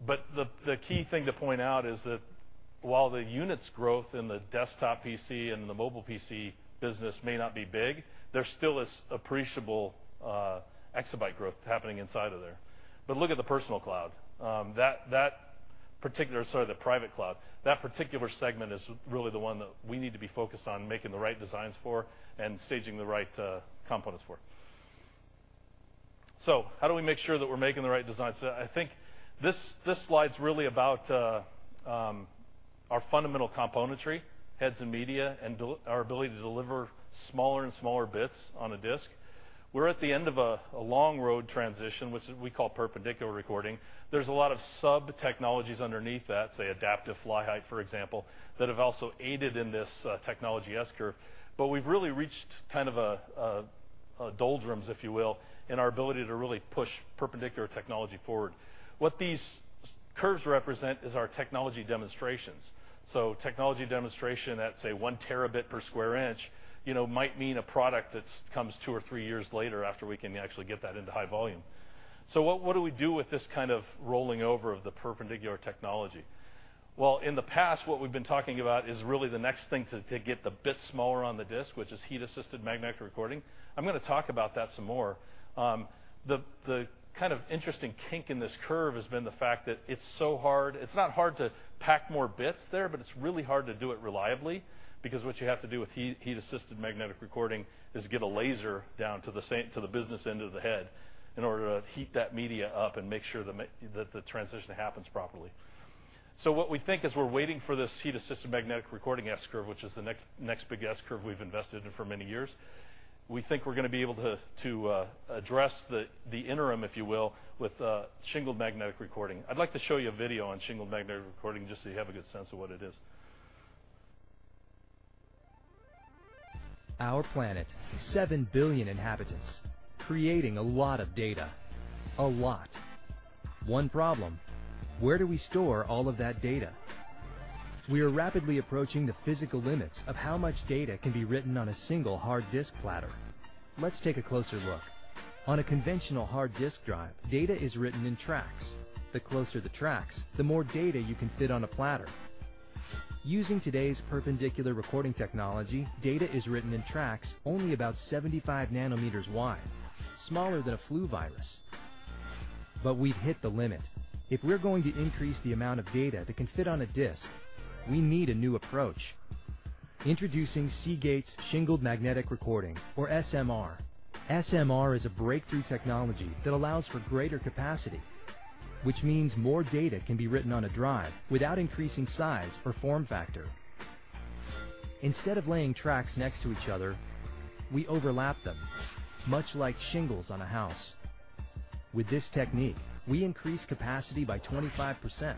The key thing to point out is that while the units growth in the desktop PC and the mobile PC business may not be big, there still is appreciable exabyte growth happening inside of there. Look at the personal cloud. Sorry, the private cloud. That particular segment is really the one that we need to be focused on making the right designs for and staging the right components for. How do we make sure that we're making the right designs? I think this slide's really about our fundamental componentry, heads and media, our ability to deliver smaller and smaller bits on a disk. We're at the end of a long road transition, which we call Perpendicular recording. There's a lot of sub-technologies underneath that, say, adaptive fly height, for example, that have also aided in this technology S-curve. We've really reached kind of a doldrums, if you will, in our ability to really push perpendicular technology forward. What these curves represent is our technology demonstrations. Technology demonstration at, say, one terabit per square inch might mean a product that comes two or three years later after we can actually get that into high volume. What do we do with this kind of rolling over of the perpendicular technology? In the past, what we've been talking about is really the next thing to get the bit smaller on the disk, which is Heat-Assisted Magnetic Recording. I'm going to talk about that some more. The interesting kink in this curve has been the fact that it's so hard. It's not hard to pack more bits there, it's really hard to do it reliably, because what you have to do with Heat-Assisted Magnetic Recording is get a laser down to the business end of the head in order to heat that media up and make sure that the transition happens properly. What we think is we're waiting for this Heat-Assisted Magnetic Recording S-curve, which is the next big S-curve we've invested in for many years. We think we're going to be able to address the interim, if you will, with Shingled Magnetic Recording. I'd like to show you a video on Shingled Magnetic Recording, just so you have a good sense of what it is. Our planet. 7 billion inhabitants, creating a lot of data. A lot. One problem: where do we store all of that data? We are rapidly approaching the physical limits of how much data can be written on a single hard disk platter. Let's take a closer look. On a conventional hard disk drive, data is written in tracks. The closer the tracks, the more data you can fit on a platter. Using today's perpendicular recording technology, data is written in tracks only about 75 nanometers wide, smaller than a flu virus. We've hit the limit. If we're going to increase the amount of data that can fit on a disk, we need a new approach. Introducing Seagate's Shingled Magnetic Recording, or SMR. SMR is a breakthrough technology that allows for greater capacity, which means more data can be written on a drive without increasing size or form factor. Instead of laying tracks next to each other, we overlap them, much like shingles on a house. With this technique, we increase capacity by 25%.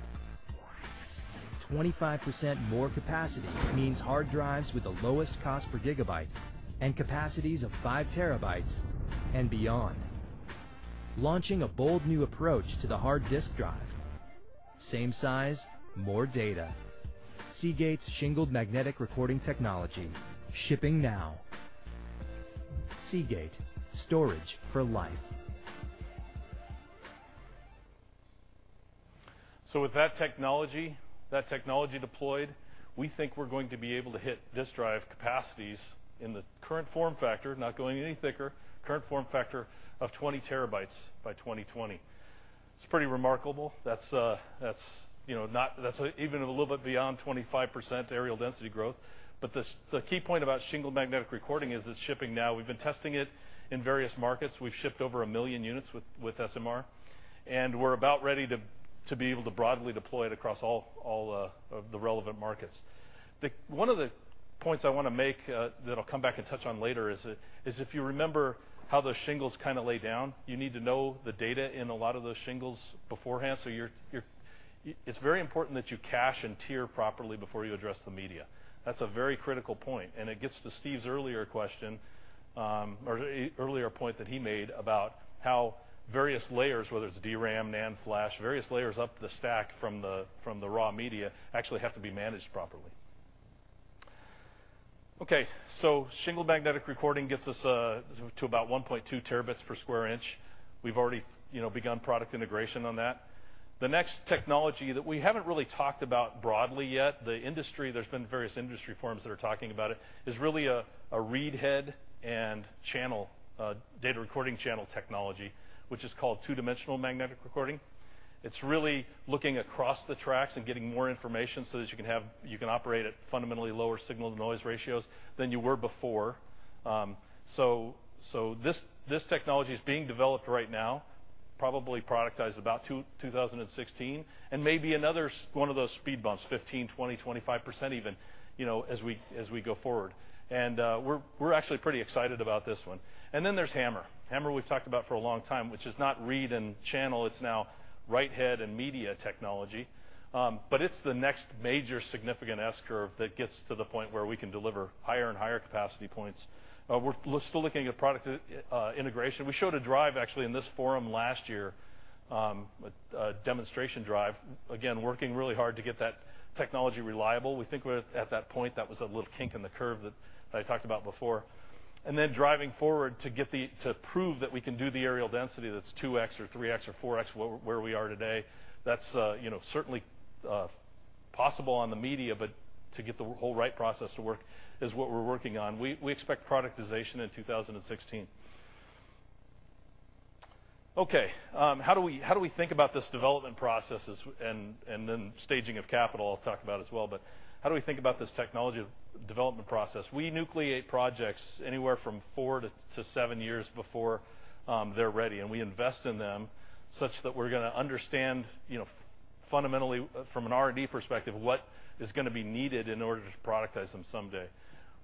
25% more capacity means hard drives with the lowest cost per gigabyte and capacities of five terabytes and beyond. Launching a bold new approach to the hard disk drive. Same size, more data. Seagate's Shingled Magnetic Recording Technology, shipping now. Seagate. Storage for life. With that technology deployed, we think we're going to be able to hit disk drive capacities in the current form factor, not going any thicker, current form factor of 20 terabytes by 2020. It's pretty remarkable. That's even a little bit beyond 25% areal density growth. The key point about shingled magnetic recording is it's shipping now. We've been testing it in various markets. We've shipped over 1 million units with SMR, and we're about ready to be able to broadly deploy it across all of the relevant markets. One of the points I want to make that I'll come back and touch on later is if you remember how those shingles kind of lay down, you need to know the data in a lot of those shingles beforehand. It's very important that you cache and tier properly before you address the media. That's a very critical point, and it gets to Steve's earlier question or earlier point that he made about how various layers, whether it's DRAM, NAND flash, various layers up the stack from the raw media actually have to be managed properly. Okay. Shingled magnetic recording gets us to about 1.2 terabits per square inch. We've already begun product integration on that. The next technology that we haven't really talked about broadly yet, the industry, there's been various industry forums that are talking about it, is really a read head and data recording channel technology, which is called Two-Dimensional Magnetic Recording. It's really looking across the tracks and getting more information so that you can operate at fundamentally lower signal-to-noise ratios than you were before. This technology is being developed right now, probably productized about 2016, and may be another one of those speed bumps, 15%, 20%, 25% even, as we go forward. We're actually pretty excited about this one. There's HAMR. HAMR, we've talked about for a long time, which is not read and channel, it's now write head and media technology. It's the next major significant S-curve that gets to the point where we can deliver higher and higher capacity points. We're still looking at product integration. We showed a drive actually in this forum last year, a demonstration drive. Again, working really hard to get that technology reliable. We think we're at that point. That was that little kink in the curve that I talked about before. Driving forward to prove that we can do the areal density that's 2x or 3x or 4x where we are today. That's certainly possible on the media, to get the whole right process to work is what we're working on. We expect productization in 2016. Okay. How do we think about this development process and then staging of capital, I'll talk about as well, how do we think about this technology development process? We nucleate projects anywhere from four to seven years before they're ready, and we invest in them such that we're going to understand fundamentally from an R&D perspective what is going to be needed in order to productize them someday.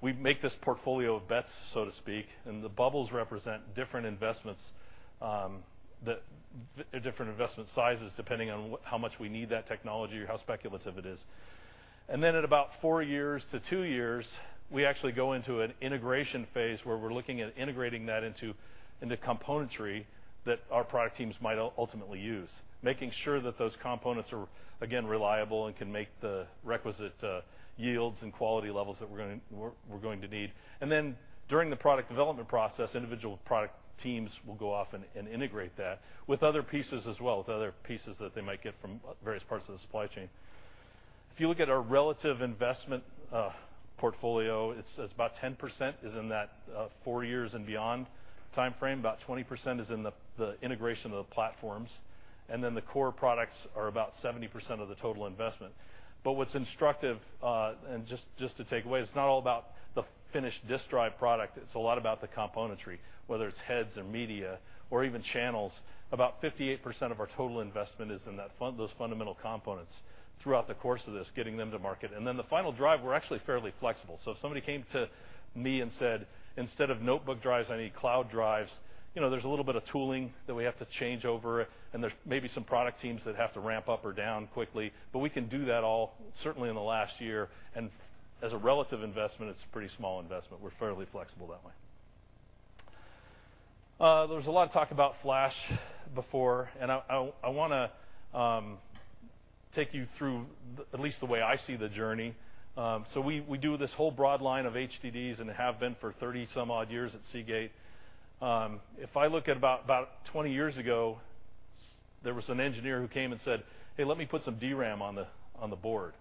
We make this portfolio of bets, so to speak, and the bubbles represent different investment sizes depending on how much we need that technology or how speculative it is. At about four years to two years, we actually go into an integration phase where we're looking at integrating that into componentry that our product teams might ultimately use. Making sure that those components are, again, reliable and can make the requisite yields and quality levels that we're going to need. During the product development process, individual product teams will go off and integrate that with other pieces as well, with other pieces that they might get from various parts of the supply chain. If you look at our relative investment portfolio, it's about 10% is in that four years and beyond timeframe, about 20% is in the integration of the platforms, and then the core products are about 70% of the total investment. What's instructive, and just to take away, it's not all about the finished disk drive product, it's a lot about the componentry, whether it's heads or media or even channels. About 58% of our total investment is in those fundamental components throughout the course of this, getting them to market. The final drive, we're actually fairly flexible. If somebody came to me and said, "Instead of notebook drives, I need cloud drives," there's a little bit of tooling that we have to change over, and there's maybe some product teams that have to ramp up or down quickly. We can do that all certainly in the last year, and as a relative investment, it's a pretty small investment. We're fairly flexible that way. There was a lot of talk about flash before, I want to take you through at least the way I see the journey. We do this whole broad line of HDDs and have been for 30 some odd years at Seagate. If I look at about 20 years ago, there was an engineer who came and said, "Hey, let me put some DRAM on the board."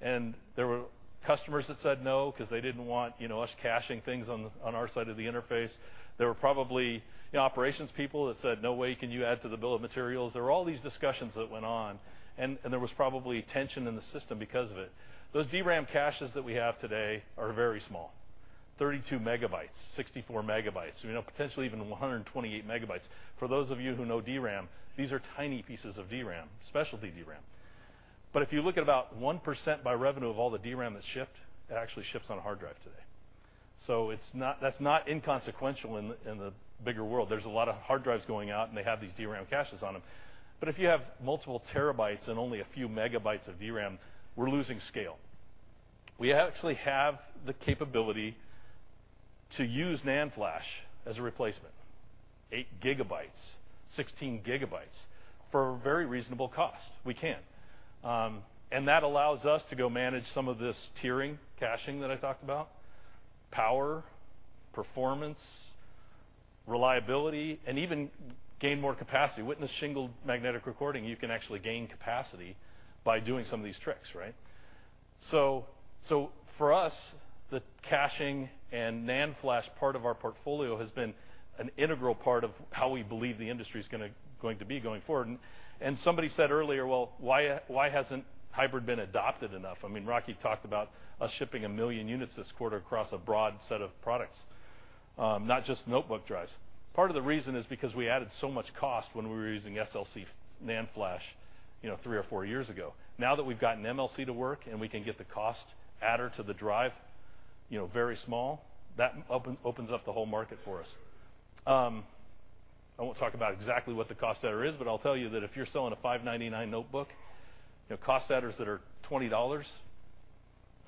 There were customers that said no because they didn't want us caching things on our side of the interface. There were probably operations people that said, "No way can you add to the bill of materials." There were all these discussions that went on, and there was probably tension in the system because of it. Those DRAM caches that we have today are very small, 32 megabytes, 64 megabytes, potentially even 128 megabytes. For those of you who know DRAM, these are tiny pieces of DRAM, specialty DRAM. If you look at about 1% by revenue of all the DRAM that's shipped, it actually ships on a hard drive today. That's not inconsequential in the bigger world. There's a lot of hard drives going out, and they have these DRAM caches on them. If you have multiple terabytes and only a few megabytes of DRAM, we're losing scale. We actually have the capability to use NAND flash as a replacement, eight gigabytes, 16 gigabytes, for a very reasonable cost. We can. That allows us to go manage some of this tiering, caching that I talked about, power, performance, reliability, and even gain more capacity. Witness shingled magnetic recording, you can actually gain capacity by doing some of these tricks, right? For us, the caching and NAND flash part of our portfolio has been an integral part of how we believe the industry is going to be going forward. Somebody said earlier, well, why hasn't hybrid been adopted enough? I mean, Rocky talked about us shipping 1 million units this quarter across a broad set of products, not just notebook drives. Part of the reason is because we added so much cost when we were using SLC NAND flash 3 or 4 years ago. Now that we've gotten MLC to work and we can get the cost adder to the drive very small, that opens up the whole market for us. I won't talk about exactly what the cost adder is, but I'll tell you that if you're selling a $599 notebook, cost adders that are $20,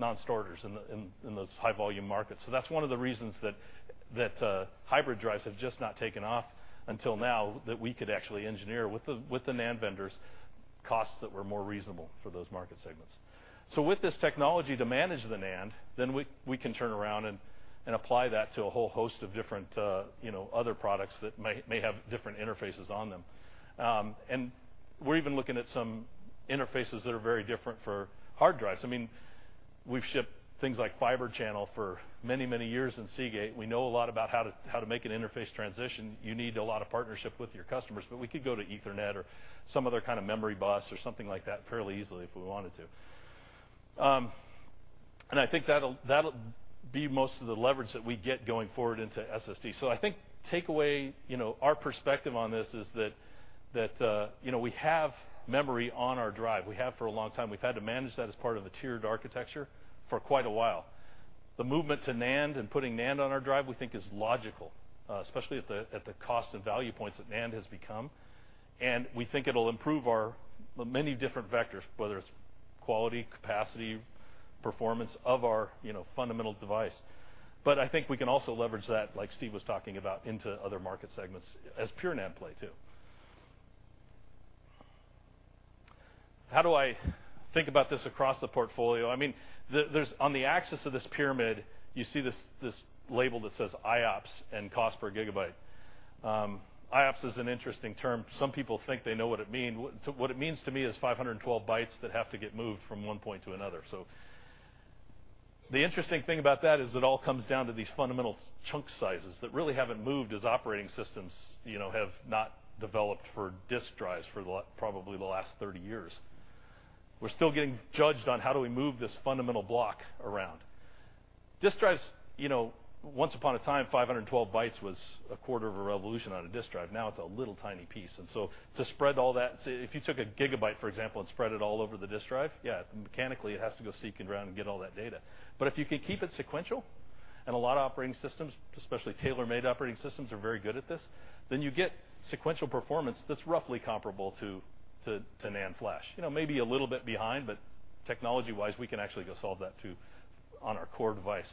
non-starters in those high volume markets. That's one of the reasons that hybrid drives have just not taken off until now that we could actually engineer with the NAND vendors costs that were more reasonable for those market segments. With this technology to manage the NAND, we can turn around and apply that to a whole host of different other products that may have different interfaces on them. We're even looking at some interfaces that are very different for hard drives. I mean, we've shipped things like Fibre Channel for many, many years in Seagate. We know a lot about how to make an interface transition. You need a lot of partnership with your customers, but we could go to Ethernet or some other kind of memory bus or something like that fairly easily if we wanted to. I think that'll be most of the leverage that we get going forward into SSD. I think takeaway, our perspective on this is that we have memory on our drive. We have for a long time. We've had to manage that as part of a tiered architecture for quite a while. The movement to NAND and putting NAND on our drive, we think is logical, especially at the cost and value points that NAND has become. We think it'll improve our many different vectors, whether it's quality, capacity, performance of our fundamental device. I think we can also leverage that, like Steve was talking about, into other market segments as pure NAND play, too. How do I think about this across the portfolio? I mean, on the axis of this pyramid, you see this label that says IOPS and cost per gigabyte. IOPS is an interesting term. Some people think they know what it mean. What it means to me is 512 bytes that have to get moved from one point to another. The interesting thing about that is it all comes down to these fundamental chunk sizes that really haven't moved as operating systems have not developed for disk drives for probably the last 30 years. We're still getting judged on how do we move this fundamental block around. Disk drives, once upon a time, 512 bytes was a quarter of a revolution on a disk drive. Now it's a little tiny piece. To spread all that, say, if you took a gigabyte, for example, and spread it all over the disk drive, yeah, mechanically, it has to go seek and round and get all that data. If you could keep it sequential, a lot of operating systems, especially tailor-made operating systems, are very good at this, you get sequential performance that's roughly comparable to NAND flash. Maybe a little bit behind, but technology-wise, we can actually go solve that too, on our core device.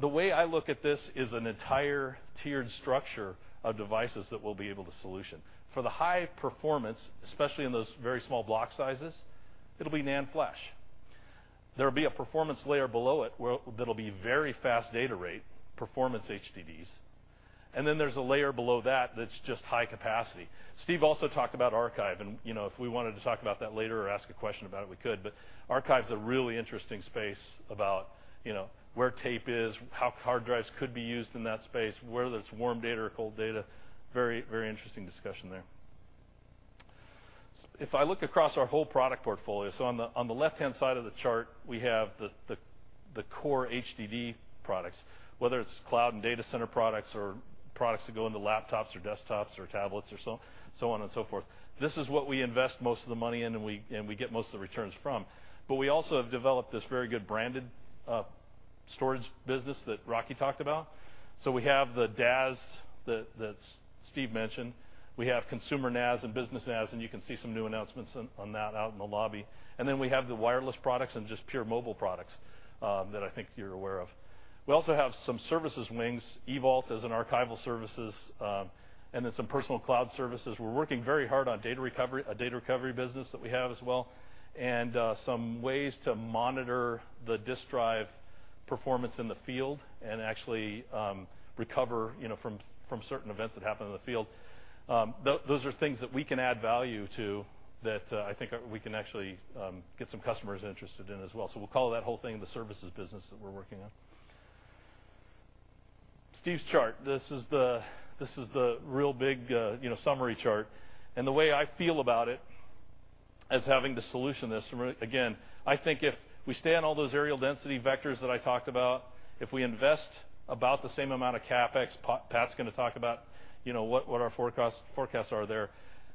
The way I look at this is an entire tiered structure of devices that we'll be able to solution. For the high performance, especially in those very small block sizes, it'll be NAND flash. There will be a performance layer below it that'll be very fast data rate, performance HDDs, and there's a layer below that that's just high capacity. Steve also talked about archive, if we wanted to talk about that later or ask a question about it, we could, archive's a really interesting space about where tape is, how hard drives could be used in that space, whether it's warm data or cold data. Very interesting discussion there. If I look across our whole product portfolio, on the left-hand side of the chart, we have the core HDD products, whether it's cloud and data center products or products that go into laptops or desktops or tablets or so on and so forth. This is what we invest most of the money in, and we get most of the returns from. We also have developed this very good branded storage business that Rocky talked about. We have the DAS that Steve mentioned. We have consumer NAS and business NAS, you can see some new announcements on that out in the lobby. We have the wireless products and just pure mobile products that I think you're aware of. We also have some services wings. EVault is an archival services, some personal cloud services. We're working very hard on data recovery, a data recovery business that we have as well, and some ways to monitor the disk drive performance in the field and actually recover from certain events that happen in the field. Those are things that we can add value to that I think we can actually get some customers interested in as well. We'll call that whole thing the services business that we're working on. Steve's chart, this is the real big summary chart. The way I feel about it is having to solution this. Again, I think if we stay on all those areal density vectors that I talked about, if we invest about the same amount of CapEx, Pat's going to talk about what our forecasts are there,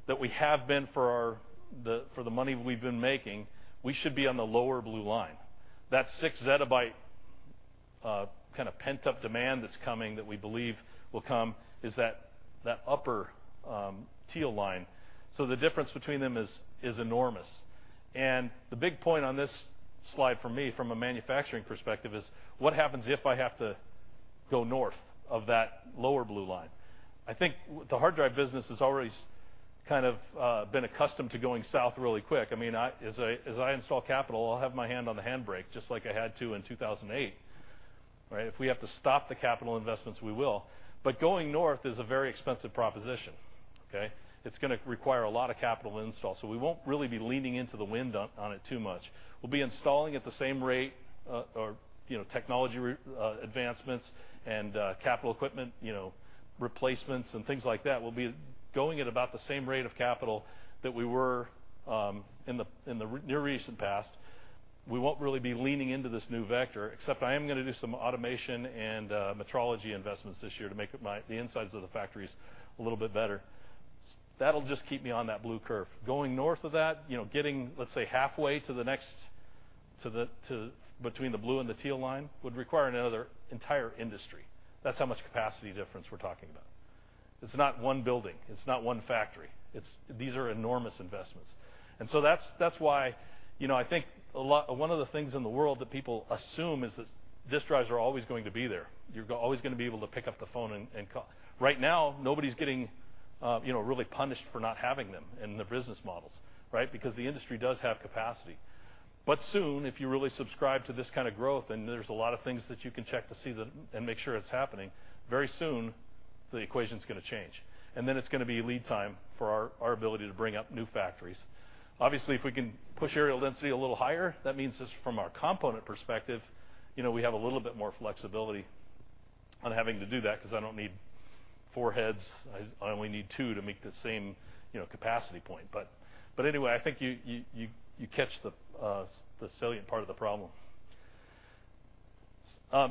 that we have been for the money we've been making, we should be on the lower blue line. That 6 zettabyte pent-up demand that's coming, that we believe will come, is that upper teal line. The difference between them is enormous. The big point on this slide for me, from a manufacturing perspective, is what happens if I have to go north of that lower blue line? I think the hard drive business has always been accustomed to going south really quick. As I install capital, I'll have my hand on the handbrake, just like I had to in 2008, right? If we have to stop the capital investments, we will. Going north is a very expensive proposition, okay? It's going to require a lot of capital install. We won't really be leaning into the wind on it too much. We'll be installing at the same rate, or technology advancements and capital equipment replacements and things like that will be going at about the same rate of capital that we were in the near recent past. We won't really be leaning into this new vector, except I am going to do some automation and metrology investments this year to make the insides of the factories a little bit better. That'll just keep me on that blue curve. Going north of that, getting, let's say, halfway between the blue and the teal line, would require another entire industry. That's how much capacity difference we're talking about. It's not one building. It's not one factory. These are enormous investments. That's why I think one of the things in the world that people assume is that disk drives are always going to be there. You're always going to be able to pick up the phone and call. Right now, nobody's getting really punished for not having them in their business models, right? Because the industry does have capacity. Soon, if you really subscribe to this kind of growth, and there's a lot of things that you can check to see and make sure it's happening, very soon, the equation's going to change. Then it's going to be lead time for our ability to bring up new factories. Obviously, if we can push areal density a little higher, that means just from our component perspective, we have a little bit more flexibility on having to do that because I don't need four heads. I only need two to make the same capacity point. Anyway, I think you catch the salient part of the problem.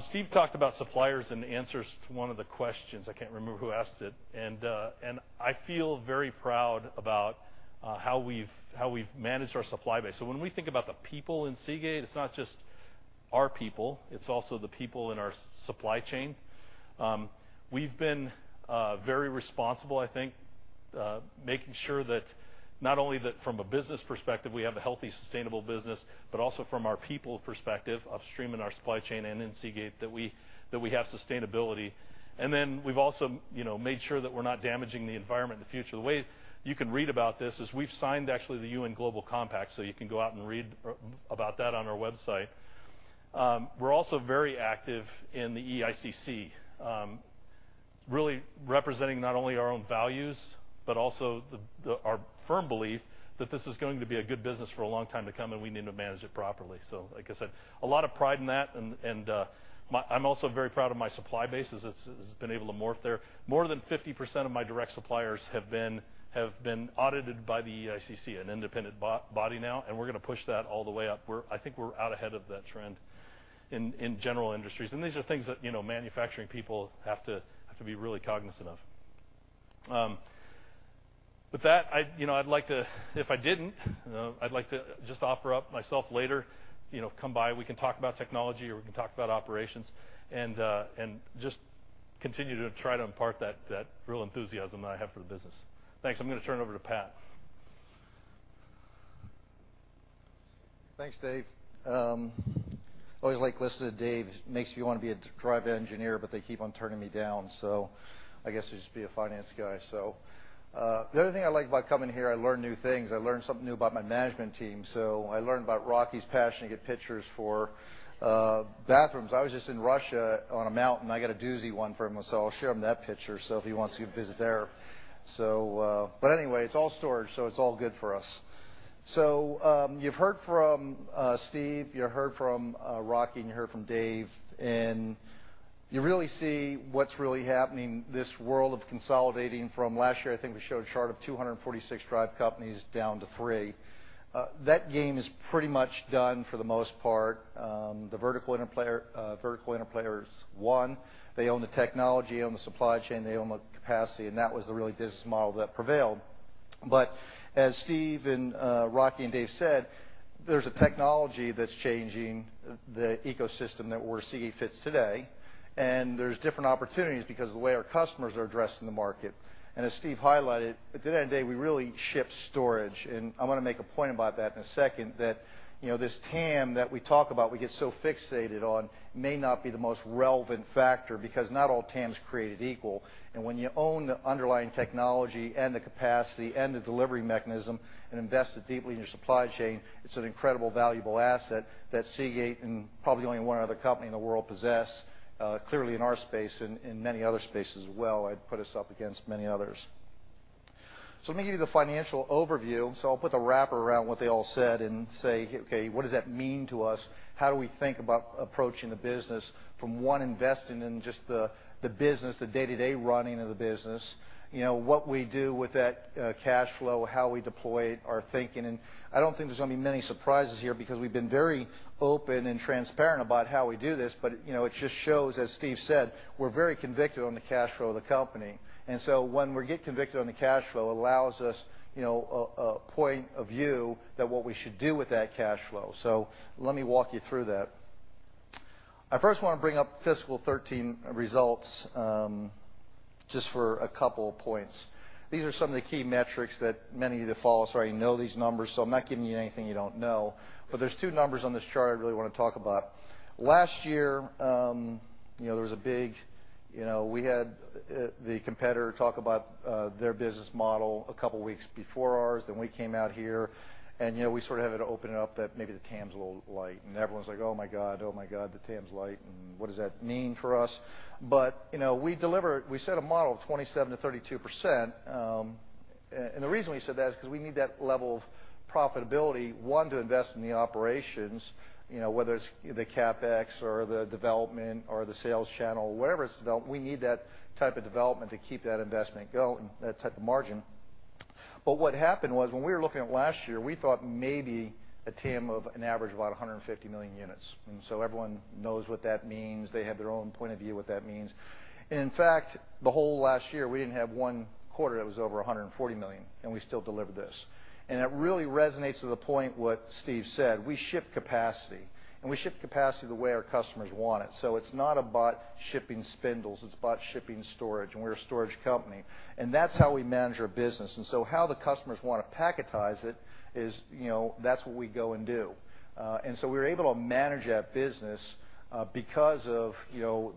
Steve talked about suppliers and answers to one of the questions. I can't remember who asked it. I feel very proud about how we've managed our supply base. When we think about the people in Seagate, it's not just our people, it's also the people in our supply chain. We've been very responsible, I think, making sure that not only that from a business perspective, we have a healthy, sustainable business, but also from our people perspective, upstream in our supply chain and in Seagate, that we have sustainability. Then we've also made sure that we're not damaging the environment in the future. The way you can read about this is we've signed actually the UN Global Compact, you can go out and read about that on our website. We're also very active in the EICC. Really representing not only our own values, but also our firm belief that this is going to be a good business for a long time to come, and we need to manage it properly. Like I said, a lot of pride in that, I'm also very proud of my supply base as it's been able to morph there. More than 50% of my direct suppliers have been audited by the EICC, an independent body now, we're going to push that all the way up. I think we're out ahead of that trend in general industries. These are things that manufacturing people have to be really cognizant of. With that, if I didn't, I'd like to just offer up myself later, come by, we can talk about technology, or we can talk about operations and just continue to try to impart that real enthusiasm that I have for the business. Thanks. I'm going to turn it over to Pat. Thanks, Dave. Always like listening to Dave. Makes me want to be a drive engineer, but they keep on turning me down. I guess I'll just be a finance guy. The other thing I like about coming here, I learn new things. I learned something new about my management team. I learned about Rocky's passion to get pictures for bathrooms. I was just in Russia on a mountain. I got a doozy one for him, so I'll show him that picture if he wants to visit there. Anyway, it's all storage, so it's all good for us. You've heard from Steve, you heard from Rocky, and you heard from Dave, and you really see what's really happening this world of consolidating from last year, I think we showed a chart of 246 drive companies down to three. That game is pretty much done for the most part. The vertical integrators won. They own the technology, they own the supply chain, they own the capacity, that was the really business model that prevailed. As Steve and Rocky and Dave said, there's a technology that's changing the ecosystem that we're seeing fits today. There's different opportunities because of the way our customers are addressing the market. As Steve highlighted, at the end of the day, we really ship storage. I want to make a point about that in a second that this TAM that we talk about, we get so fixated on may not be the most relevant factor because not all TAMs created equal. When you own the underlying technology and the capacity and the delivery mechanism and invest it deeply in your supply chain, it's an incredible valuable asset that Seagate and probably only one other company in the world possess, clearly in our space and in many other spaces as well, put us up against many others. Let me give you the financial overview. I'll put the wrapper around what they all said and say, okay, what does that mean to us? How do we think about approaching the business from one investing in just the business, the day-to-day running of the business, what we do with that cash flow, how we deploy our thinking. I don't think there's going to be many surprises here because we've been very open and transparent about how we do this. It just shows, as Steve Luczo said, we're very convicted on the cash flow of the company. When we get convicted on the cash flow, allows us a point of view that what we should do with that cash flow. Let me walk you through that. I first want to bring up fiscal 2013 results, just for a couple of points. These are some of the key metrics that many of you that follow us already know these numbers, so I'm not giving you anything you don't know. There's two numbers on this chart I really want to talk about. Last year, we had the competitor talk about their business model a couple of weeks before ours, then we came out here, and we sort of had to open it up that maybe the TAM's a little light. Everyone's like, "Oh my God, the TAM's light. What does that mean for us?" We set a model of 27%-32%, and the reason we said that is because we need that level of profitability, one, to invest in the operations, whether it's the CapEx or the development or the sales channel, whatever it's development, we need that type of development to keep that investment going, that type of margin. What happened was when we were looking at last year, we thought maybe a TAM of an average of about 150 million units. Everyone knows what that means. They have their own point of view what that means. In fact, the whole last year, we didn't have one quarter that was over 140 million, and we still delivered this. It really resonates to the point what Steve said. We ship capacity, we ship capacity the way our customers want it. It's not about shipping spindles, it's about shipping storage, we're a storage company. That's how we manage our business. How the customers want to packetize it is, that's what we go and do. We were able to manage that business because of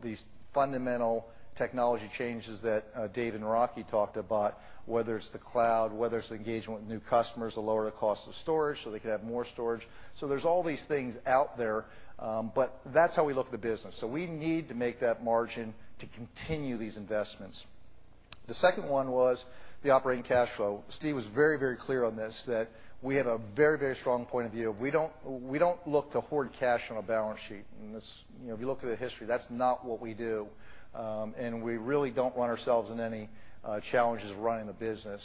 these fundamental technology changes that Dave and Rocky talked about, whether it's the cloud, whether it's the engagement with new customers to lower the cost of storage so they could have more storage. There's all these things out there, that's how we look at the business. We need to make that margin to continue these investments. The second one was the operating cash flow. Steve was very clear on this, that we have a very strong point of view. We don't look to hoard cash on a balance sheet. If you look at the history, that's not what we do. We really don't want ourselves in any challenges running the business.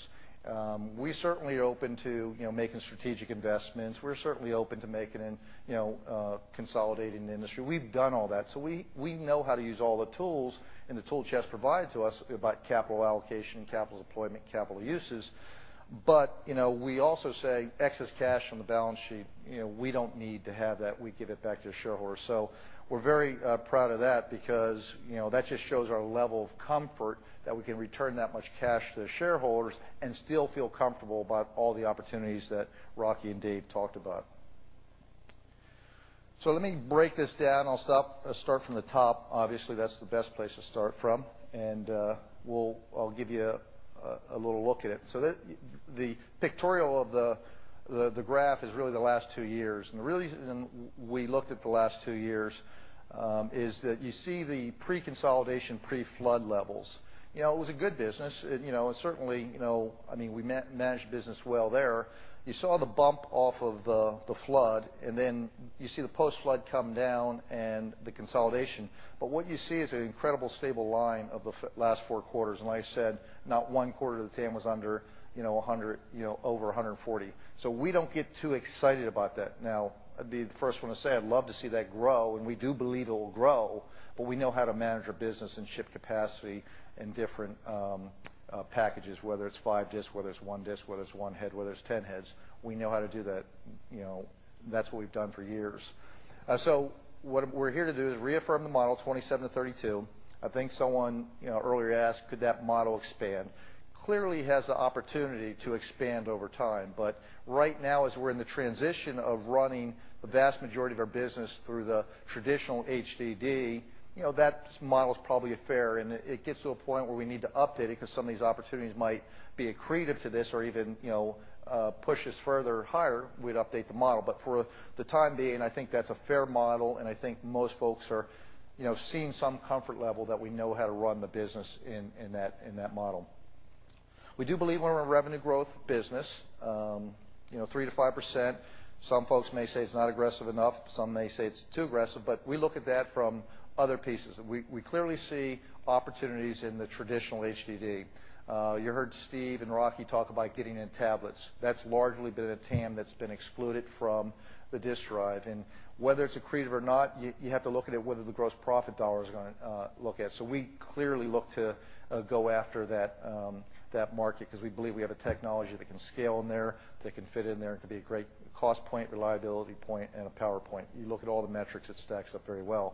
We certainly are open to making strategic investments. We're certainly open to consolidating the industry. We've done all that. We know how to use all the tools and the tool chest provided to us about capital allocation, capital deployment, capital uses. We also say excess cash on the balance sheet, we don't need to have that. We give it back to the shareholders. We're very proud of that because that just shows our level of comfort that we can return that much cash to the shareholders and still feel comfortable about all the opportunities that Rocky and Dave talked about. Let me break this down. I'll start from the top. Obviously, that's the best place to start from. I'll give you a little look at it. The pictorial of the graph is really the last two years. The reason we looked at the last two years, is that you see the pre-consolidation, pre-flood levels. It was a good business, certainly, we managed the business well there. You saw the bump off of the flood, and then you see the post-flood come down and the consolidation. What you see is an incredibly stable line of the last four quarters. Like I said, not one quarter of the TAM was over 140. We don't get too excited about that. I'd be the first one to say, I'd love to see that grow, and we do believe it'll grow, but we know how to manage our business and ship capacity in different packages, whether it's five disks, whether it's one disk, whether it's one head, whether it's 10 heads. We know how to do that. That's what we've done for years. What we're here to do is reaffirm the model 27-32. I think someone earlier asked, could that model expand? Clearly, it has the opportunity to expand over time. Right now, as we're in the transition of running the vast majority of our business through the traditional HDD, that model's probably fair, and it gets to a point where we need to update it because some of these opportunities might be accretive to this or even push us further higher, we'd update the model. For the time being, I think that's a fair model, and I think most folks are seeing some comfort level that we know how to run the business in that model. We do believe we're a revenue growth business, 3%-5%. Some folks may say it's not aggressive enough, some may say it's too aggressive, but we look at that from other pieces. We clearly see opportunities in the traditional HDD. You heard Steve and Rocky talk about getting in tablets. That's largely been a TAM that's been excluded from the disk drive. Whether it's accretive or not, you have to look at it whether the gross profit dollar is going to look at. We clearly look to go after that market because we believe we have a technology that can scale in there, that can fit in there, and can be a great cost point, reliability point, and a power point. You look at all the metrics, it stacks up very well.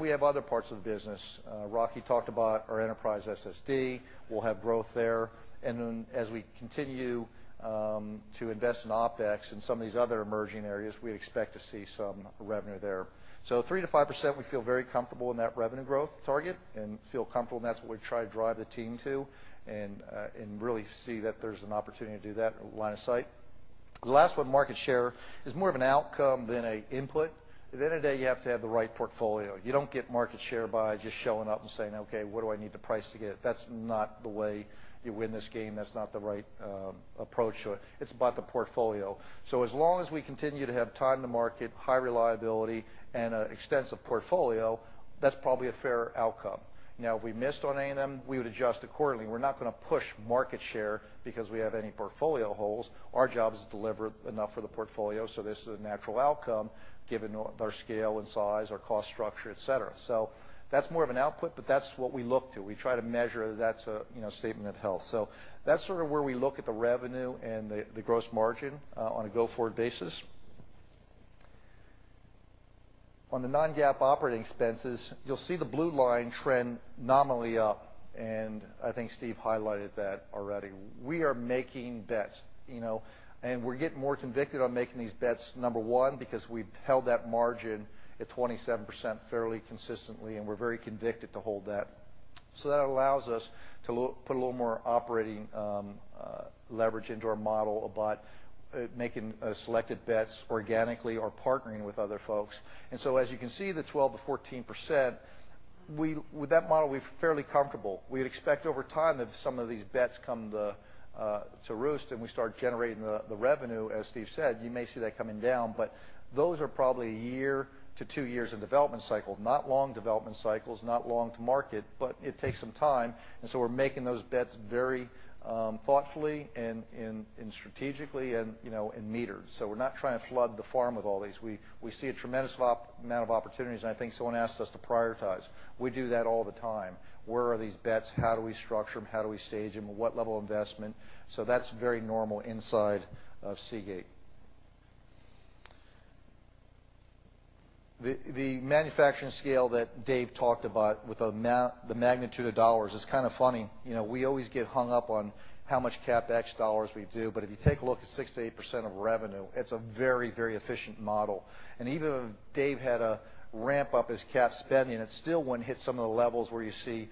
We have other parts of the business. Rocky talked about our enterprise SSD. We'll have growth there. As we continue to invest in OpEx and some of these other emerging areas, we expect to see some revenue there. 3%-5%, we feel very comfortable in that revenue growth target and feel comfortable, and that's what we try to drive the team to, and really see that there's an opportunity to do that line of sight. The last one, market share, is more of an outcome than an input. At the end of the day, you have to have the right portfolio. You don't get market share by just showing up and saying, "Okay, what do I need to price to get?" That's not the way you win this game. That's not the right approach to it. It's about the portfolio. As long as we continue to have time to market, high reliability, and an extensive portfolio, that's probably a fair outcome. Now, if we missed on any of them, we would adjust accordingly. We're not going to push market share because we have any portfolio holes. Our job is to deliver enough for the portfolio so this is a natural outcome given our scale and size, our cost structure, et cetera. That's more of an output, but that's what we look to. We try to measure, that's a statement of health. That's sort of where we look at the revenue and the gross margin on a go-forward basis. On the non-GAAP operating expenses, you'll see the blue line trend nominally up, and I think Steve highlighted that already. We are making bets. We're getting more convicted on making these bets, number 1, because we've held that margin at 27% fairly consistently, and we're very convicted to hold that. That allows us to put a little more operating leverage into our model about making selected bets organically or partnering with other folks. As you can see, the 12%-14%, with that model, we're fairly comfortable. We'd expect over time that some of these bets come to roost, and we start generating the revenue, as Steve said. You may see that coming down, but those are probably a year to two years of development cycle. Not long development cycles, not long to market, but it takes some time. We're making those bets very thoughtfully and strategically and metered. We're not trying to flood the farm with all these. We see a tremendous amount of opportunities, and I think someone asked us to prioritize. We do that all the time. Where are these bets? How do we structure them? How do we stage them? What level of investment? That's very normal inside of Seagate. The manufacturing scale that Dave talked about with the magnitude of dollars is kind of funny. We always get hung up on how much CapEx dollars we do, but if you take a look at 6%-8% of revenue, it's a very, very efficient model. Even Dave had to ramp up his cap spending, and it still wouldn't hit some of the levels where you see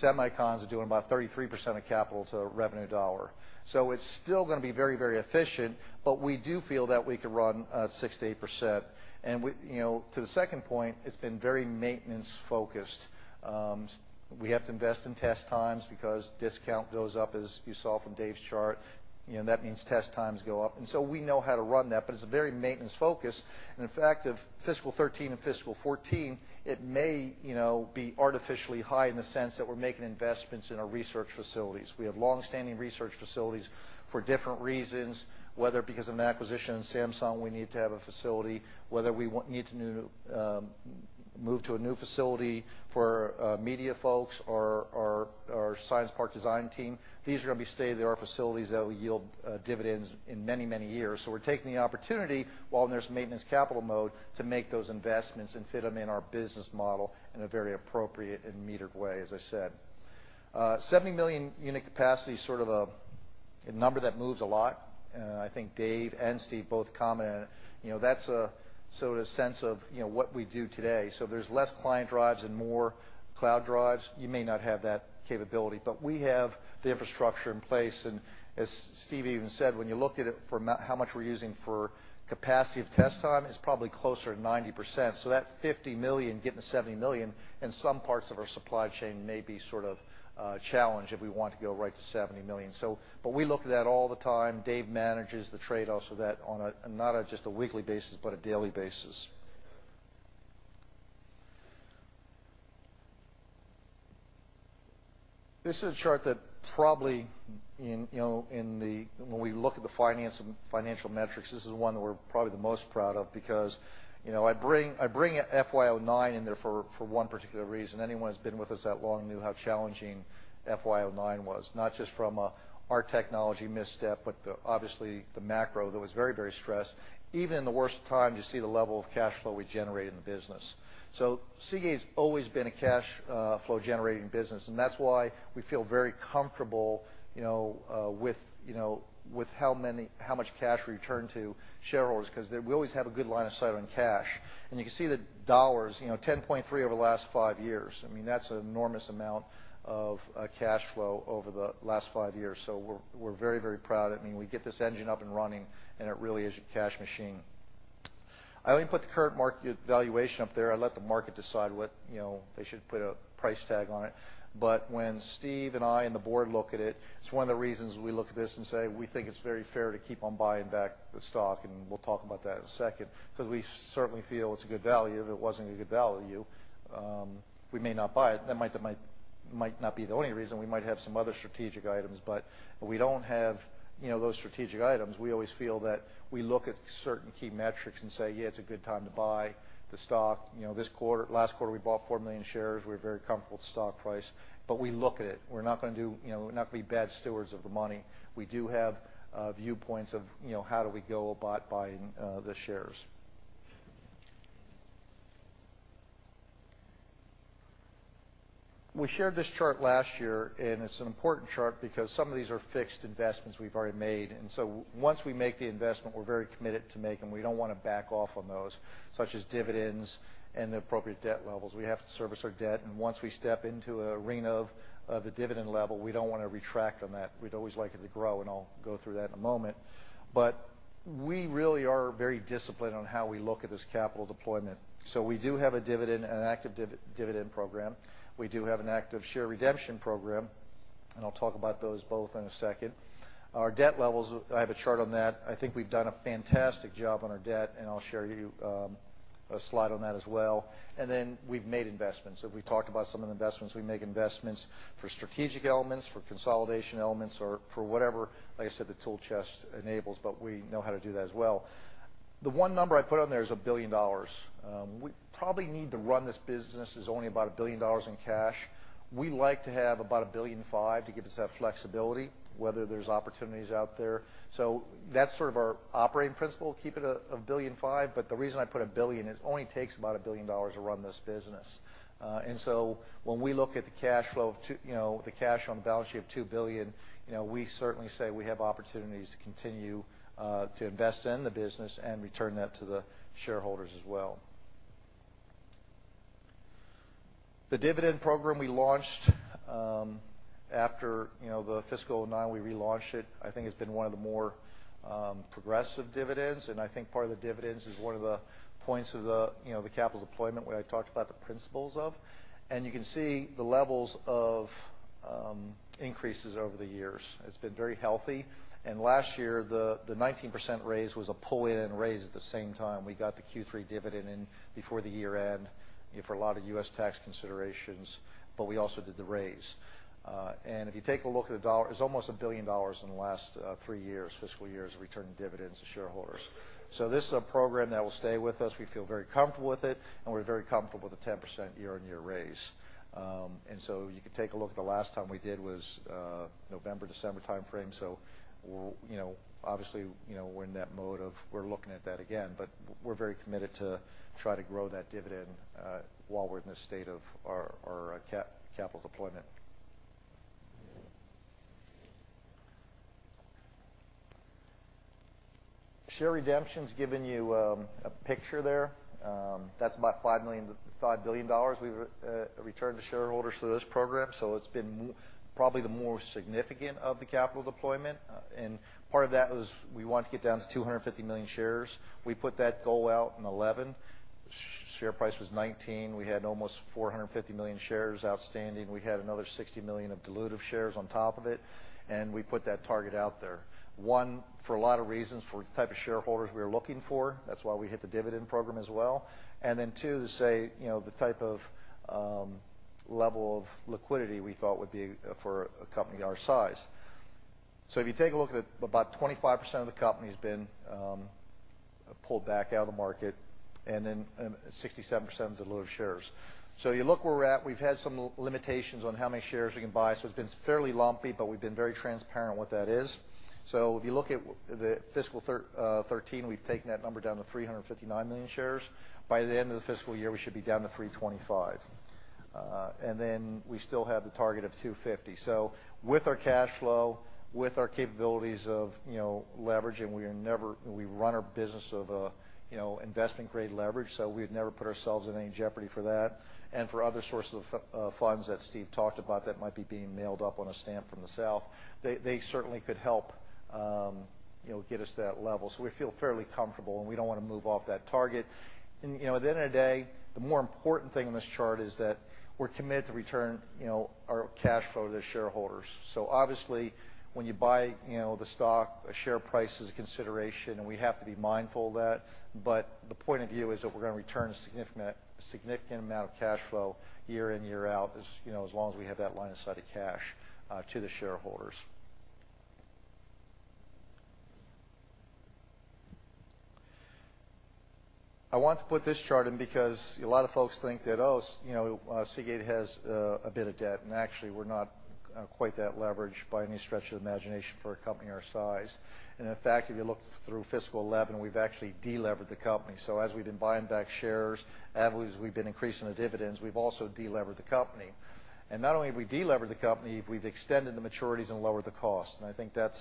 semi-cons are doing about 33% of capital to revenue dollar. It's still going to be very, very efficient, but we do feel that we could run 6%-8%. To the second point, it's been very maintenance-focused. We have to invest in test times because density goes up, as you saw from Dave's chart. That means test times go up. We know how to run that, but it's very maintenance-focused. In fact, fiscal 2013 and fiscal 2014, it may be artificially high in the sense that we're making investments in our research facilities. We have longstanding research facilities for different reasons, whether because of an acquisition in Samsung, we need to have a facility, whether we need to move to a new facility for media folks or our science park design team. These are going to be stay-there facilities that will yield dividends in many, many years. We're taking the opportunity while there's maintenance capital mode to make those investments and fit them in our business model in a very appropriate and metered way, as I said. 70-million-unit capacity is sort of a number that moves a lot. I think Dave and Steve both commented on it. That's a sense of what we do today. There's less client drives and more cloud drives. You may not have that capability, but we have the infrastructure in place. As Steve even said, when you look at it from how much we're using for capacity of test time, it's probably closer to 90%. That 50 million getting to 70 million in some parts of our supply chain may be sort of challenged if we want to go right to 70 million. We look at that all the time. Dave manages the trade-offs of that on a not just a weekly basis but a daily basis. This is a chart that probably, when we look at the financial metrics, this is the one that we're probably the most proud of because I bring FY 2009 in there for one particular reason. Anyone who's been with us that long knew how challenging FY 2009 was, not just from our technology misstep, but obviously the macro that was very stressed. Even in the worst time, you see the level of cash flow we generate in the business. Seagate's always been a cash flow generating business, and that's why we feel very comfortable with how much cash we return to shareholders because we always have a good line of sight on cash. You can see the dollars, $10.3 over the last five years. That's an enormous amount of cash flow over the last five years. We're very proud. We get this engine up and running, and it really is a cash machine. I only put the current market valuation up there. I let the market decide what they should put a price tag on it. When Steve and I and the board look at it's one of the reasons we look at this and say, we think it's very fair to keep on buying back the stock, and we'll talk about that in a second, because we certainly feel it's a good value. If it wasn't a good value, we may not buy it. That might not be the only reason. We might have some other strategic items. We don't have those strategic items. We always feel that we look at certain key metrics and say, "Yeah, it's a good time to buy the stock." Last quarter, we bought four million shares. We're very comfortable with the stock price. We look at it. We're not going to be bad stewards of the money. We do have viewpoints of how do we go about buying the shares. We shared this chart last year. It's an important chart because some of these are fixed investments we've already made. Once we make the investment, we're very committed to making, we don't want to back off on those, such as dividends and the appropriate debt levels. We have to service our debt. Once we step into an arena of the dividend level, we don't want to retract on that. We'd always like it to grow. I'll go through that in a moment. We really are very disciplined on how we look at this capital deployment. We do have a dividend, an active dividend program. We do have an active share redemption program. I'll talk about those both in a second. Our debt levels, I have a chart on that. I think we've done a fantastic job on our debt. I'll show you a slide on that as well. We've made investments. We talked about some of the investments. We make investments for strategic elements, for consolidation elements or for whatever. Like I said, the tool chest enables, we know how to do that as well. The one number I put on there is $1 billion. We probably need to run this business as only about $1 billion in cash. We like to have about $1 billion and five to give us that flexibility, whether there's opportunities out there. That's sort of our operating principle, keep it $1 billion and five. The reason I put $1 billion is it only takes about $1 billion to run this business. When we look at the cash on the balance sheet of $2 billion, we certainly say we have opportunities to continue to invest in the business and return that to the shareholders as well. The dividend program we launched after the fiscal 2009, we relaunched it. I think it's been one of the more progressive dividends. I think part of the dividends is one of the points of the capital deployment where I talked about the principles of. You can see the levels of increases over the years. It's been very healthy. Last year, the 19% raise was a pull-in raise at the same time. We got the Q3 dividend in before the year-end for a lot of U.S. tax considerations. We also did the raise. If you take a look at the dollar, it's almost $1 billion in the last three years, fiscal years, return in dividends to shareholders. This is a program that will stay with us. We feel very comfortable with it. We're very comfortable with the 10% year-on-year raise. You can take a look. The last time we did was November, December timeframe. Obviously, we're in that mode of we're looking at that again. We're very committed to try to grow that dividend while we're in this state of our capital deployment. Share redemption's given you a picture there. That's about $5 billion we've returned to shareholders through this program. It's been probably the more significant of the capital deployment. Part of that was we wanted to get down to 250 million shares. We put that goal out in 2011. Share price was 19. We had almost 450 million shares outstanding. We had another 60 million of dilutive shares on top of it. We put that target out there. One, for a lot of reasons, for the type of shareholders we were looking for. That's why we hit the dividend program as well. Then two, to say the type of level of liquidity we thought would be for a company our size. If you take a look at about 25% of the company has been pulled back out of the market. Then 67% is the load of shares. You look where we're at, we've had some limitations on how many shares we can buy, so it's been fairly lumpy, but we've been very transparent what that is. If you look at the fiscal 2013, we've taken that number down to 359 million shares. By the end of the fiscal year, we should be down to 325. Then we still have the target of 250. With our cash flow, with our capabilities of leverage, and we run our business of investment-grade leverage, so we've never put ourselves in any jeopardy for that. For other sources of funds that Steve talked about that might be being mailed up on a stamp from the south, they certainly could help get us to that level. We feel fairly comfortable, and we don't want to move off that target. At the end of the day, the more important thing on this chart is that we're committed to return our cash flow to the shareholders. Obviously, when you buy the stock, a share price is a consideration, and we have to be mindful of that. The point of view is that we're going to return a significant amount of cash flow year in, year out, as long as we have that line of sight of cash to the shareholders. I want to put this chart in because a lot of folks think that, oh, Seagate has a bit of debt. Actually, we're not quite that leveraged by any stretch of the imagination for a company our size. In fact, if you look through fiscal 2011, we've actually de-levered the company. As we've been buying back shares, heavily as we've been increasing the dividends, we've also de-levered the company. Not only have we de-levered the company, we've extended the maturities and lowered the cost. I think that's,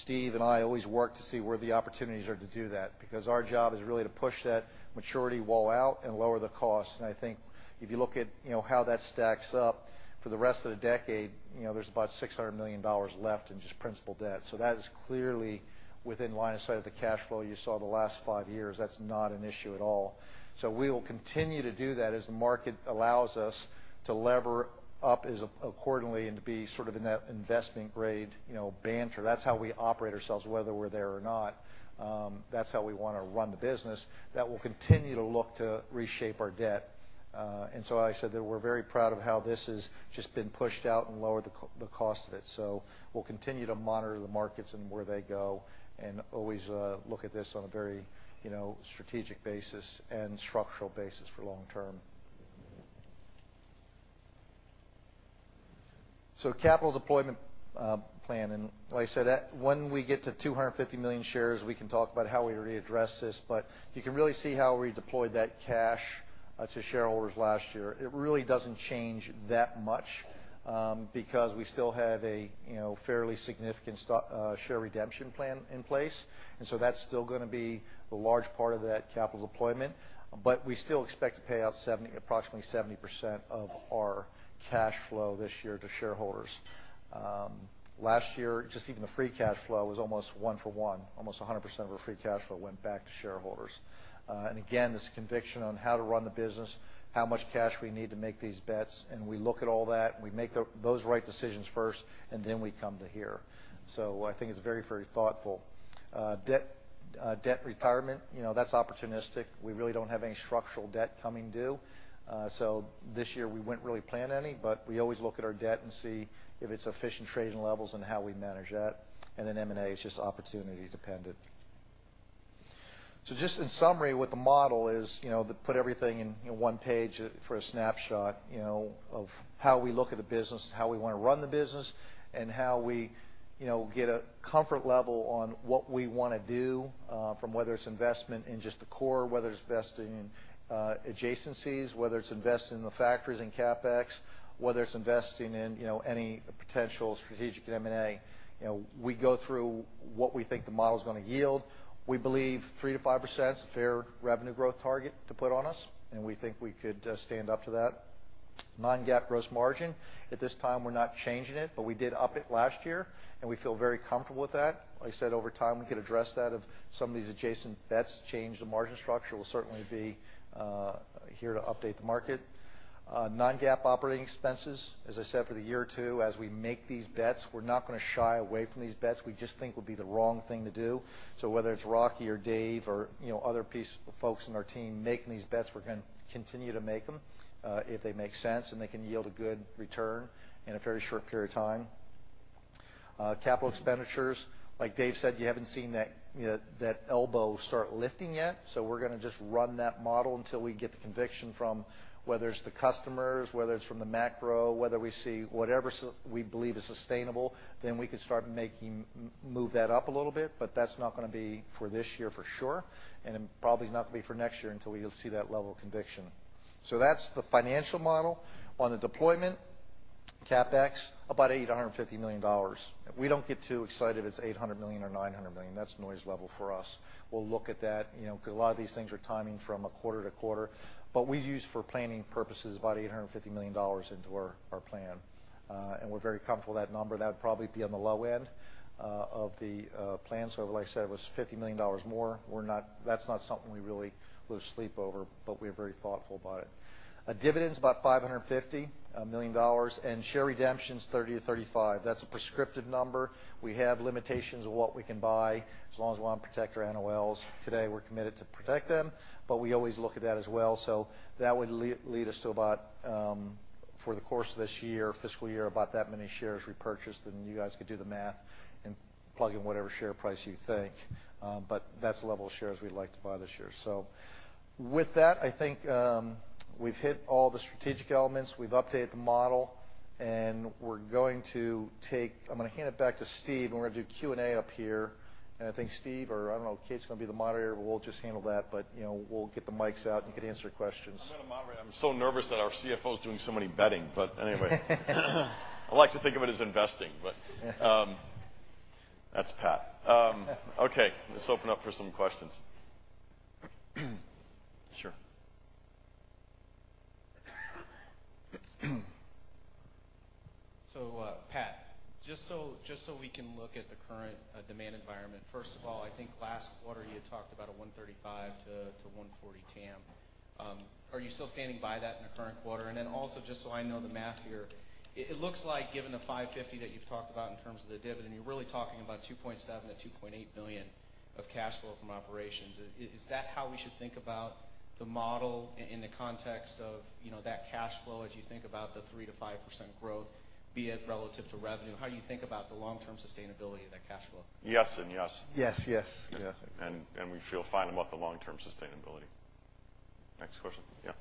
Steve and I always work to see where the opportunities are to do that, because our job is really to push that maturity wall out and lower the cost. I think if you look at how that stacks up for the rest of the decade, there's about $600 million left in just principal debt. That is clearly within line of sight of the cash flow you saw the last five years. That's not an issue at all. We will continue to do that as the market allows us to lever up accordingly and to be sort of in that investment-grade banter. That's how we operate ourselves, whether we're there or not. That's how we want to run the business that will continue to look to reshape our debt. I said that we're very proud of how this has just been pushed out and lowered the cost of it. We'll continue to monitor the markets and where they go and always look at this on a very strategic basis and structural basis for long term. Capital deployment plan, like I said, when we get to 250 million shares, we can talk about how we address this. You can really see how we deployed that cash to shareholders last year. It really doesn't change that much, because we still have a fairly significant share redemption plan in place. That's still going to be a large part of that capital deployment. We still expect to pay out approximately 70% of our cash flow this year to shareholders. Last year, just even the free cash flow was almost one for one. Almost 100% of our free cash flow went back to shareholders. Again, this conviction on how to run the business, how much cash we need to make these bets. We look at all that, we make those right decisions first, then we come to here. I think it's very thoughtful. Debt retirement, that's opportunistic. We really don't have any structural debt coming due. This year, we wouldn't really plan any, but we always look at our debt and see if it's efficient trading levels and how we manage that. M&A is just opportunity-dependent. Just in summary, what the model is, to put everything in one page for a snapshot, of how we look at the business, how we want to run the business, and how we get a comfort level on what we want to do, from whether it's investment in just the core, whether it's investing in adjacencies, whether it's investing in the factories in CapEx, whether it's investing in any potential strategic M&A. We go through what we think the model's going to yield. We believe 3%-5% is a fair revenue growth target to put on us. We think we could stand up to that. Non-GAAP gross margin. At this time, we're not changing it, but we did up it last year. We feel very comfortable with that. Like I said, over time, we could address that. If some of these adjacent bets change the margin structure, we'll certainly be here to update the market. Non-GAAP operating expenses, as I said, for the year two, as we make these bets, we're not going to shy away from these bets. We just think it would be the wrong thing to do. Whether it's Rocky or Dave or other folks on our team making these bets, we're going to continue to make them if they make sense and they can yield a good return in a very short period of time. Capital expenditures, like Dave said, you haven't seen that elbow start lifting yet. We're going to just run that model until we get the conviction from whether it's the customers, whether it's from the macro, whether we see whatever we believe is sustainable, we can start move that up a little bit, but that's not going to be for this year for sure, probably not going to be for next year until we see that level of conviction. That's the financial model. On the deployment, CapEx, about $850 million. We don't get too excited if it's $800 million or $900 million. That's noise level for us. We'll look at that, because a lot of these things are timing from a quarter to quarter. But we use for planning purposes, about $850 million into our plan. We're very comfortable with that number. That would probably be on the low end of the plan. Like I said, it was $50 million more. That's not something we really lose sleep over, but we're very thoughtful about it. Dividends, about $550 million, share redemptions, 30 to 35. That's a prescriptive number. We have limitations on what we can buy, as long as we want to protect our NOLs. Today, we're committed to protect them, but we always look at that as well. That would lead us to about, for the course of this year, fiscal year, about that many shares repurchased, you guys could do the math and plug in whatever share price you think. That's the level of shares we'd like to buy this year. With that, I think we've hit all the strategic elements. We've updated the model. I'm going to hand it back to Steve, we're going to do Q&A up here. I think Steve, or I don't know, Kate's going to be the moderator. We'll just handle that. We'll get the mics out, and you can answer questions. I'm going to moderate. I'm so nervous that our CFO is doing so many betting. Anyway. I like to think of it as investing. Yeah. That's Pat. Let's open up for some questions. Sure. Pat, just so we can look at the current demand environment, first of all, I think last quarter you had talked about a 135-140 TAM. Are you still standing by that in the current quarter? Also, just so I know the math here, it looks like given the $550 that you've talked about in terms of the dividend, you're really talking about $2.7 billion-$2.8 billion of cash flow from operations. Is that how we should think about the model in the context of that cash flow as you think about the 3%-5% growth, be it relative to revenue? How do you think about the long-term sustainability of that cash flow? Yes and yes. Yes. We feel fine about the long-term sustainability. Next question. Yeah.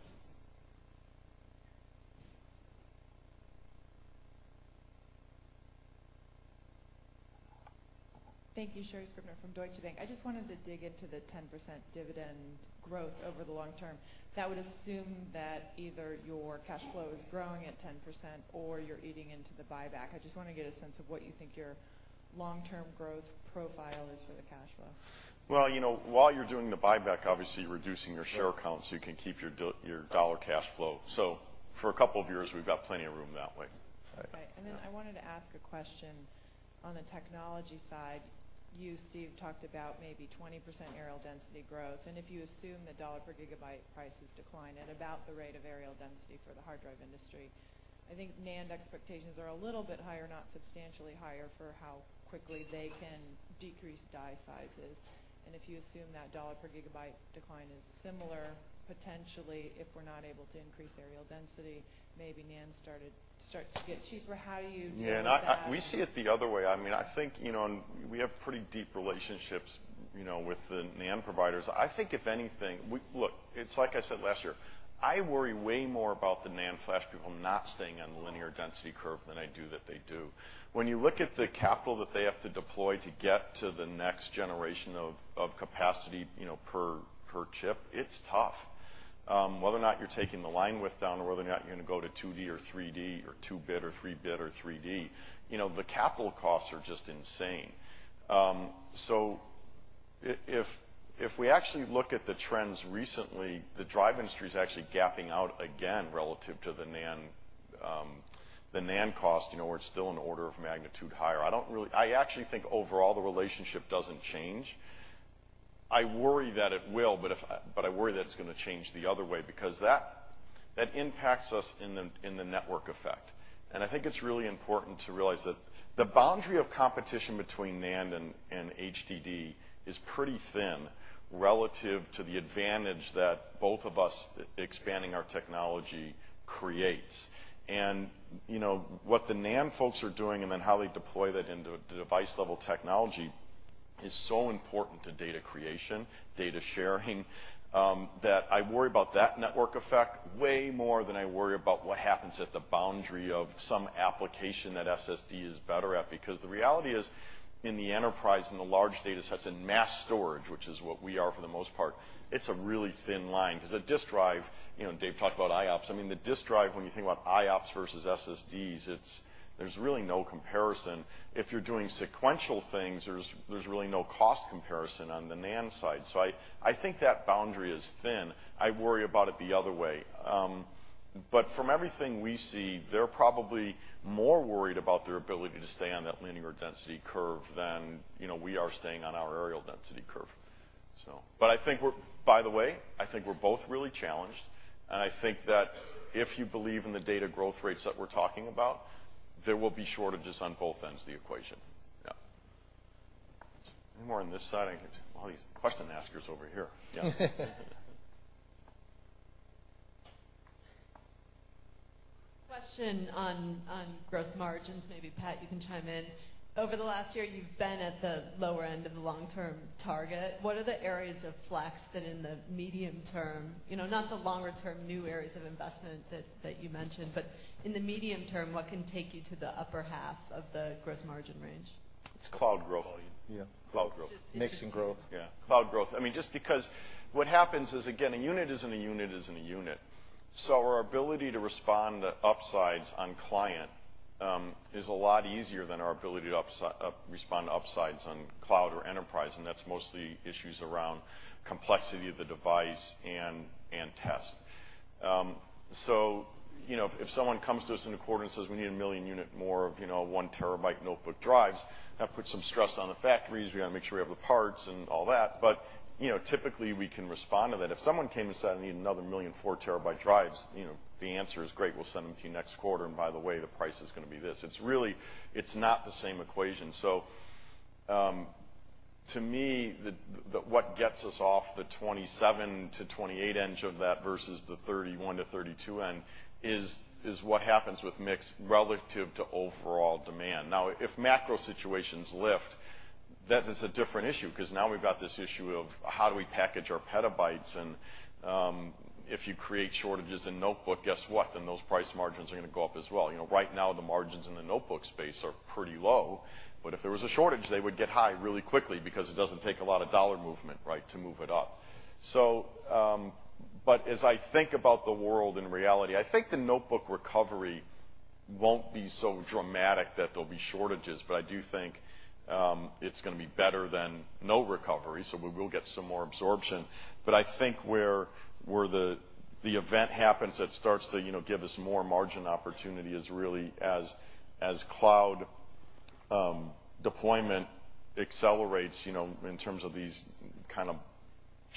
Thank you. Sherri Scribner from Deutsche Bank. I just wanted to dig into the 10% dividend growth over the long term. That would assume that either your cash flow is growing at 10% or you're eating into the buyback. I just want to get a sense of what you think your long-term growth profile is for the cash flow. Well, while you're doing the buyback, obviously, you're reducing your share count so you can keep your dollar cash flow. For a couple of years, we've got plenty of room that way. Right. Then I wanted to ask a question on the technology side. You, Steve, talked about maybe 20% areal density growth, and if you assume the dollar per gigabyte prices decline at about the rate of areal density for the hard drive industry. I think NAND expectations are a little bit higher, not substantially higher for how quickly they can decrease die sizes. If you assume that dollar per gigabyte decline is similar, potentially, if we're not able to increase areal density, maybe NAND starts to get cheaper. How do you deal with that? Yeah. We see it the other way. We have pretty deep relationships with the NAND providers. I think if anything-- Look, it's like I said last year, I worry way more about the NAND Flash people not staying on the linear density curve than I do that they do. When you look at the capital that they have to deploy to get to the next generation of capacity per chip, it's tough. Whether or not you're taking the line width down or whether or not you're going to go to 2D or 3D or 2-bit or 3-bit or 3D, the capital costs are just insane. If we actually look at the trends recently, the drive industry is actually gapping out again relative to the NAND cost, where it's still an order of magnitude higher. I actually think overall, the relationship doesn't change. I worry that it will, but I worry that it's going to change the other way because that impacts us in the network effect. I think it's really important to realize that the boundary of competition between NAND and HDD is pretty thin relative to the advantage that both of us expanding our technology creates. What the NAND folks are doing and then how they deploy that into device-level technology is so important to data creation, data sharing, that I worry about that network effect way more than I worry about what happens at the boundary of some application that SSD is better at. Because the reality is, in the enterprise, in the large data sets, in mass storage, which is what we are for the most part, it's a really thin line. Because a disk drive, Dave talked about IOPS. The disk drive, when you think about IOPS versus SSDs, there's really no comparison. If you're doing sequential things, there's really no cost comparison on the NAND side. I think that boundary is thin. I worry about it the other way. From everything we see, they're probably more worried about their ability to stay on that linear density curve than we are staying on our areal density curve. By the way, I think we're both really challenged, I think that if you believe in the data growth rates that we're talking about, there will be shortages on both ends of the equation. Yeah. Any more on this side? I can see all these question askers over here. Yeah. Question on gross margins. Maybe, Pat, you can chime in. Over the last year, you've been at the lower end of the long-term target. What are the areas of flex that in the medium-term, not the longer-term new areas of investment that you mentioned, but in the medium-term, what can take you to the upper half of the gross margin range? It's cloud growth. Volume. Cloud growth. Mix and growth. Yeah. Cloud growth. Just because what happens is, again, a unit is in a unit is in a unit. Our ability to respond to upsides on client is a lot easier than our ability to respond to upsides on cloud or enterprise, and that's mostly issues around complexity of the device and test. If someone comes to us in a quarter and says, "We need 1 million unit more of one-terabyte notebook drives," that puts some stress on the factories. We got to make sure we have the parts and all that. Typically, we can respond to that. If someone came and said, "I need another 1 million four-terabyte drives," the answer is, "Great. We'll send them to you next quarter, and by the way, the price is going to be this." It's not the same equation. To me, what gets us off the 27-28 end of that versus the 31-32 end is what happens with mix relative to overall demand. Now, if macro situations lift, that is a different issue, because now we've got this issue of how do we package our petabytes, and if you create shortages in notebook, guess what? Those price margins are going to go up as well. Right now, the margins in the notebook space are pretty low, but if there was a shortage, they would get high really quickly because it doesn't take a lot of dollar movement to move it up. As I think about the world in reality, I think the notebook recovery won't be so dramatic that there'll be shortages, but I do think it's going to be better than no recovery, so we will get some more absorption. I think where the event happens that starts to give us more margin opportunity is really as cloud deployment accelerates in terms of these kind of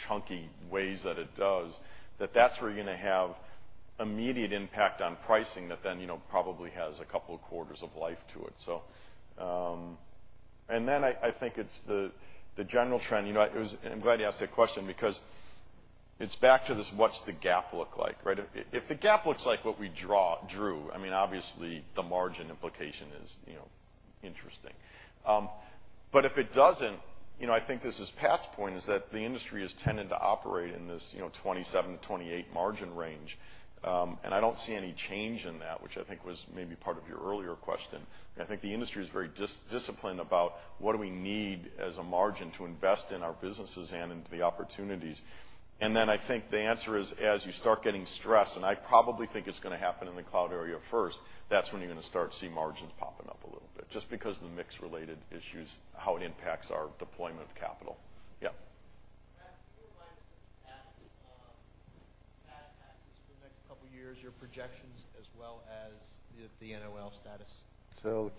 chunky ways that it does, that's where you're going to have immediate impact on pricing that then probably has a couple of quarters of life to it. I think it's the general trend. I'm glad you asked that question because it's back to this, what's the GAAP look like, right? If the GAAP looks like what we drew, obviously, the margin implication is interesting. If it doesn't, I think this is Pat's point is that the industry has tended to operate in this 27%-28% margin range. I don't see any change in that, which I think was maybe part of your earlier question. I think the industry is very disciplined about what do we need as a margin to invest in our businesses and into the opportunities. I think the answer is as you start getting stressed, and I probably think it's going to happen in the cloud area first, that's when you're going to start to see margins popping up a little bit, just because of the mix-related issues, how it impacts our deployment of capital. Yeah. Pat, can you provide us with the cash taxes for the next couple of years, your projections as well as the NOL status?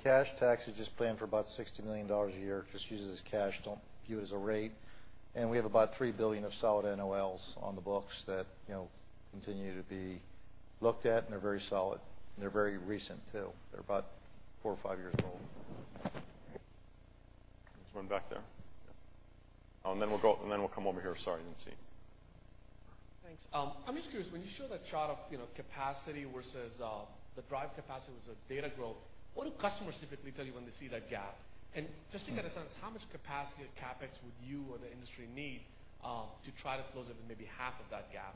Cash taxes, just plan for about $60 million a year. Just use it as cash, don't view it as a rate. We have about $3 billion of solid NOLs on the books that continue to be looked at, and they're very solid, and they're very recent, too. They're about four or five years old. Let's run back there. Then we'll come over here. Sorry, I didn't see you. Thanks. I'm just curious, when you show that shot of capacity versus the drive capacity versus data growth, what do customers typically tell you when they see that gap? Just to get a sense, how much capacity of CapEx would you or the industry need to try to close up maybe half of that gap?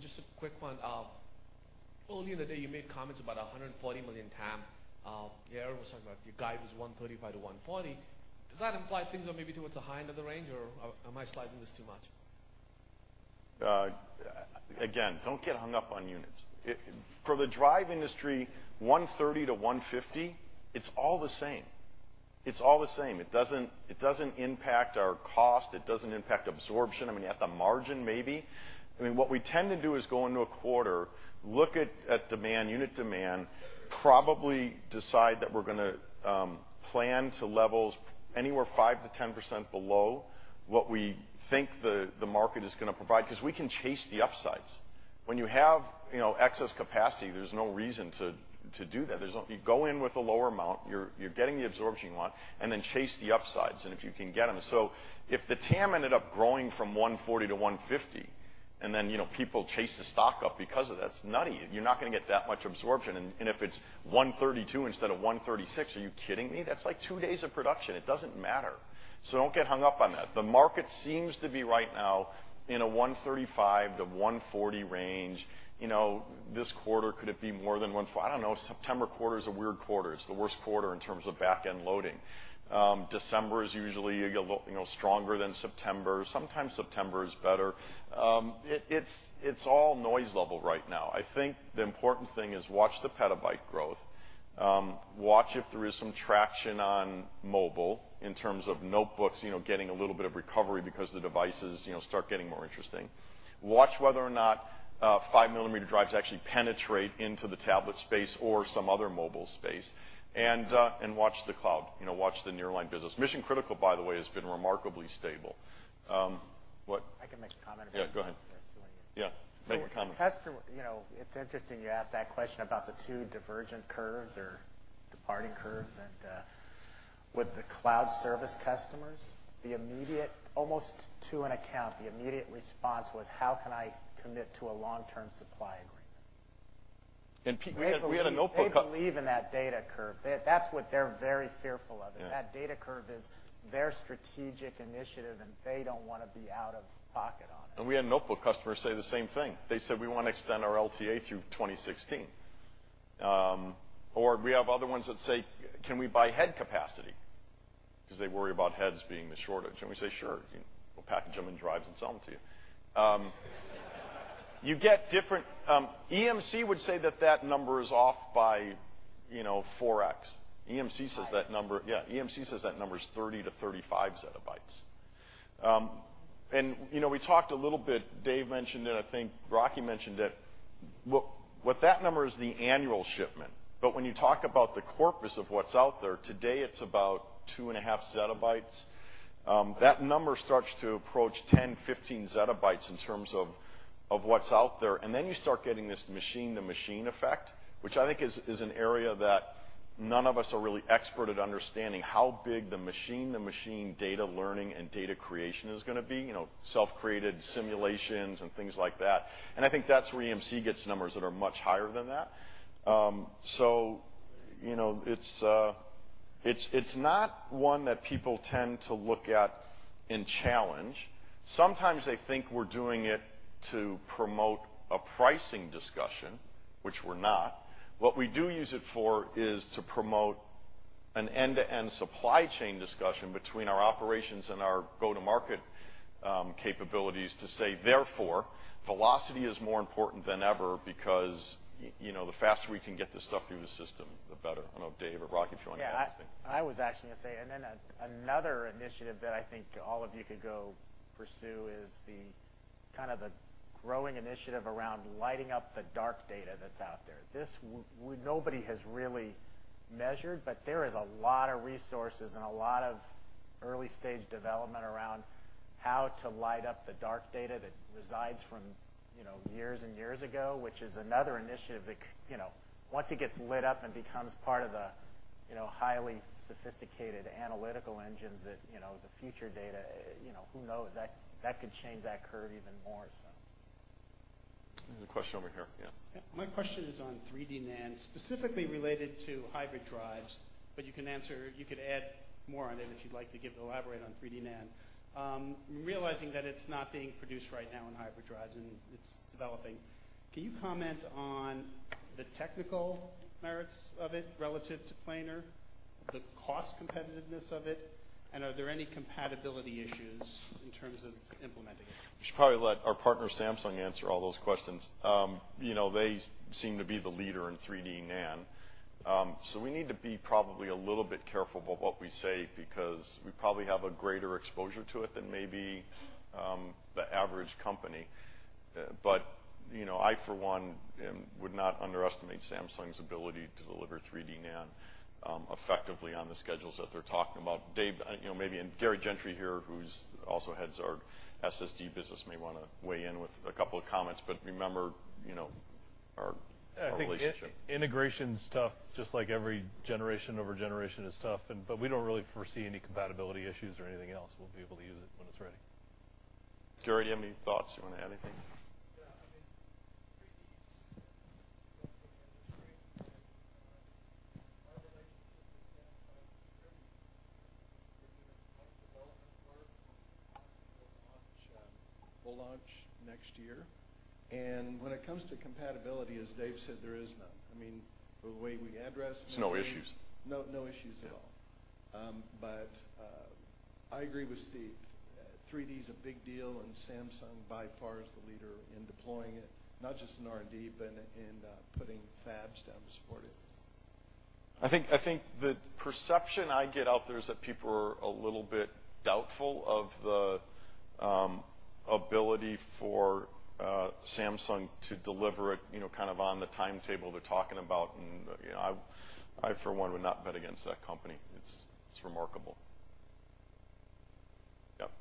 Just a quick one. Earlier in the day, you made comments about 140 million TAM. Aaron was talking about your guide was 135 to 140. Does that imply things are maybe towards the high end of the range, or am I sliding this too much? Again, don't get hung up on units. For the drive industry, 130 to 150, it's all the same. It's all the same. It doesn't impact our cost. It doesn't impact absorption. At the margin, maybe. What we tend to do is go into a quarter, look at demand, unit demand, probably decide that we're going to plan to levels anywhere 5%-10% below what we think the market is going to provide because we can chase the upsides. When you have excess capacity, there's no reason to do that. You go in with a lower amount, you're getting the absorption you want, then chase the upsides, and if you can get them. If the TAM ended up growing from 140 to 150, then people chase the stock up because of that, it's nutty. You're not going to get that much absorption. If it's 132 instead of 136, are you kidding me? That's like two days of production. It doesn't matter. Don't get hung up on that. The market seems to be right now in a 135 to 140 range. This quarter, could it be more than 140? I don't know. September quarter is a weird quarter. It's the worst quarter in terms of back-end loading. December is usually stronger than September. Sometimes September is better. It's all noise level right now. I think the important thing is watch the petabyte growth. Watch if there is some traction on mobile in terms of notebooks getting a little bit of recovery because the devices start getting more interesting. Watch whether or not five-millimeter drives actually penetrate into the tablet space or some other mobile space. Watch the cloud. Watch the nearline business. Mission-critical, by the way, has been remarkably stable. What? I can make a comment about this. Yeah, go ahead. If you guys still want to. Yeah. Make a comment. It's interesting you asked that question about the two divergent curves or departing curves. With the cloud service customers, almost to an account, the immediate response was, "How can I commit to a long-term supply agreement? We had a notebook. They believe in that data curve. That's what they're very fearful of. Yeah That data curve is their strategic initiative, and they don't want to be out of pocket on it. We had notebook customers say the same thing. They said, "We want to extend our LTA through 2016." We have other ones that say, "Can we buy head capacity?" Because they worry about heads being the shortage. We say, "Sure. We'll package them in drives and sell them to you." You get different. EMC would say that that number is off by 4X. EMC says that number- Five. Yeah, EMC says that number is 30 zettabytes-35 zettabytes. We talked a little bit, Dave mentioned it, I think Rocky mentioned it, what that number is the annual shipment. When you talk about the corpus of what's out there, today it's about two and a half zettabytes. That number starts to approach 10, 15 zettabytes in terms of what's out there. Then you start getting this machine-to-machine effect, which I think is an area that none of us are really expert at understanding how big the machine-to-machine data learning and data creation is going to be, self-created simulations and things like that. I think that's where EMC gets numbers that are much higher than that. It's not one that people tend to look at and challenge. Sometimes they think we're doing it to promote a pricing discussion, which we're not. What we do use it for is to promote an end-to-end supply chain discussion between our operations and our go-to-market capabilities to say, therefore, velocity is more important than ever because the faster we can get this stuff through the system, the better. I know Dave or Rocky if you want to add anything. Yeah. I was actually going to say, another initiative that I think all of you could go pursue is the growing initiative around lighting up the dark data that's out there. This, nobody has really measured, but there is a lot of resources and a lot of early-stage development around how to light up the dark data that resides from years and years ago, which is another initiative that, once it gets lit up and becomes part of the highly sophisticated analytical engines that the future data, who knows? That could change that curve even more. There's a question over here. Yeah. My question is on 3D NAND, specifically related to hybrid drives, but you can add more on it if you'd like to elaborate on 3D NAND. Realizing that it's not being produced right now in hybrid drives, and it's developing, can you comment on the technical merits of it relative to planar, the cost competitiveness of it, and are there any compatibility issues in terms of implementing it? We should probably let our partner Samsung answer all those questions. They seem to be the leader in 3D NAND. We need to be probably a little bit careful about what we say because we probably have a greater exposure to it than maybe the average company. I, for one, would not underestimate Samsung's ability to deliver 3D NAND effectively on the schedules that they're talking about. Dave, maybe, and Gary Gentry here, who also heads our SSD business, may want to weigh in with a couple of comments, but remember our relationship. I think integration is tough, just like every generation over generation is tough, but we don't really foresee any compatibility issues or anything else. We'll be able to use it when it's ready. Gary, do you have any thoughts? You want to add anything? Yeah. 3D is going to come mainstream. Our relationship with Samsung is very deep, even in joint development work. We will launch next year. When it comes to compatibility, as Dave said, there is none. The way we. No issues. No issues at all. I agree with Steve, 3D is a big deal and Samsung by far is the leader in deploying it, not just in R&D, but in putting fabs down to support it. I think the perception I get out there is that people are a little bit doubtful of the ability for Samsung to deliver it on the timetable they're talking about. I, for one, would not bet against that company. It's remarkable. Yep.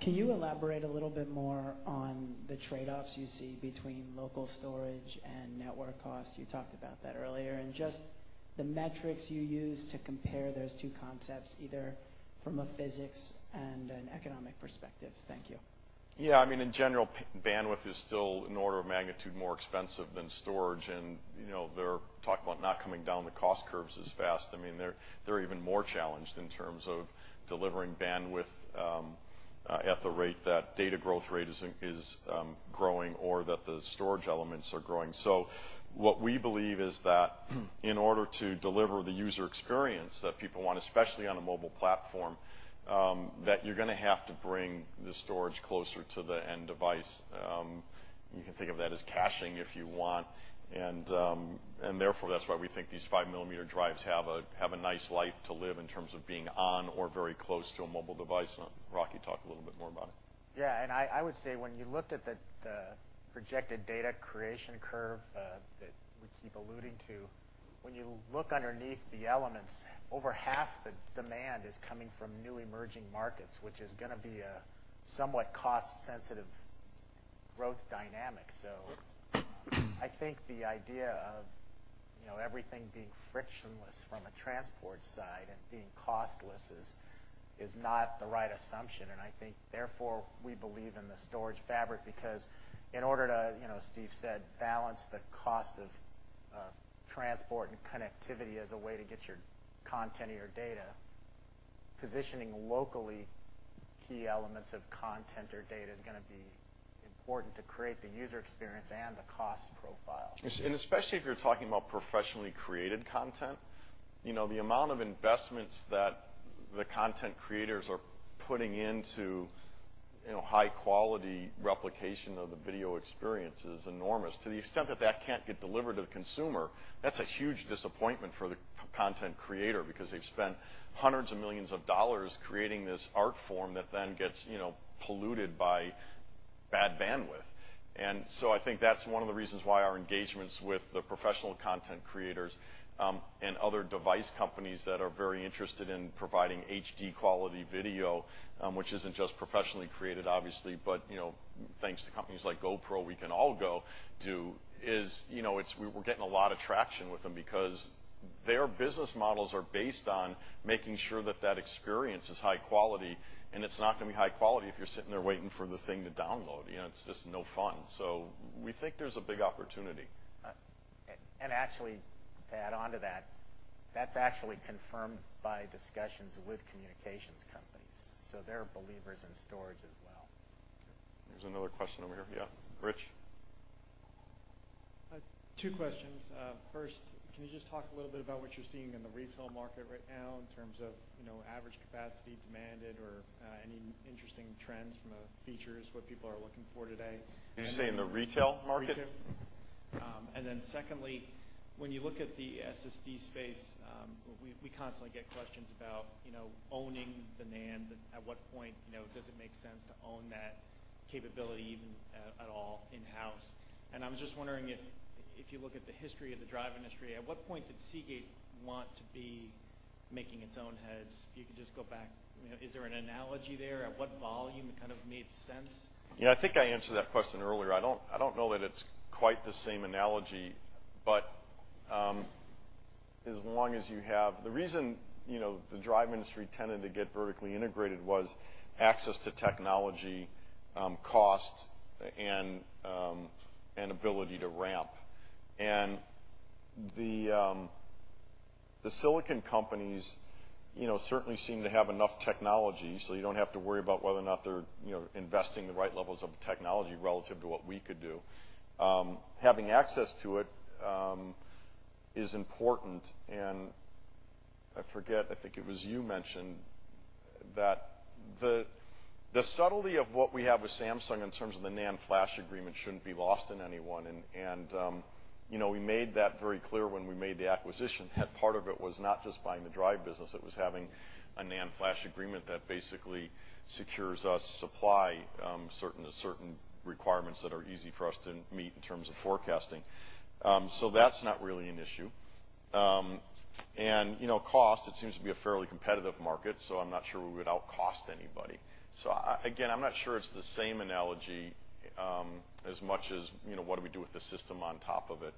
Can you elaborate a little bit more on the trade-offs you see between local storage and network costs? You talked about that earlier. Just the metrics you use to compare those two concepts, either from a physics and an economic perspective. Thank you. Yeah. In general, bandwidth is still an order of magnitude more expensive than storage, they're talking about not coming down the cost curves as fast. They're even more challenged in terms of delivering bandwidth at the rate that data growth rate is growing or that the storage elements are growing. What we believe is that in order to deliver the user experience that people want, especially on a mobile platform, that you're going to have to bring the storage closer to the end device. You can think of that as caching if you want. Therefore, that's why we think these five-millimeter drives have a nice life to live in terms of being on or very close to a mobile device. Rocky, talk a little bit more about it. Yeah. I would say when you looked at the projected data creation curve that we keep alluding to, when you look underneath the elements, over half the demand is coming from new emerging markets, which is going to be a somewhat cost-sensitive growth dynamic. I think the idea of everything being frictionless from a transport side and being costless is not the right assumption. I think therefore, we believe in the storage fabric because in order to, as Steve said, balance the cost of transport and connectivity as a way to get your content or your data, positioning locally key elements of content or data is going to be important to create the user experience and the cost profile. Especially if you're talking about professionally created content, the amount of investments that the content creators are putting into high-quality replication of the video experience is enormous. To the extent that that can't get delivered to the consumer, that's a huge disappointment for the content creator because they've spent hundreds of millions of dollars creating this art form that then gets polluted by bad bandwidth. I think that's one of the reasons why our engagements with the professional content creators, and other device companies that are very interested in providing HD-quality video, which isn't just professionally created, obviously, but thanks to companies like GoPro, we can all go do, is we're getting a lot of traction with them because their business models are based on making sure that that experience is high quality, and it's not going to be high quality if you're sitting there waiting for the thing to download. It's just no fun. We think there's a big opportunity. Actually, to add onto that's actually confirmed by discussions with communications companies. They're believers in storage as well. There's another question over here. Yeah, Rich. Two questions. First, can you just talk a little bit about what you're seeing in the retail market right now in terms of average capacity demanded or any interesting trends from a features, what people are looking for today? You say in the retail market? Retail. Secondly, when you look at the SSD space, we constantly get questions about owning the NAND, at what point does it make sense to own that capability even at all in-house. I was just wondering if you look at the history of the drive industry, at what point did Seagate want to be making its own heads? If you could just go back, is there an analogy there? At what volume it made sense? Yeah, I think I answered that question earlier. I don't know that it's quite the same analogy, but The reason the drive industry tended to get vertically integrated was access to technology, cost, and ability to ramp. The silicon companies certainly seem to have enough technology, so you don't have to worry about whether or not they're investing the right levels of technology relative to what we could do. Having access to it is important, I forget, I think it was you who mentioned that the subtlety of what we have with Samsung in terms of the NAND flash agreement shouldn't be lost on anyone. We made that very clear when we made the acquisition, that part of it was not just buying the drive business, it was having a NAND flash agreement that basically secures us supply, certain requirements that are easy for us to meet in terms of forecasting. That's not really an issue. Cost, it seems to be a fairly competitive market, I'm not sure we would out-cost anybody. Again, I'm not sure it's the same analogy as much as what do we do with the system on top of it.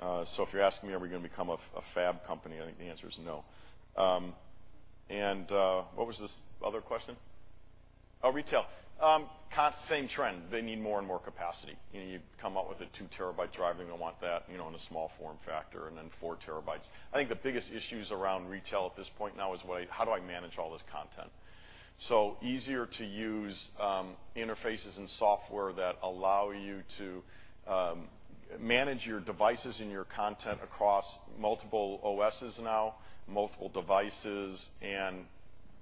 If you're asking me, are we going to become a fab company, I think the answer is no. What was this other question? Oh, retail. Same trend. They need more and more capacity. You come out with a 2 terabyte drive, and they want that in a small form factor, and then 4 terabytes. I think the biggest issues around retail at this point now is how do I manage all this content? Easier-to-use interfaces and software that allow you to manage your devices and your content across multiple OSes now, multiple devices,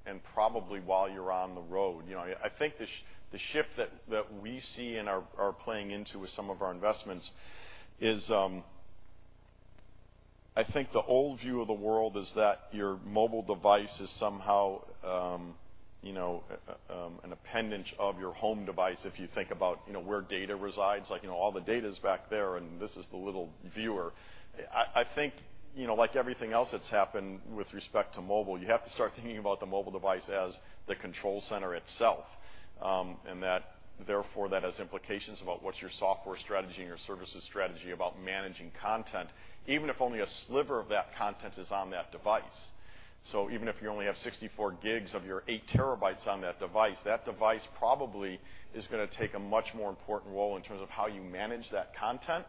and probably while you're on the road. I think the shift that we see and are playing into with some of our investments is, I think the old view of the world is that your mobile device is somehow an appendage of your home device if you think about where data resides. All the data's back there, and this is the little viewer. I think, like everything else that's happened with respect to mobile, you have to start thinking about the mobile device as the control center itself. Therefore, that has implications about what's your software strategy and your services strategy about managing content, even if only a sliver of that content is on that device. Even if you only have 64 GB of your 8 terabytes on that device, that device probably is going to take a much more important role in terms of how you manage that content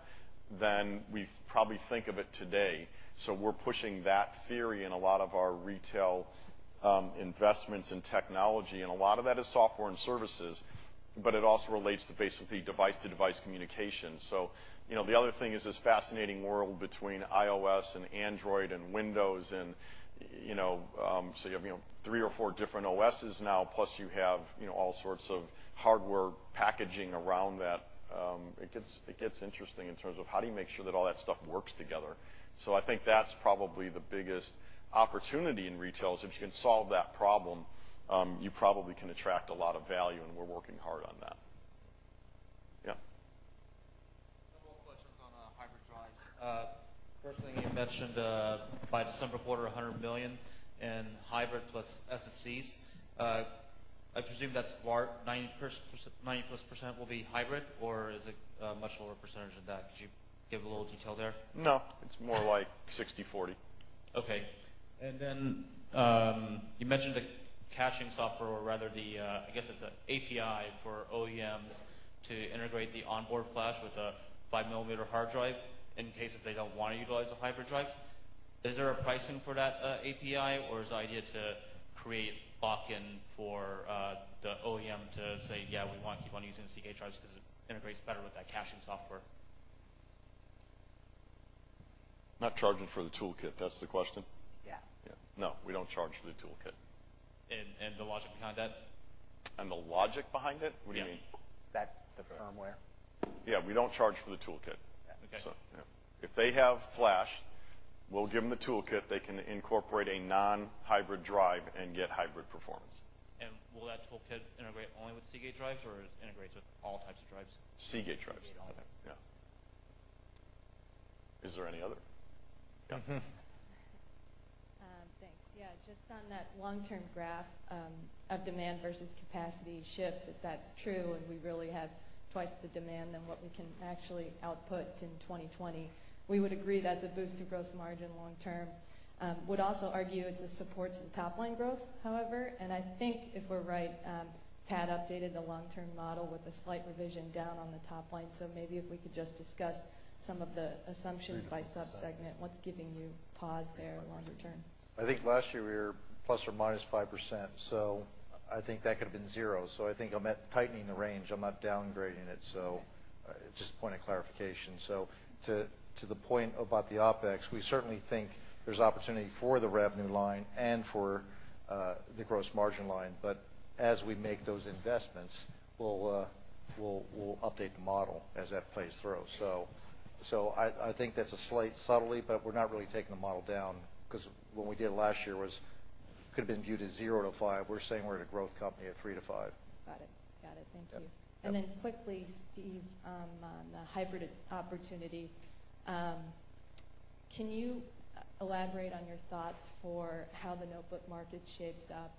than we probably think of it today. We're pushing that theory in a lot of our retail investments in technology, and a lot of that is software and services, but it also relates to basically device-to-device communication. The other thing is this fascinating world between iOS and Android and Windows you have 3 or 4 different OSes now, plus you have all sorts of hardware packaging around that. It gets interesting in terms of how do you make sure that all that stuff works together. I think that's probably the biggest opportunity in retail, is if you can solve that problem, you probably can attract a lot of value, and we're working hard on that. Yeah. First thing you mentioned by December quarter, $100 million in hybrid plus SSDs. I presume that's 90+% will be hybrid or is it a much lower percentage than that? Could you give a little detail there? No. It's more like 60/40. Okay. Then, you mentioned the caching software or rather the, I guess it's an API for OEMs to integrate the onboard flash with a 5 mm hard drive in case if they don't want to utilize the hybrid drives. Is there a pricing for that API or is the idea to create lock-in for the OEM to say, "Yeah, we want to keep on using Seagate drives because it integrates better with that caching software"? Not charging for the toolkit, that's the question? Yeah. No, we don't charge for the toolkit. The logic behind that? The logic behind it? What do you mean? That's the firmware. Yeah, we don't charge for the toolkit. Okay. Yeah. If they have flash, we'll give them the toolkit. They can incorporate a non-hybrid drive and get hybrid performance. Will that toolkit integrate only with Seagate drives or it integrates with all types of drives? Seagate drives. Seagate only. Yeah. Is there any other? Yeah. Just on that long-term graph of demand versus capacity shift, if that's true and we really have twice the demand than what we can actually output in 2020, we would agree that's a boost to gross margin long term. Would also argue it supports top-line growth, however, and I think if we're right, Pat updated the long-term model with a slight revision down on the top line. Maybe if we could just discuss some of the assumptions by sub-segment, what's giving you pause there longer term? I think last year we were ±5%, I think that could have been zero. I think I'm tightening the range, I'm not downgrading it. Just a point of clarification. To the point about the OpEx, we certainly think there's opportunity for the revenue line and for the gross margin line. As we make those investments, we'll update the model as that plays through. I think that's a slight subtlety, but we're not really taking the model down because when we did it last year, it could've been viewed as 0%-5%. We're saying we're at a growth company at 3%-5%. Got it. Thank you. Yeah. Quickly, Steve, on the hybrid opportunity, can you elaborate on your thoughts for how the notebook market shapes up?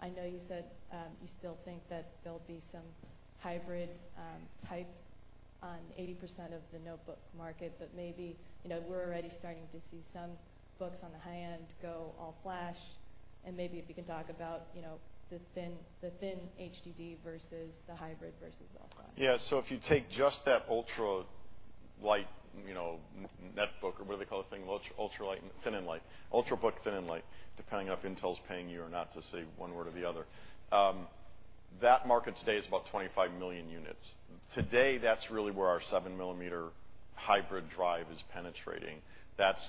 I know you said you still think that there'll be some hybrid type on 80% of the notebook market, but maybe we're already starting to see some books on the high end go all flash, and maybe if you can talk about the thin HDD versus the hybrid versus all flash. Yeah. If you take just that ultralight netbook, or what do they call the thing? Ultralight and thin and light. Ultrabook, thin, and light, depending on if Intel's paying you or not to say one word or the other. That market today is about 25 million units. Today, that's really where our 7-millimeter hybrid drive is penetrating. That's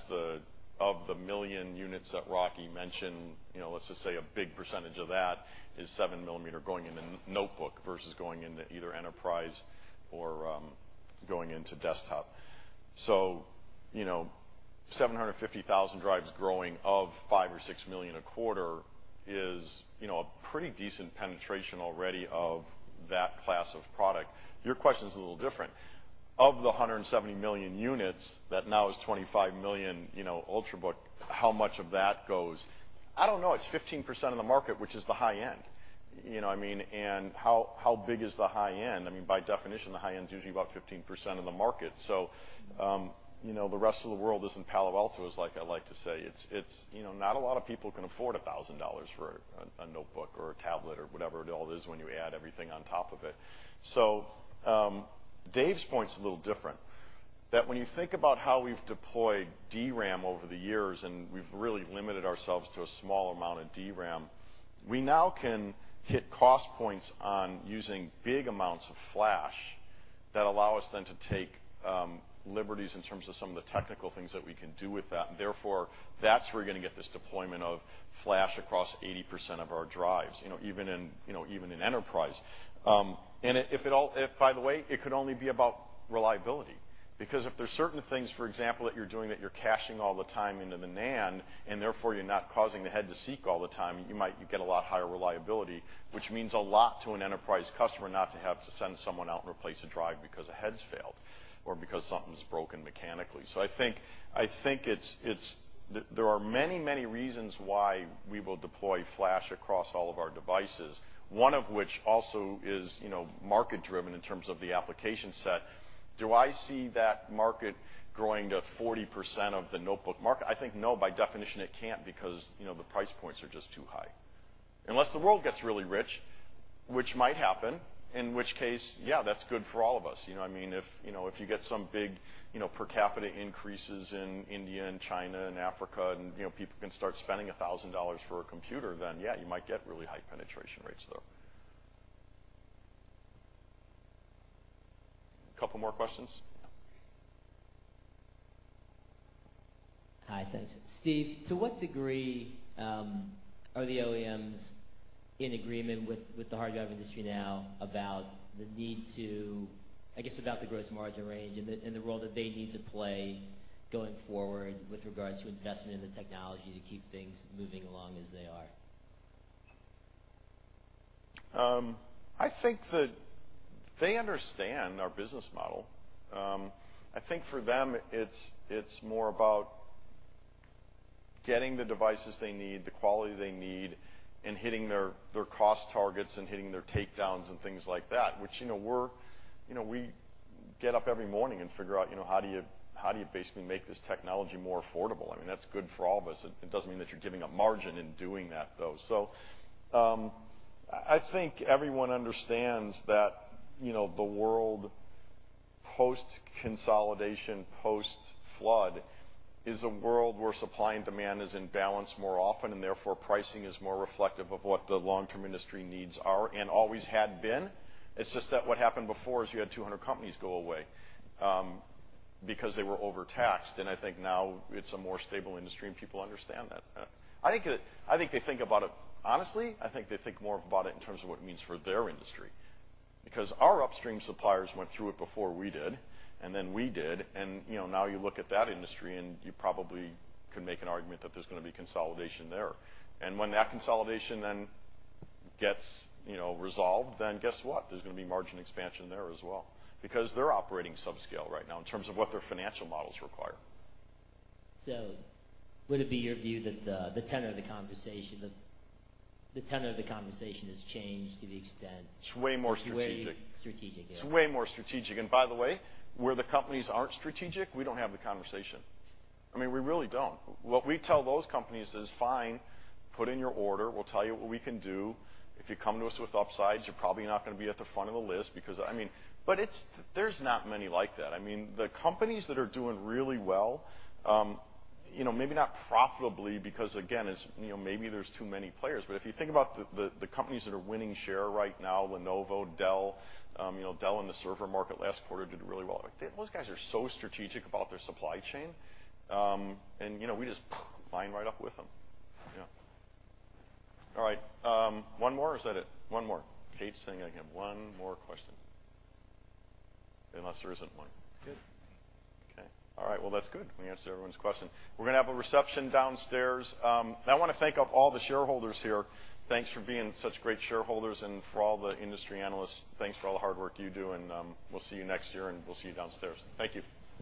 of the million units that Rocky mentioned, let's just say a big percentage of that is 7-millimeter going into notebook versus going into either enterprise or going into desktop. 750,000 drives growing of 5 or 6 million a quarter is a pretty decent penetration already of that class of product. Your question's a little different. Of the 170 million units, that now is 25 million Ultrabook, how much of that goes? I don't know. It's 15% of the market, which is the high end. You know what I mean? How big is the high end? By definition, the high end is usually about 15% of the market. The rest of the world isn't Palo Alto, as I like to say. Not a lot of people can afford $1,000 for a notebook or a tablet or whatever it all is when you add everything on top of it. Dave's point's a little different, that when you think about how we've deployed DRAM over the years, and we've really limited ourselves to a small amount of DRAM, we now can hit cost points on using big amounts of flash that allow us then to take liberties in terms of some of the technical things that we can do with that. Therefore, that's where you're going to get this deployment of flash across 80% of our drives, even in enterprise. By the way, it could only be about reliability because if there's certain things, for example, that you're doing that you're caching all the time into the NAND and therefore you're not causing the head to seek all the time, you might get a lot higher reliability, which means a lot to an enterprise customer not to have to send someone out and replace a drive because a head's failed or because something's broken mechanically. I think there are many reasons why we will deploy flash across all of our devices, one of which also is market-driven in terms of the application set. Do I see that market growing to 40% of the notebook market? I think no, by definition it can't because the price points are just too high. Unless the world gets really rich, which might happen, in which case, yeah, that's good for all of us. You know what I mean? If you get some big per capita increases in India and China and Africa, and people can start spending $1,000 for a computer, then yeah, you might get really high penetration rates there. Couple more questions? Yeah. Hi, thanks. Steve, to what degree are the OEMs in agreement with the hard drive industry now about the need to, I guess, about the gross margin range and the role that they need to play going forward with regards to investment in the technology to keep things moving along as they are? I think that they understand our business model. I think for them, it's more about getting the devices they need, the quality they need, and hitting their cost targets and hitting their takedowns and things like that, which we get up every morning and figure out how do you basically make this technology more affordable? That's good for all of us. It doesn't mean that you're giving up margin in doing that, though. I think everyone understands that the world post-consolidation, post-flood is a world where supply and demand is in balance more often, and therefore, pricing is more reflective of what the long-term industry needs are and always had been. It's just that what happened before is you had 200 companies go away because they were overtaxed, and I think now it's a more stable industry, and people understand that. Honestly, I think they think more about it in terms of what it means for their industry. Our upstream suppliers went through it before we did, and then we did, and now you look at that industry, and you probably can make an argument that there's going to be consolidation there. When that consolidation gets resolved, guess what? There's going to be margin expansion there as well because they're operating sub-scale right now in terms of what their financial models require. Would it be your view that the tenor of the conversation has changed to the extent? It's way more strategic. Way strategic, yeah. It's way more strategic. By the way, where the companies aren't strategic, we don't have the conversation. We really don't. What we tell those companies is, "Fine, put in your order. We'll tell you what we can do. If you come to us with upsides, you're probably not going to be at the front of the list." There's not many like that. The companies that are doing really well, maybe not profitably because, again, maybe there's too many players, if you think about the companies that are winning share right now, Lenovo, Dell. Dell in the server market last quarter did really well. Those guys are so strategic about their supply chain. We just line right up with them. Yeah. All right. One more, or is that it? One more. Kate's saying I can have one more question. Unless there isn't one. Good. Okay. All right. Well, that's good. We answered everyone's question. We're going to have a reception downstairs. I want to thank all the shareholders here. Thanks for being such great shareholders. For all the industry analysts, thanks for all the hard work you do, and we'll see you next year, and we'll see you downstairs. Thank you.